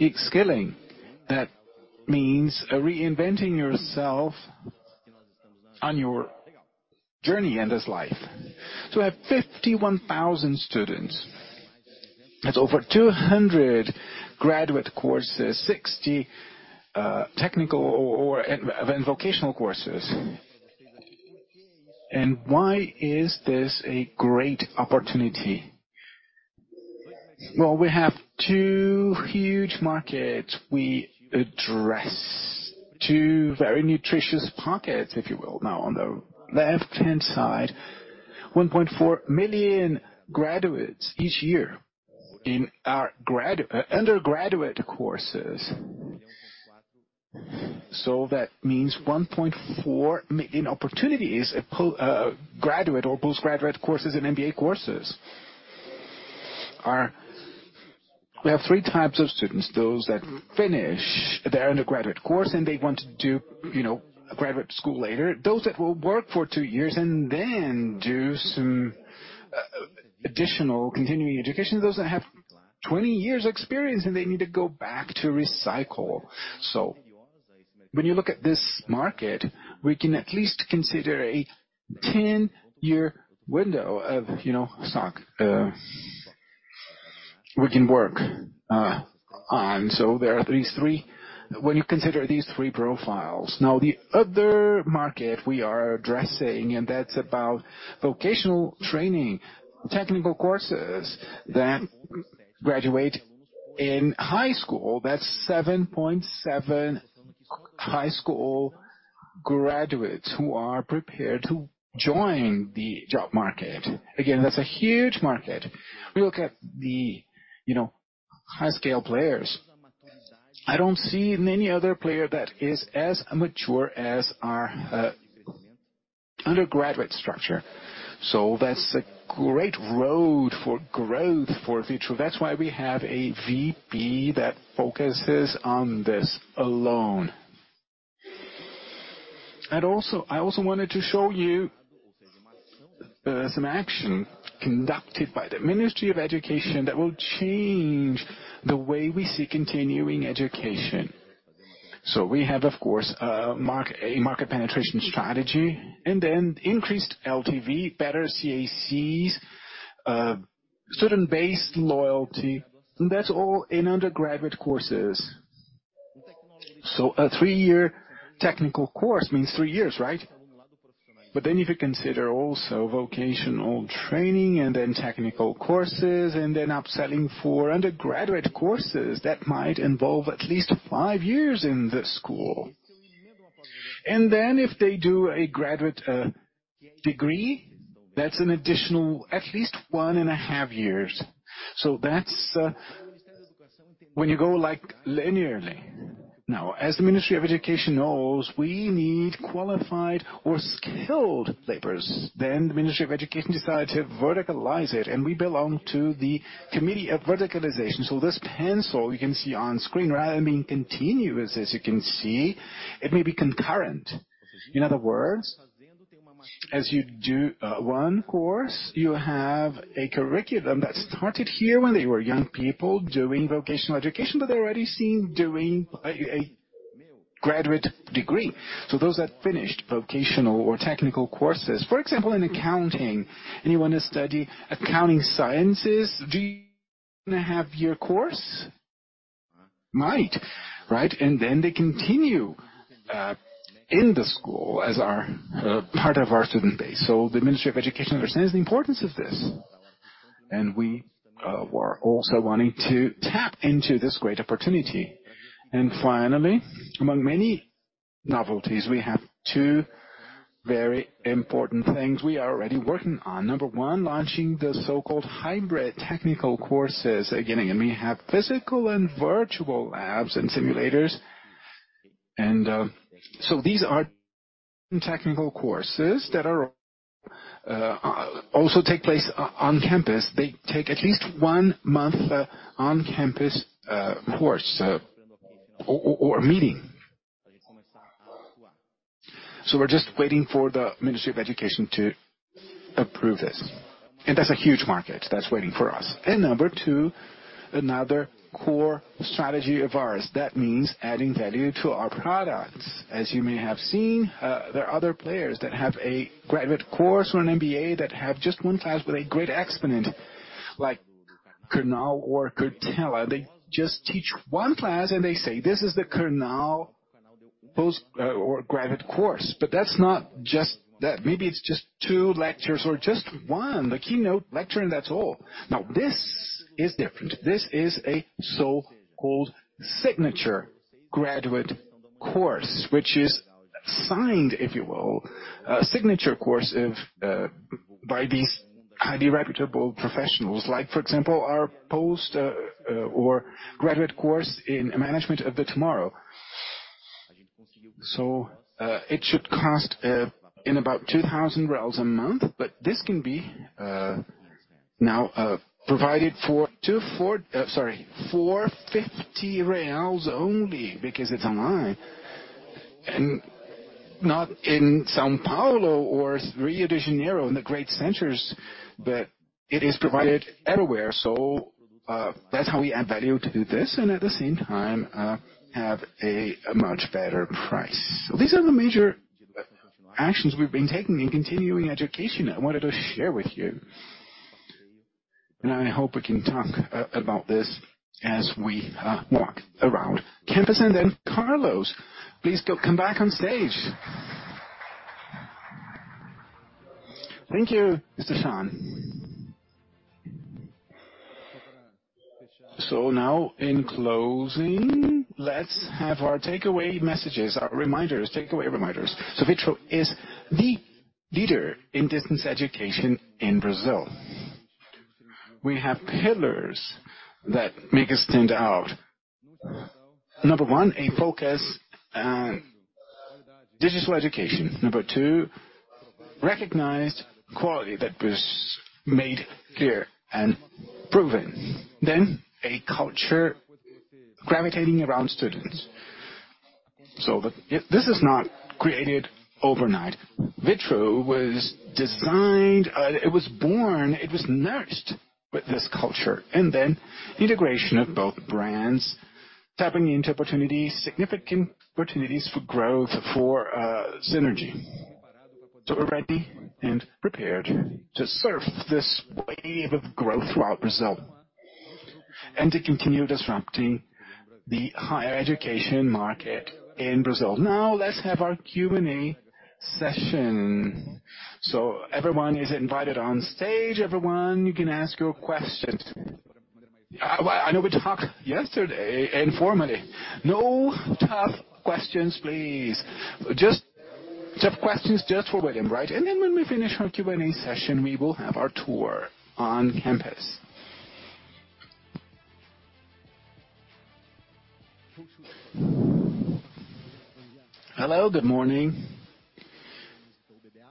upskilling. That means reinventing yourself on your journey in this life. We have 51,000 students. That's over 200 Graduate Courses, 60 Technical or even Vocational courses. Why is this a great opportunity? Well, we have two huge markets we address. Two very nutritious pockets, if you will. On the left-hand side, 1.4 million graduates each year in underGraduate Coursess. That means 1.4 million opportunities at graduate postGraduate Coursess and MBA courses. We have three types of students, those that finish underGraduate Courses, and they want to do, you know, a graduate school later. Those that will work for two years and then do some additional continuing education. Those that have 20 years experience, and they need to go back to recycle. When you look at this market, we can at least consider a 10-year window of, you know, stock, we can work on. There are these three when you consider these three profiles. The other market we are addressing, and that's about vocational training, technical courses that graduate in high school. That's 7.7 high school graduates who are prepared to join the job market. Again, that's a huge market. We look at the, you know, high-scale players. I don't see many other player that is as mature as our undergraduate structure. That's a great road for growth for future. That's why we have a VP that focuses on this alone. I also wanted to show you some action conducted by the Ministério da Educação that will change the way we see continuing education. We have, of course, a market penetration strategy and then increased LTV, better CACs, student-based loyalty. That's all Undergraduate Coursess. a three-year technical course means three years, right? If you consider also vocational training and then technical courses and then upselling Undergraduate Coursess, that might involve at least five years in the school. If they do a Graduate Degree, that's an additional at least 1.5 Years. That's when you go, like, linearly. As the Ministry of Education knows, we need qualified or skilled laborers. The Ministry of Education decided to verticalize it, and we belong to the Committee of Verticalization. This pencil you can see on screen, rather than being continuous, as you can see, it may be concurrent. In other words, as you do ome course, you have a curriculum that started here when they were young people doing vocational education, but they're already seeing doing a graduate degree. Those that finished vocational or technical courses. For example, in Accounting, and you want to study Accounting, Sciences, do you want a half-year course? Might, right? They continue in the school as our part of our student base. The Ministry of Education understands the importance of this, and we're also wanting to tap into this great opportunity. Finally, among many novelties, we have two very important things we are already working on. Number one, launching the so-called hybrid technical courses. Again, we have physical and virtual labs and simulators. These are technical courses that are also take place on campus. They take at least one month on-campus course or meaning. We're just waiting for the Ministry of Education to approve this. That's a huge market that's waiting for us. Number two, another core strategy of ours. That means adding value to our products. You may have seen, there are other players that have Graduate Courses or an MBA that have just one class with a great exponent, like Karnal or Cortella. They just teach one class, and they say, "This is the KarnalPost Graduate Courses. That's not just that. Maybe it's just two lectures or just one, the keynote lecture, and that's all. This is different. This is a so-called Graduate Courses, which is signed, if you will, a signature course of by these highly reputable professionals, like, for example, our post Graduate Courses in Leadership and Management of Tomorrow. It should cost in about 2,000 reais a month, but this can be now provided for 450 reais only because it's online. Not in São Paulo or Rio de Janeiro in the great centers, but it is provided everywhere. That's how we add value to do this, and at the same time, have a much better price. These are the major actions we've been taking in continuing education I wanted to share with you. I hope we can talk about this as we walk around campus. Carlos, please come back on stage. Thank you, Mr. Stachon. Now, in closing, let's have our takeaway messages, our reminders, takeaway reminders. Vitru is the leader in distance education in Brazil. We have pillars that make us stand out. One, a focus on digital education. Two, recognized quality that was made clear and proven. A culture gravitating around students. But, yeah, this is not created overnight. Vitru was designed, it was born, it was nursed with this culture. The integration of both brands, tapping into opportunities, significant opportunities for growth, for synergy. We're ready and prepared to surf this wave of growth throughout Brazil and to continue disrupting the higher education market in Brazil. Now, let's have our Q&A session. Everyone is invited on stage. Everyone, you can ask your questions. Well, I know we talked yesterday informally. No tough questions, please. Tough questions just for William, right? When we finish our Q&A session, we will have our tour on campus. Hello, good morning.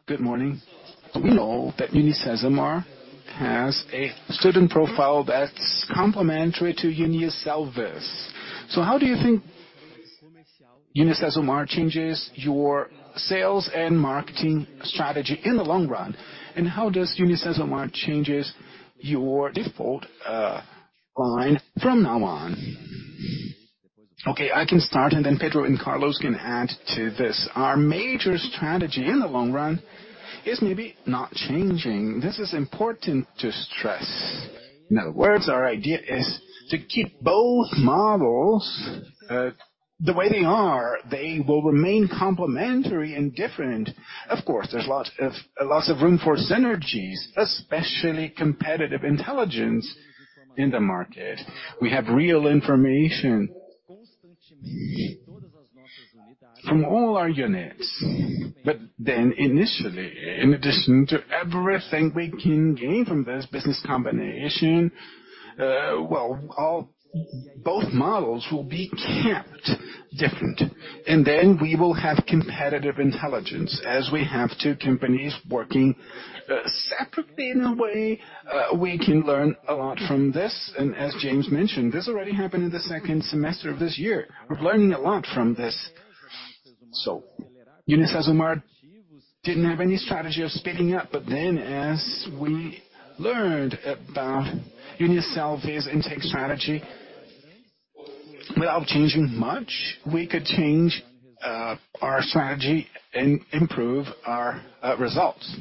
Good morning. We know that UniCesumar has a student profile that's complementary to UNIASSELVI's. How do you think UniCesumar changes your sales and marketing strategy in the long run? How does UniCesumar changes your default line from now on? Okay, I can start. Pedro and Carlos can add to this. Our major strategy in the long run is maybe not changing. This is important to stress. In other words, our idea is to keep both models the way they are. They will remain complementary and different. Of course, there's lots of room for synergies, especially competitive intelligence in the market. We have real information from all our units. Initially, in addition to everything we can gain from this business combination, both models will be kept different. We will have competitive intelligence as we have two companies working separately in a way, we can learn a lot from this. As James mentioned, this already happened in the second semester of this year. We're learning a lot from this. UniCesumar didn't have any strategy of speeding up. As we learned about UNIASSELVI's intake strategy, without changing much, we could change our strategy and improve our results.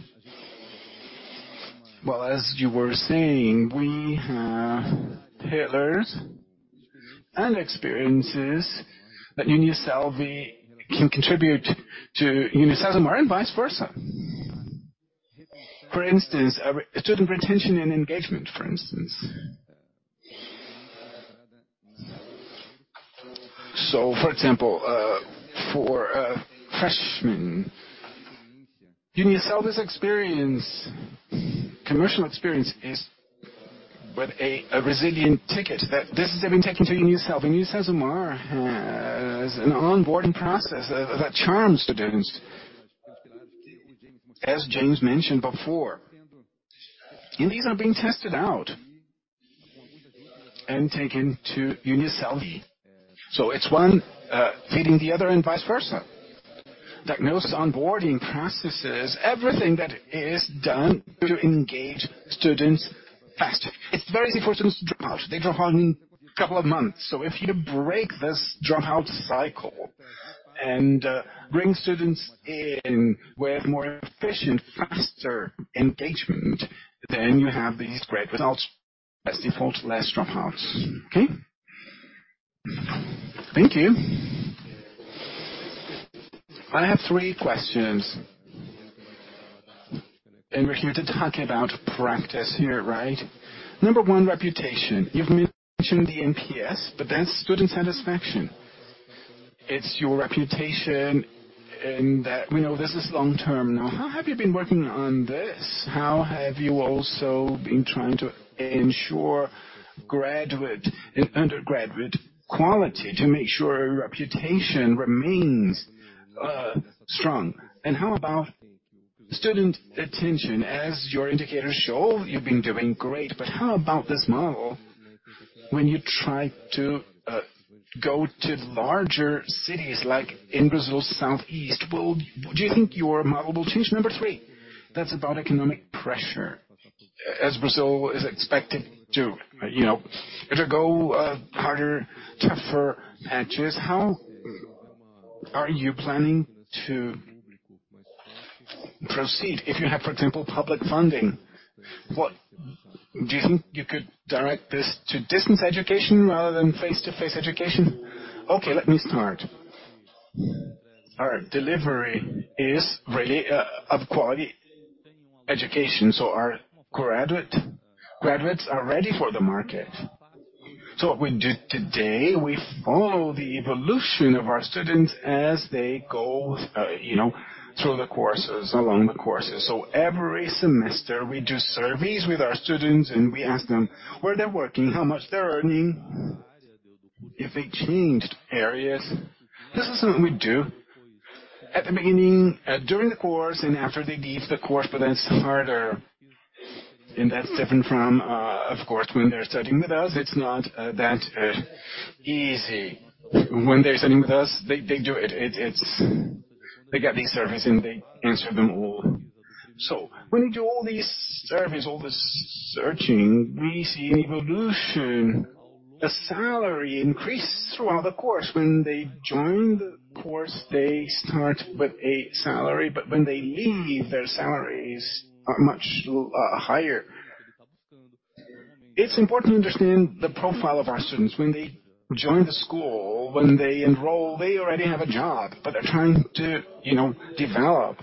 Well, as you were saying, we have pillars and experiences that UNIASSELVI can contribute to UniCesumar and vice versa. For instance, student retention and engagement, for instance. For example, for a freshman, UNIASSELVI's experience, commercial experience is with a resilient ticket that this has been taken to UniCesumar has an onboarding process that charms students, as James mentioned before. These are being tested out and taken to UNIASSELVI. It's one feeding the other and vice versa. That knows onboarding processes, everything that is done to engage students faster. It's very easy for students to drop out. They drop out in a couple of months. If you break this dropout cycle and bring students in with more efficient, faster engagement, then you have these great results. As default, less dropouts. Okay? Thank you. I have three questions. We're here to talk about practice here, right? Number one reputation. You've mentioned the NPS, but that's student satisfaction. It's your reputation and that we know this is long-term. How have you been working on this? How have you also been trying to ensure graduate and undergraduate quality to make sure reputation remains strong? How about student attention? As your indicators show, you've been doing great, but how about this model when you try to go to larger cities like in Brazil, Southeast? Do you think your model will change? Number three, that's about economic pressure. As Brazil is expected to, you know, go harder, tougher patches, how are you planning to proceed if you have, for example, public funding? Do you think you could direct this to distance education rather than face-to-face education? Let me start. Our delivery is really of quality education, our graduates are ready for the market. What we do today, we follow the evolution of our students as they go, you know, through the courses, along the courses. Every semester, we do surveys with our students, and we ask them where they're working, how much they're earning, if they changed areas. This is something we do at the beginning, during the course and after they leave the course, but that's harder and that's different from, of course, when they're studying with us, it's not that easy. When they're studying with us, they do it. They get these surveys, and they answer them all. When we do all these surveys, all this searching, we see an evolution. The salary increases throughout the course. When they join the course, they start with a salary, but when they leave, their salaries are much higher. It's important to understand the profile of our students. When they join the school, when they enroll, they already have a job, but they're trying to, you know, develop.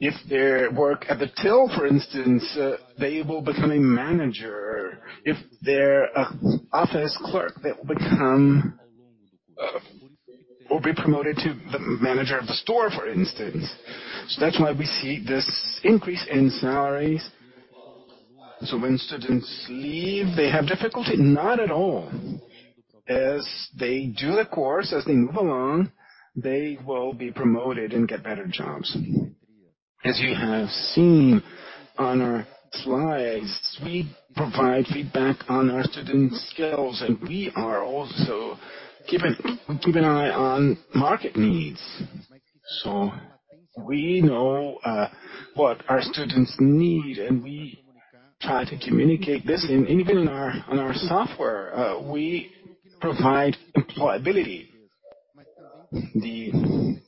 If they work at the till, for instance, they will become a manager. If they're a office clerk, they will become or be promoted to the manager of the store, for instance. That's why we see this increase in salaries. When students leave, they have difficulty? Not at all. As they do the course, as they move along, they will be promoted and get better jobs. As you have seen on our slides, we provide feedback on our students' skills, and we are also keep an eye on market needs. We know what our students need, and we try to communicate this. Even in our, in our software, we provide employability. The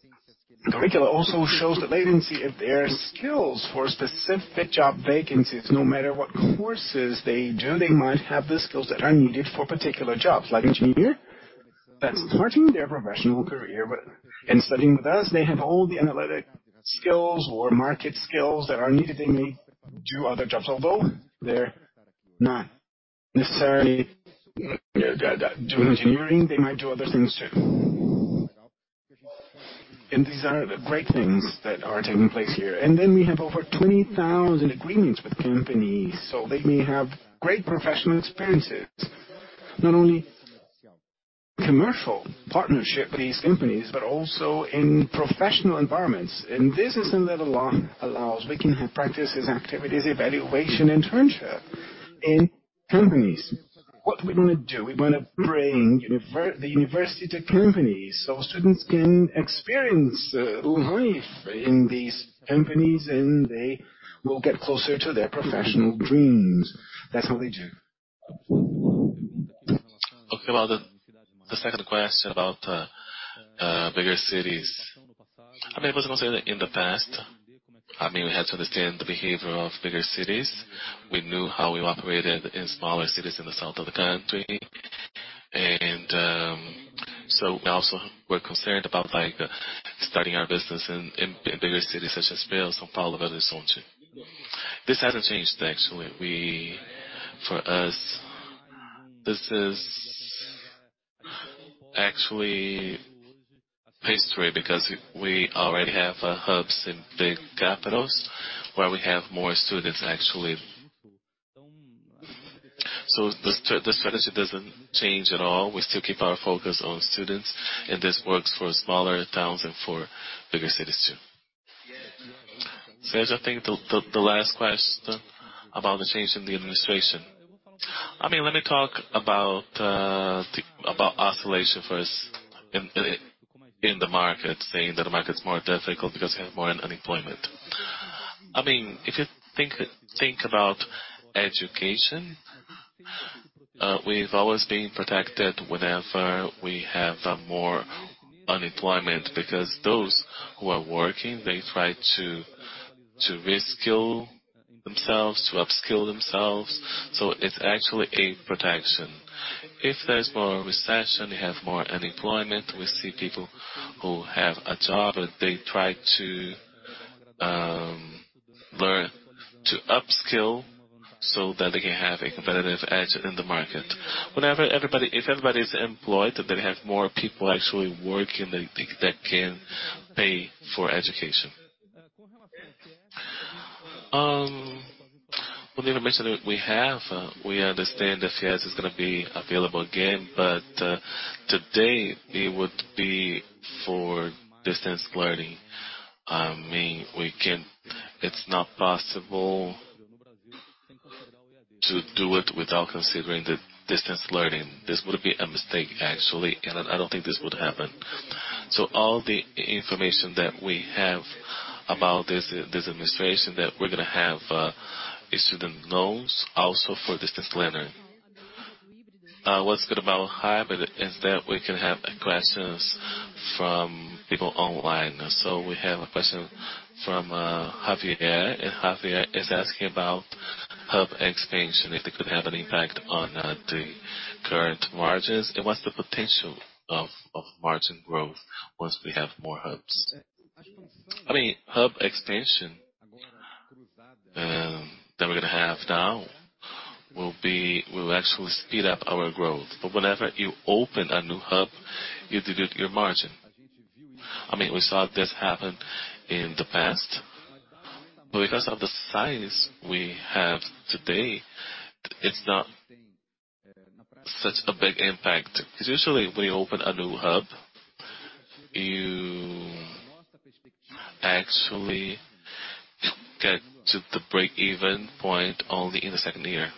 curriculum also shows that they can see if there are skills for specific job vacancies. No matter what courses they do, they might have the skills that are needed for particular jobs. Like engineer that's starting their professional career, but in studying with us, they have all the analytic skills or market skills that are needed. They may do other jobs. Although they're not necessarily doing engineering, they might do other things too. These are the great things that are taking place here. We have over 20,000 agreements with companies, so they may have great professional experiences, not only commercial partnership with these companies, but also in professional environments. This is something that the law allows. We can have practices, activities, evaluation, internship in companies. What we wanna do, we wanna bring the university to companies, so students can experience life in these companies. They will get closer to their professional dreams. That's what we do. Well, the second question about bigger cities. I mean, first I'm gonna say that in the past, I mean, we had to understand the behavior of bigger cities. We knew how we operated in smaller cities in the south of the country. We also were concerned about, like, starting our business in bigger cities such as São Paulo, Belo Horizonte. This hasn't changed actually. For us, this is actually pastry because we already have hubs in big capitals where we have more students actually. The strategy doesn't change at all. We still keep our focus on students, and this works for smaller towns and for bigger cities, too. Cesar, I think the last question about the change in the administration. I mean, let me talk about oscillation first in the market, saying that the market's more difficult because you have more unemployment. I mean, if you think about education, we've always been protected whenever we have a more Unemployment, because those who are working, they try to reskill themselves, to upskill themselves. It's actually a protection. If there's more recession, we have more unemployment. We see people who have a job, they try to learn to upskill so that they can have a competitive edge in the market. If everybody is employed, then they have more people actually working that can pay for education. With the information that we have, we understand that CS is gonna be available again, but today it would be for distance learning. I mean, it's not possible to do it without considering the distance learning. This would be a mistake, actually, and I don't think this would happen. All the information that we have about this administration that we're gonna have, student loans also for distance learning. What's good about Hub is that we can have questions from people online. We have a question from Javier. Javier is asking about Hub expansion, if it could have an impact on the current margins, and what's the potential of margin growth once we have more hubs. I mean, Hub expansion that we're gonna have now will actually speed up our growth. Whenever you open a new Hub, you dilute your margin. I mean, we saw this happen in the past. Because of the size we have today, it's not such a big impact. 'Cause usually when you open a new Hub, you actually get to the break-even point only in the second year.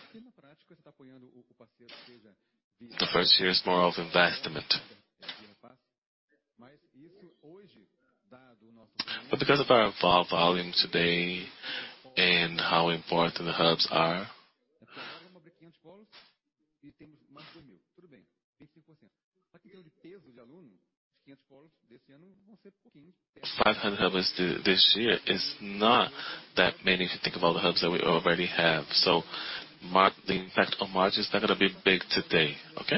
The first year is more of investment. Because of our involved volume today and how important the hubs are, 500 hubs this year is not that many if you think of all the hubs that we already have. The impact on margin is not gonna be big today. Okay?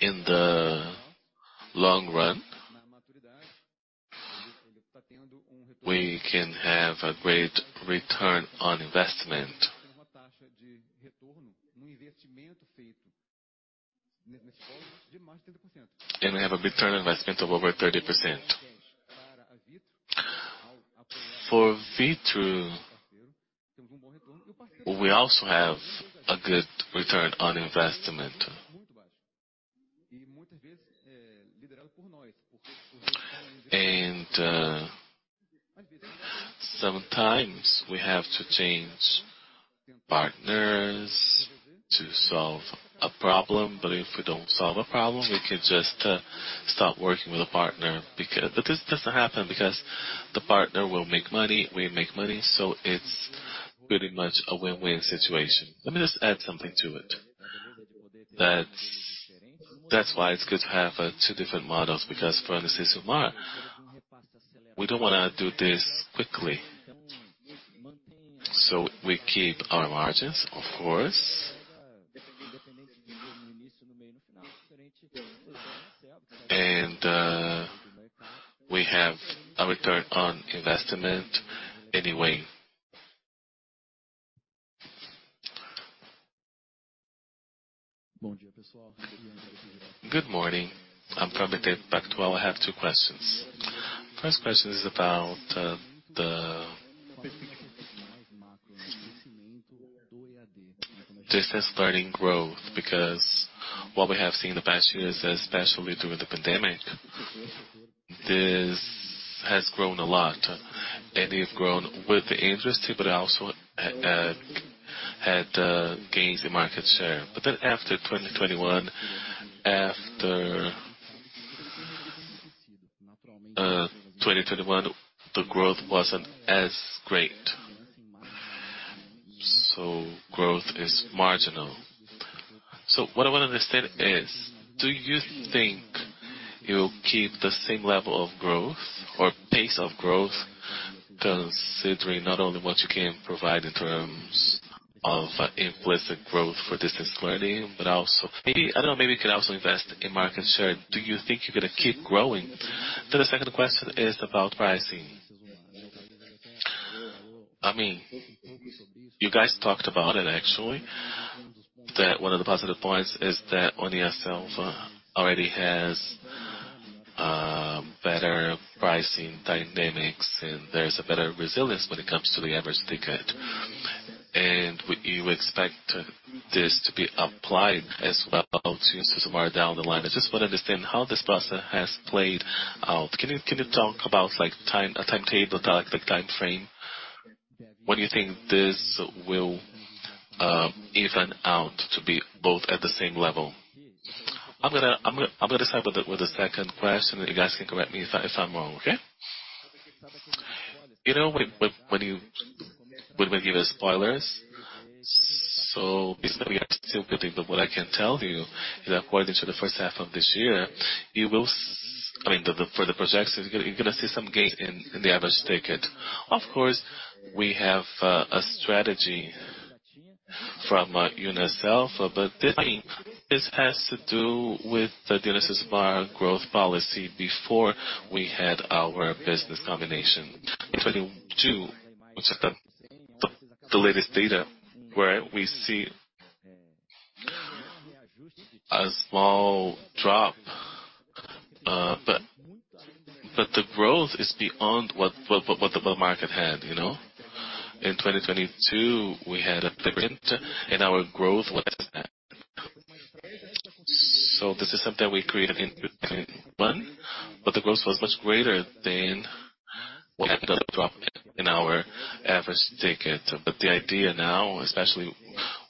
In the long run, we can have a great return on investment. We have a return on investment of over 30%. For Vitru, we also have a good return on investment. Sometimes we have to change partners to solve a problem, but if we don't solve a problem, we can just stop working with a partner. This doesn't happen because the partner will make money, we make money, so it's pretty much a win-win situation. Let me just add something to it. That's why it's good to have two different models, because for Sistema MAR, we don't wanna do this quickly. We keep our margins, of course. We have a return on investment anyway. Good morning. I'm from BTG Pactual. I have two questions. First question is about the distance learning growth, because what we have seen in the past years, especially during the pandemic, this has grown a lot. We've grown with the interest, but also had gains in market share. After 2021, after 2021, the growth wasn't as great. Growth is marginal. What I want to understand is, do you think you'll keep the same level of growth or pace of growth, considering not only what you can provide in terms of implicit growth for distance learning, but also. I don't know, maybe you could also invest in market share. Do you think you're gonna keep growing? The second question is about pricing. I mean, you guys talked about it actually, that one of the positive points is that UNIASSELVI already has better pricing dynamics and there's a better resilience when it comes to the average ticket. We expect this to be applied as well to MAPA down the line. I just want to understand how this process has played out. Can you talk about, like, time, a timetable, like, the time frame? When you think this will even out to be both at the same level? I'm gonna start with the second question, and you guys can correct me if I'm wrong. Okay. You know when we give you spoilers. Basically I'm still building, but what I can tell you is according to the first-half of this year, I mean the for the projections, you're gonna see some gain in the average ticket. Of course, we have a strategy from UNIASSELVI, but this, I mean, this has to do with the UniCesumar growth policy before we had our business combination. In 2022, which is the latest data where we see a small drop. The growth is beyond what the market had, you know. In 2022, we had a different and our growth was that. This is something we created in 2021, but the growth was much greater than what the drop in our average ticket. The idea now, especially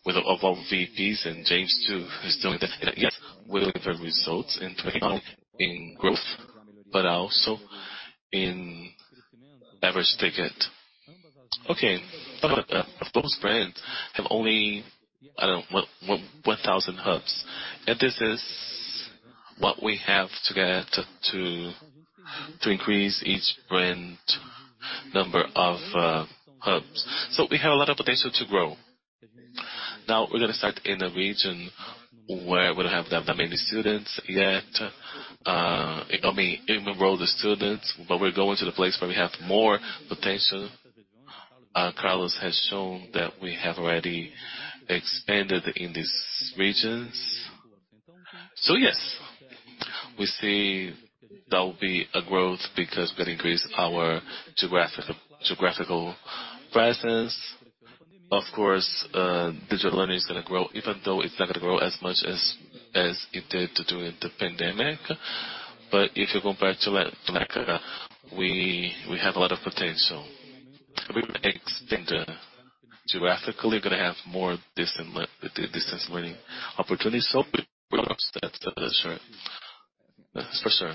with of our VPs and James too, who's doing the IT, we're looking for results in 2021 in growth, but also in average ticket. Okay. Those brands have only, I don't know, 1,000 hubs. This is what we have to get to increase each brand number of hubs. We have a lot of potential to grow. Now we're gonna start in a region where we don't have that many students yet. I mean, enrolled students, but we're going to the place where we have more potential. Carlos has shown that we have already expanded in these regions. Yes, we see there will be a growth because we're gonna increase our geographical presence. Of course, digital learning is gonna grow, even though it's not gonna grow as much as it did during the pandemic. If you compare it to Latin America, we have a lot of potential. We will extend geographically, we're gonna have more distant distance learning opportunities, that's right. That's for sure.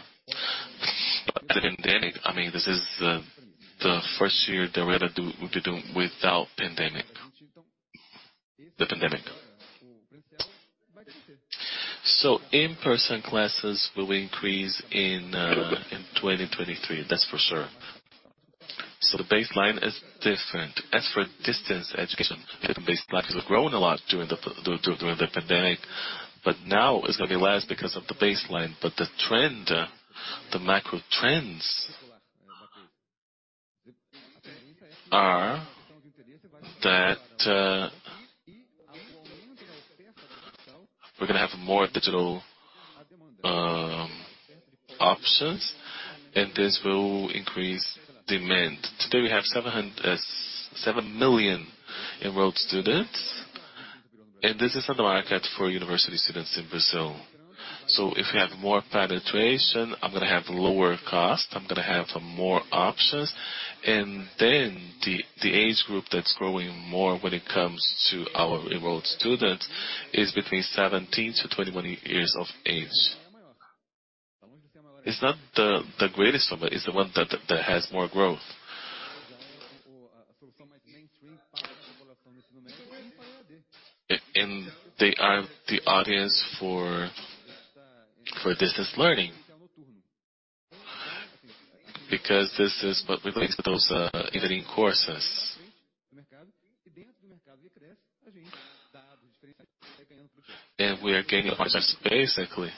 The pandemic, I mean, this is the first year that we're gonna do, we've been doing without pandemic. The pandemic. In-person classes will increase in 2023, that's for sure. The baseline is different. As for distance education, distance classes have grown a lot during the pandemic, but now it's gonna be less because of the baseline. The trend, the macro trends are that we're gonna have more digital options, and this will increase demand. Today, we have seven million enrolled students, and this is not the market for university students in Brazil. If we have more penetration, I'm gonna have lower cost, I'm gonna have more options. The age group that's growing more when it comes to our enrolled students is between 17–21 years of age. It's not the greatest number, it's the one that has more growth. They are the audience for distance learning. Because this is what we think those entering courses. We are gaining market space. Basically,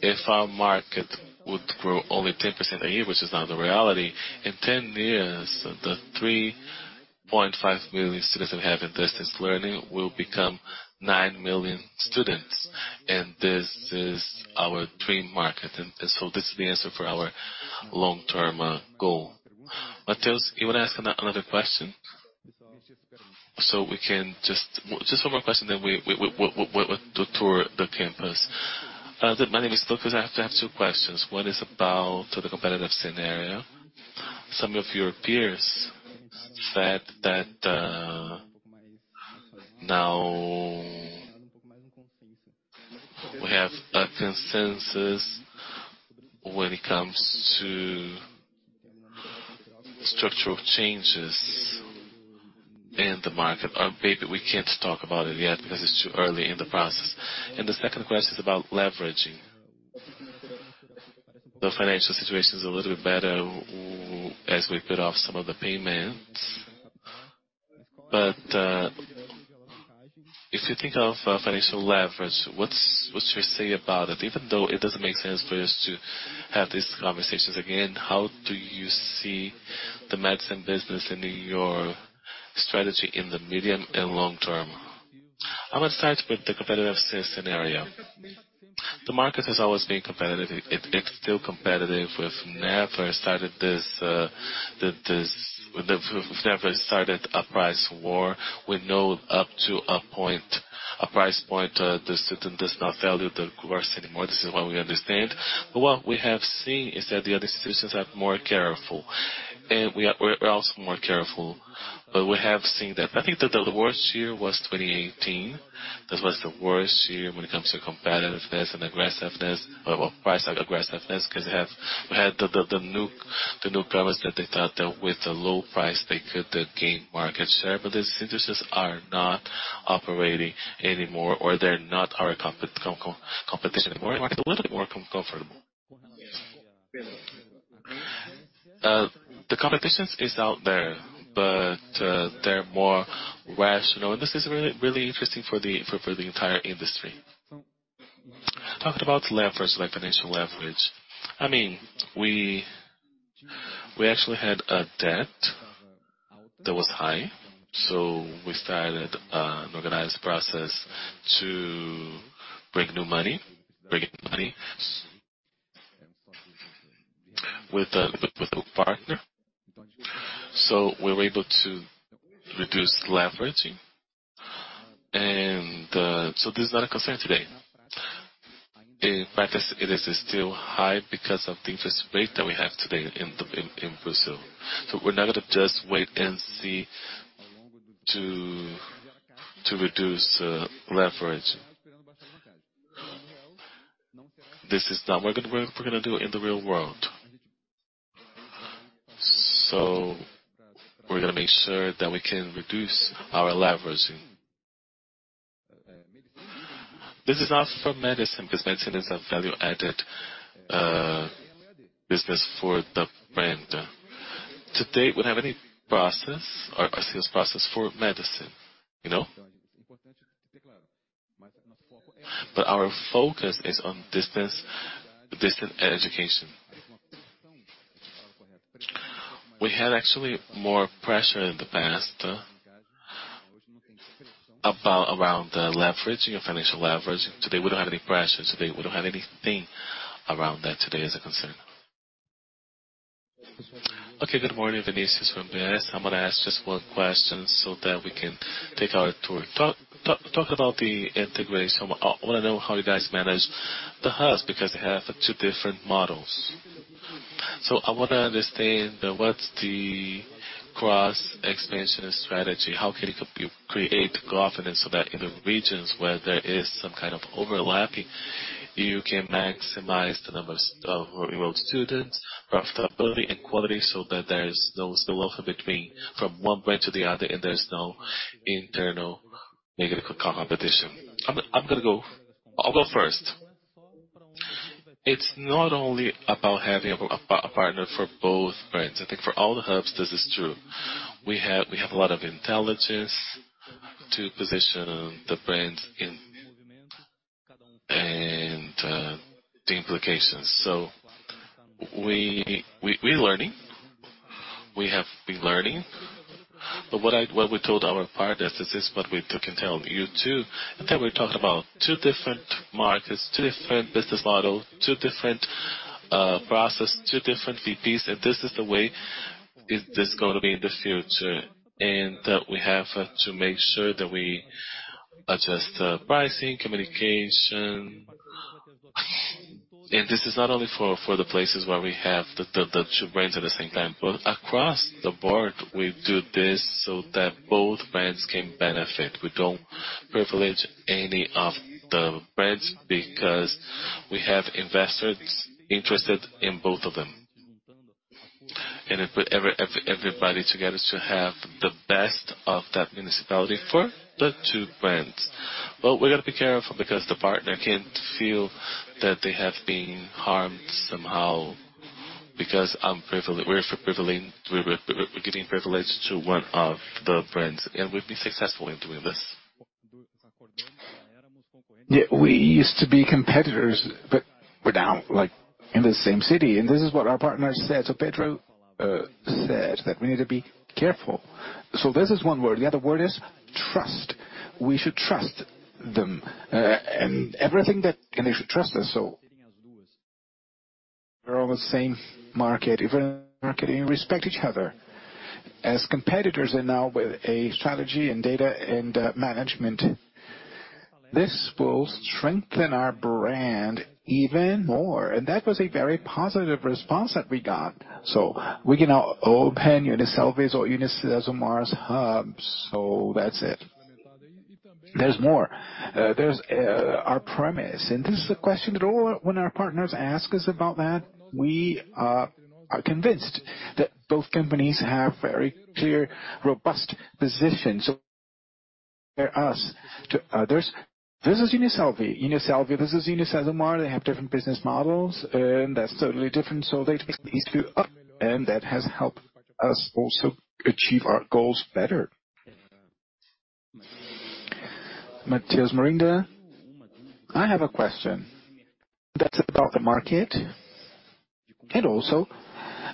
if our market would grow only 10% a year, which is now the reality, in 10 years, the 3.5 million students that we have in distance learning will become nine million students. This is our dream market. This is the answer for our long-term goal. Mateus, you wanna ask another question? We can just... Just one more question then we'll do tour the campus. My name is Lucas. I have to ask two questions. One is about the competitive scenario. Some of your peers said that now we have a consensus when it comes to structural changes in the market. Maybe we can't talk about it yet because it's too early in the process. The second question is about leveraging. The financial situation is a little bit better as we put off some of the payments. If you think of financial leverage, what you say about it? Even though it doesn't make sense for us to have these conversations again, how do you see the medicine business in your strategy in the medium and long term? I'm gonna start with the competitive scenario. The market has always been competitive. It's still competitive. We've never started this... We've never started a price war. We know up to a price point, the student does not value the course anymore. This is what we understand. What we have seen is that the other institutions are more careful. We are also more careful. But we have seen that. I think that the worst year was 2018. That was the worst year when it comes to competitiveness and aggressiveness. Well, price aggressiveness, 'cause we had the new governments that they thought that with the low price, they could gain market share. These institutions are not operating anymore, or they're not our competition anymore. We're making a little bit more comfortable. The competition is out there, but they're more rational. This is really, really interesting for the entire industry. Talking about leverage, like financial leverage. I mean, we actually had a debt that was high, so we started an organized process to bring new money, bring in money with a partner. We were able to reduce leveraging. This is not a concern today. In practice it is still high because of the interest rate that we have today in Brazil. We're now gonna just wait and see to reduce leverage. This is not what we're gonna do in the real world. We're gonna make sure that we can reduce our leveraging. This is not for medicine, because medicine is a value-added business for the brand. To date, we don't have any process or a sales process for medicine, you know. Our focus is on distance education. We had actually more pressure in the past around the leveraging and financial leverage. Today, we don't have any pressures. Today, we don't have anything around that today as a concern. Okay. Good morning. Vinicius from BS. I'm gonna ask just one question so that we can take our tour. Talk, talk about the integration. I wanna know how you guys manage the hubs, because they have two different models. I wanna understand what's the cross-expansion strategy. How can you create confidence so that in the regions where there is some kind of overlapping, you can maximize the numbers of enrolled students, profitability and quality, so that there's no welcome between from one brand to the other, and there's no internal negative competition. I'm gonna go. I'll go first. It's not only about having a partner for both brands. I think for all the hubs this is true. We have a lot of intelligence to position the brands in, and the implications. We're learning. We have been learning. What we told our partners, this is what we do. We can tell you, too, that we're talking about two different markets, two different business models, two different process, two different VPs. This is the way it is gonna be in the future. We have to make sure that we adjust the pricing, communication. This is not only for the places where we have the two brands at the same time. Across the board, we do this so that both brands can benefit. We don't privilege any of the brands because we have investors interested in both of them. It put everybody together to have the best of that municipality for the two brands. We gotta be careful because the partner can't feel that they have been harmed somehow because we're giving privilege to one of the brands, and we've been successful in doing this. We used to be competitors, but we're now, like, in the same city, and this is what our partners said. Pedro said that we need to be careful. This is one word. The other word is trust. We should trust them, and everything that. They should trust us. We're on the same market, even marketing. Respect each other. As competitors and now with a strategy in data and management, this will strengthen our brand even more. That was a very positive response that we got. We can now open UNIASSELVI or UniCesumar's hubs. That's it. There's more. There's our premise, and this is a question that all our when our partners ask us about that, we are convinced that both companies have very clear, robust positions. Compare us to others. This is UNIASSELVI. UNIASSELVI, this is UniCesumar. They have different business models, and that's totally different. They take these two up, and that has helped us also achieve our goals better. I have a question that's about the market and also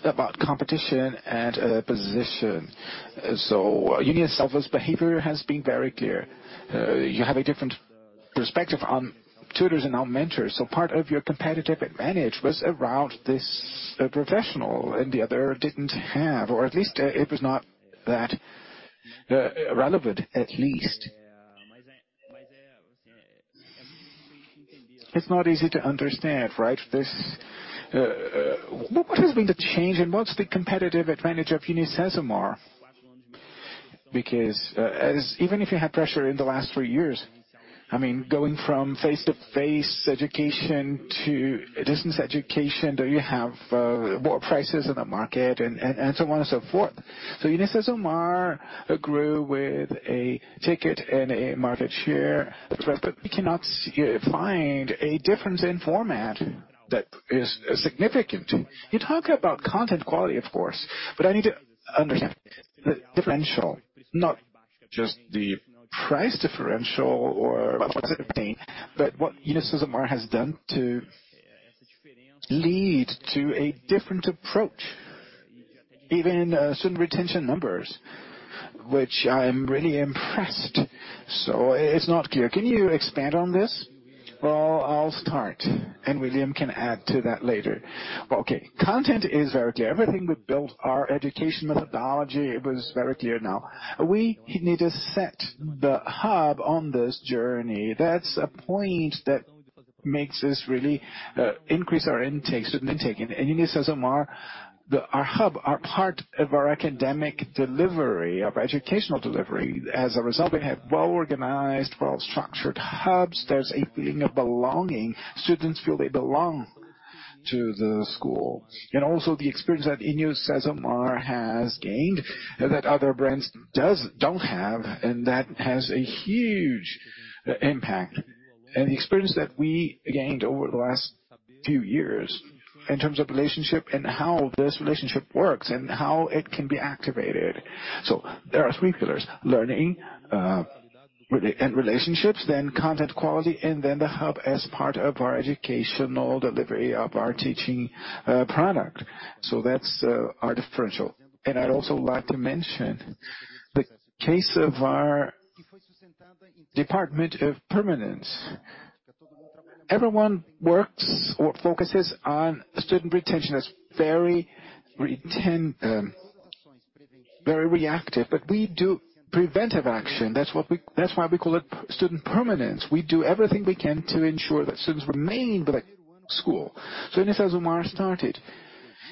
about competition and, position. UNIASSELVI's behavior has been very clear. Perspective on tutors and on mentors. Part of your competitive advantage was around this professional and the other didn't have, or at least it was not that relevant, at least. It's not easy to understand, right? This, what has been the change and what's the competitive advantage of UniCesumar? Because even if you had pressure in the last three years, I mean, going from face-to-face education to distance education, do you have war prices in the market and so on and so forth. UniCesumar grew with a ticket and a market share. We cannot find a difference in format that is significant. You talk about content quality, of course, but I need to understand the differential, not just the price differential or what's at play, but what UniCesumar has done to lead to a different approach, even student retention numbers, which I'm really impressed. It's not clear. Can you expand on this? Well, I'll start, and William can add to that later. Okay. Content is very clear. Everything we built, our education methodology, it was very clear now. We need to set the hub on this journey. That's a point that makes us really increase our intake, student intake. In UniCesumar, our hub are part of our academic delivery, of educational delivery. As a result, we have well-organized, well-structured hubs. There's a feeling of belonging. Students feel they belong to the school. Also the experience that UniCesumar has gained that other brands don't have, and that has a huge impact. The experience that we gained over the last few years in terms of relationship and how this relationship works and how it can be activated. There are three pillars: learning, and relationships, then content quality, and then the hub as part of our educational delivery of our teaching product. That's our differential. I'd also like to mention the case of our Department of Permanence. Everyone works or focuses on student retention. That's very reactive, but we do preventive action. That's why we call it student permanence. We do everything we can to ensure that students remain with the school. UniCesumar started.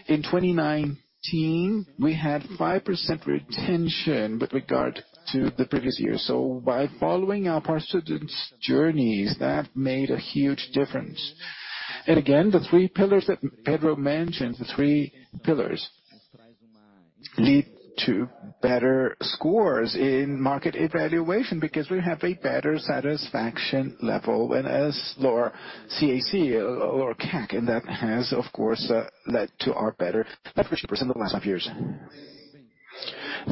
In 2019, we had 5% retention with regard to the previous year. By following up our students' journeys, that made a huge difference. Again, the three pillars that Pedro mentioned, the three pillars lead to better scores in market evaluation because we have a better satisfaction level and as lower CAC or CAC, and that has, of course, led to our better net promoter score in the last five years.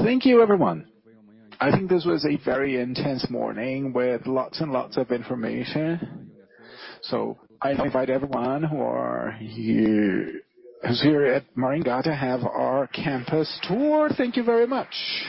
Thank you, everyone. I think this was a very intense morning with lots and lots of information. I invite everyone who's here at Maringá to have our campus tour. Thank you very much.